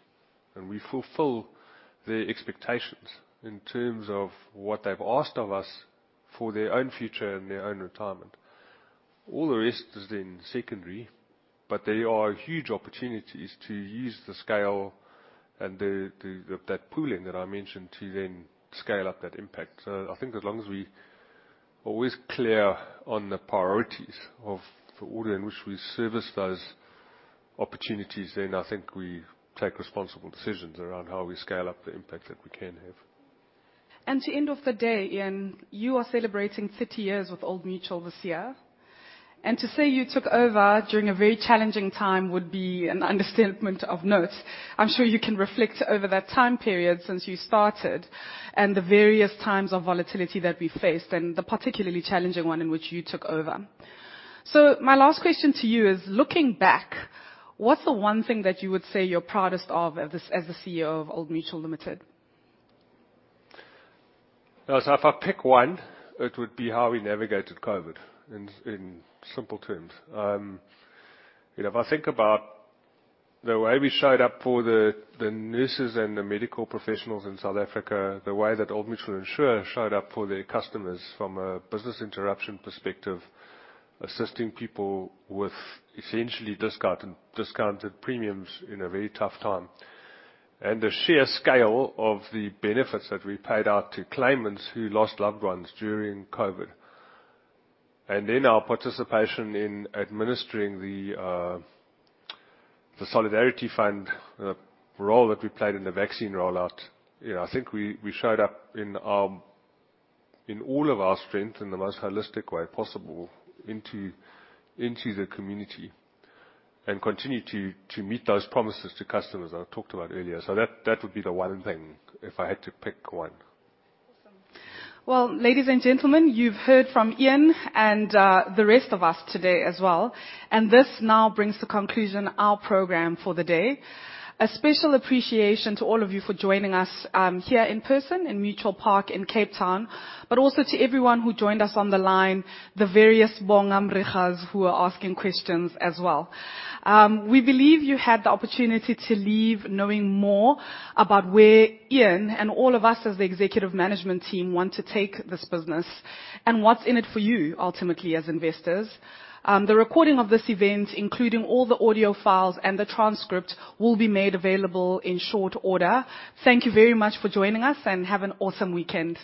and we fulfill their expectations in terms of what they've asked of us for their own future and their own retirement. All the rest is then secondary, but there are huge opportunities to use the scale and that pooling that I mentioned to then scale up that impact. I think as long as we always clear on the priorities of the order in which we service those opportunities, then I think we take responsible decisions around how we scale up the impact that we can have. To end off the day, Iain, you are celebrating 30 years with Old Mutual this year, and to say you took over during a very challenging time would be an understatement of note. I'm sure you can reflect over that time period since you started and the various times of volatility that we faced, and the particularly challenging one in which you took over. My last question to you is, looking back, what's the one thing that you would say you're proudest of as the CEO of Old Mutual Limited? If I pick one, it would be how we navigated COVID, in, in simple terms. You know, if I think about the way we showed up for the nurses and the medical professionals in South Africa, the way that Old Mutual Insure showed up for their customers from a business interruption perspective, assisting people with essentially discount, discounted premiums in a very tough time, and the sheer scale of the benefits that we paid out to claimants who lost loved ones during COVID. Our participation in administering the Solidarity Fund, the role that we played in the vaccine rollout. You know, I think we, we showed up in all of our strength, in the most holistic way possible, into the community, and continued to meet those promises to customers I talked about earlier. That, that would be the one thing if I had to pick one. Awesome. Well, ladies and gentlemen, you've heard from Iain and the rest of us today as well. This now brings to conclusion our program for the day. A special appreciation to all of you for joining us here in person in Mutual Park in Cape Town, also to everyone who joined us on the line, the various Bonga Mrigas who are asking questions as well. We believe you had the opportunity to leave knowing more about where Iain and all of us as the executive management team, want to take this business and what's in it for you, ultimately, as investors. The recording of this event, including all the audio files and the transcript, will be made available in short order. Thank you very much for joining us. Have an awesome weekend.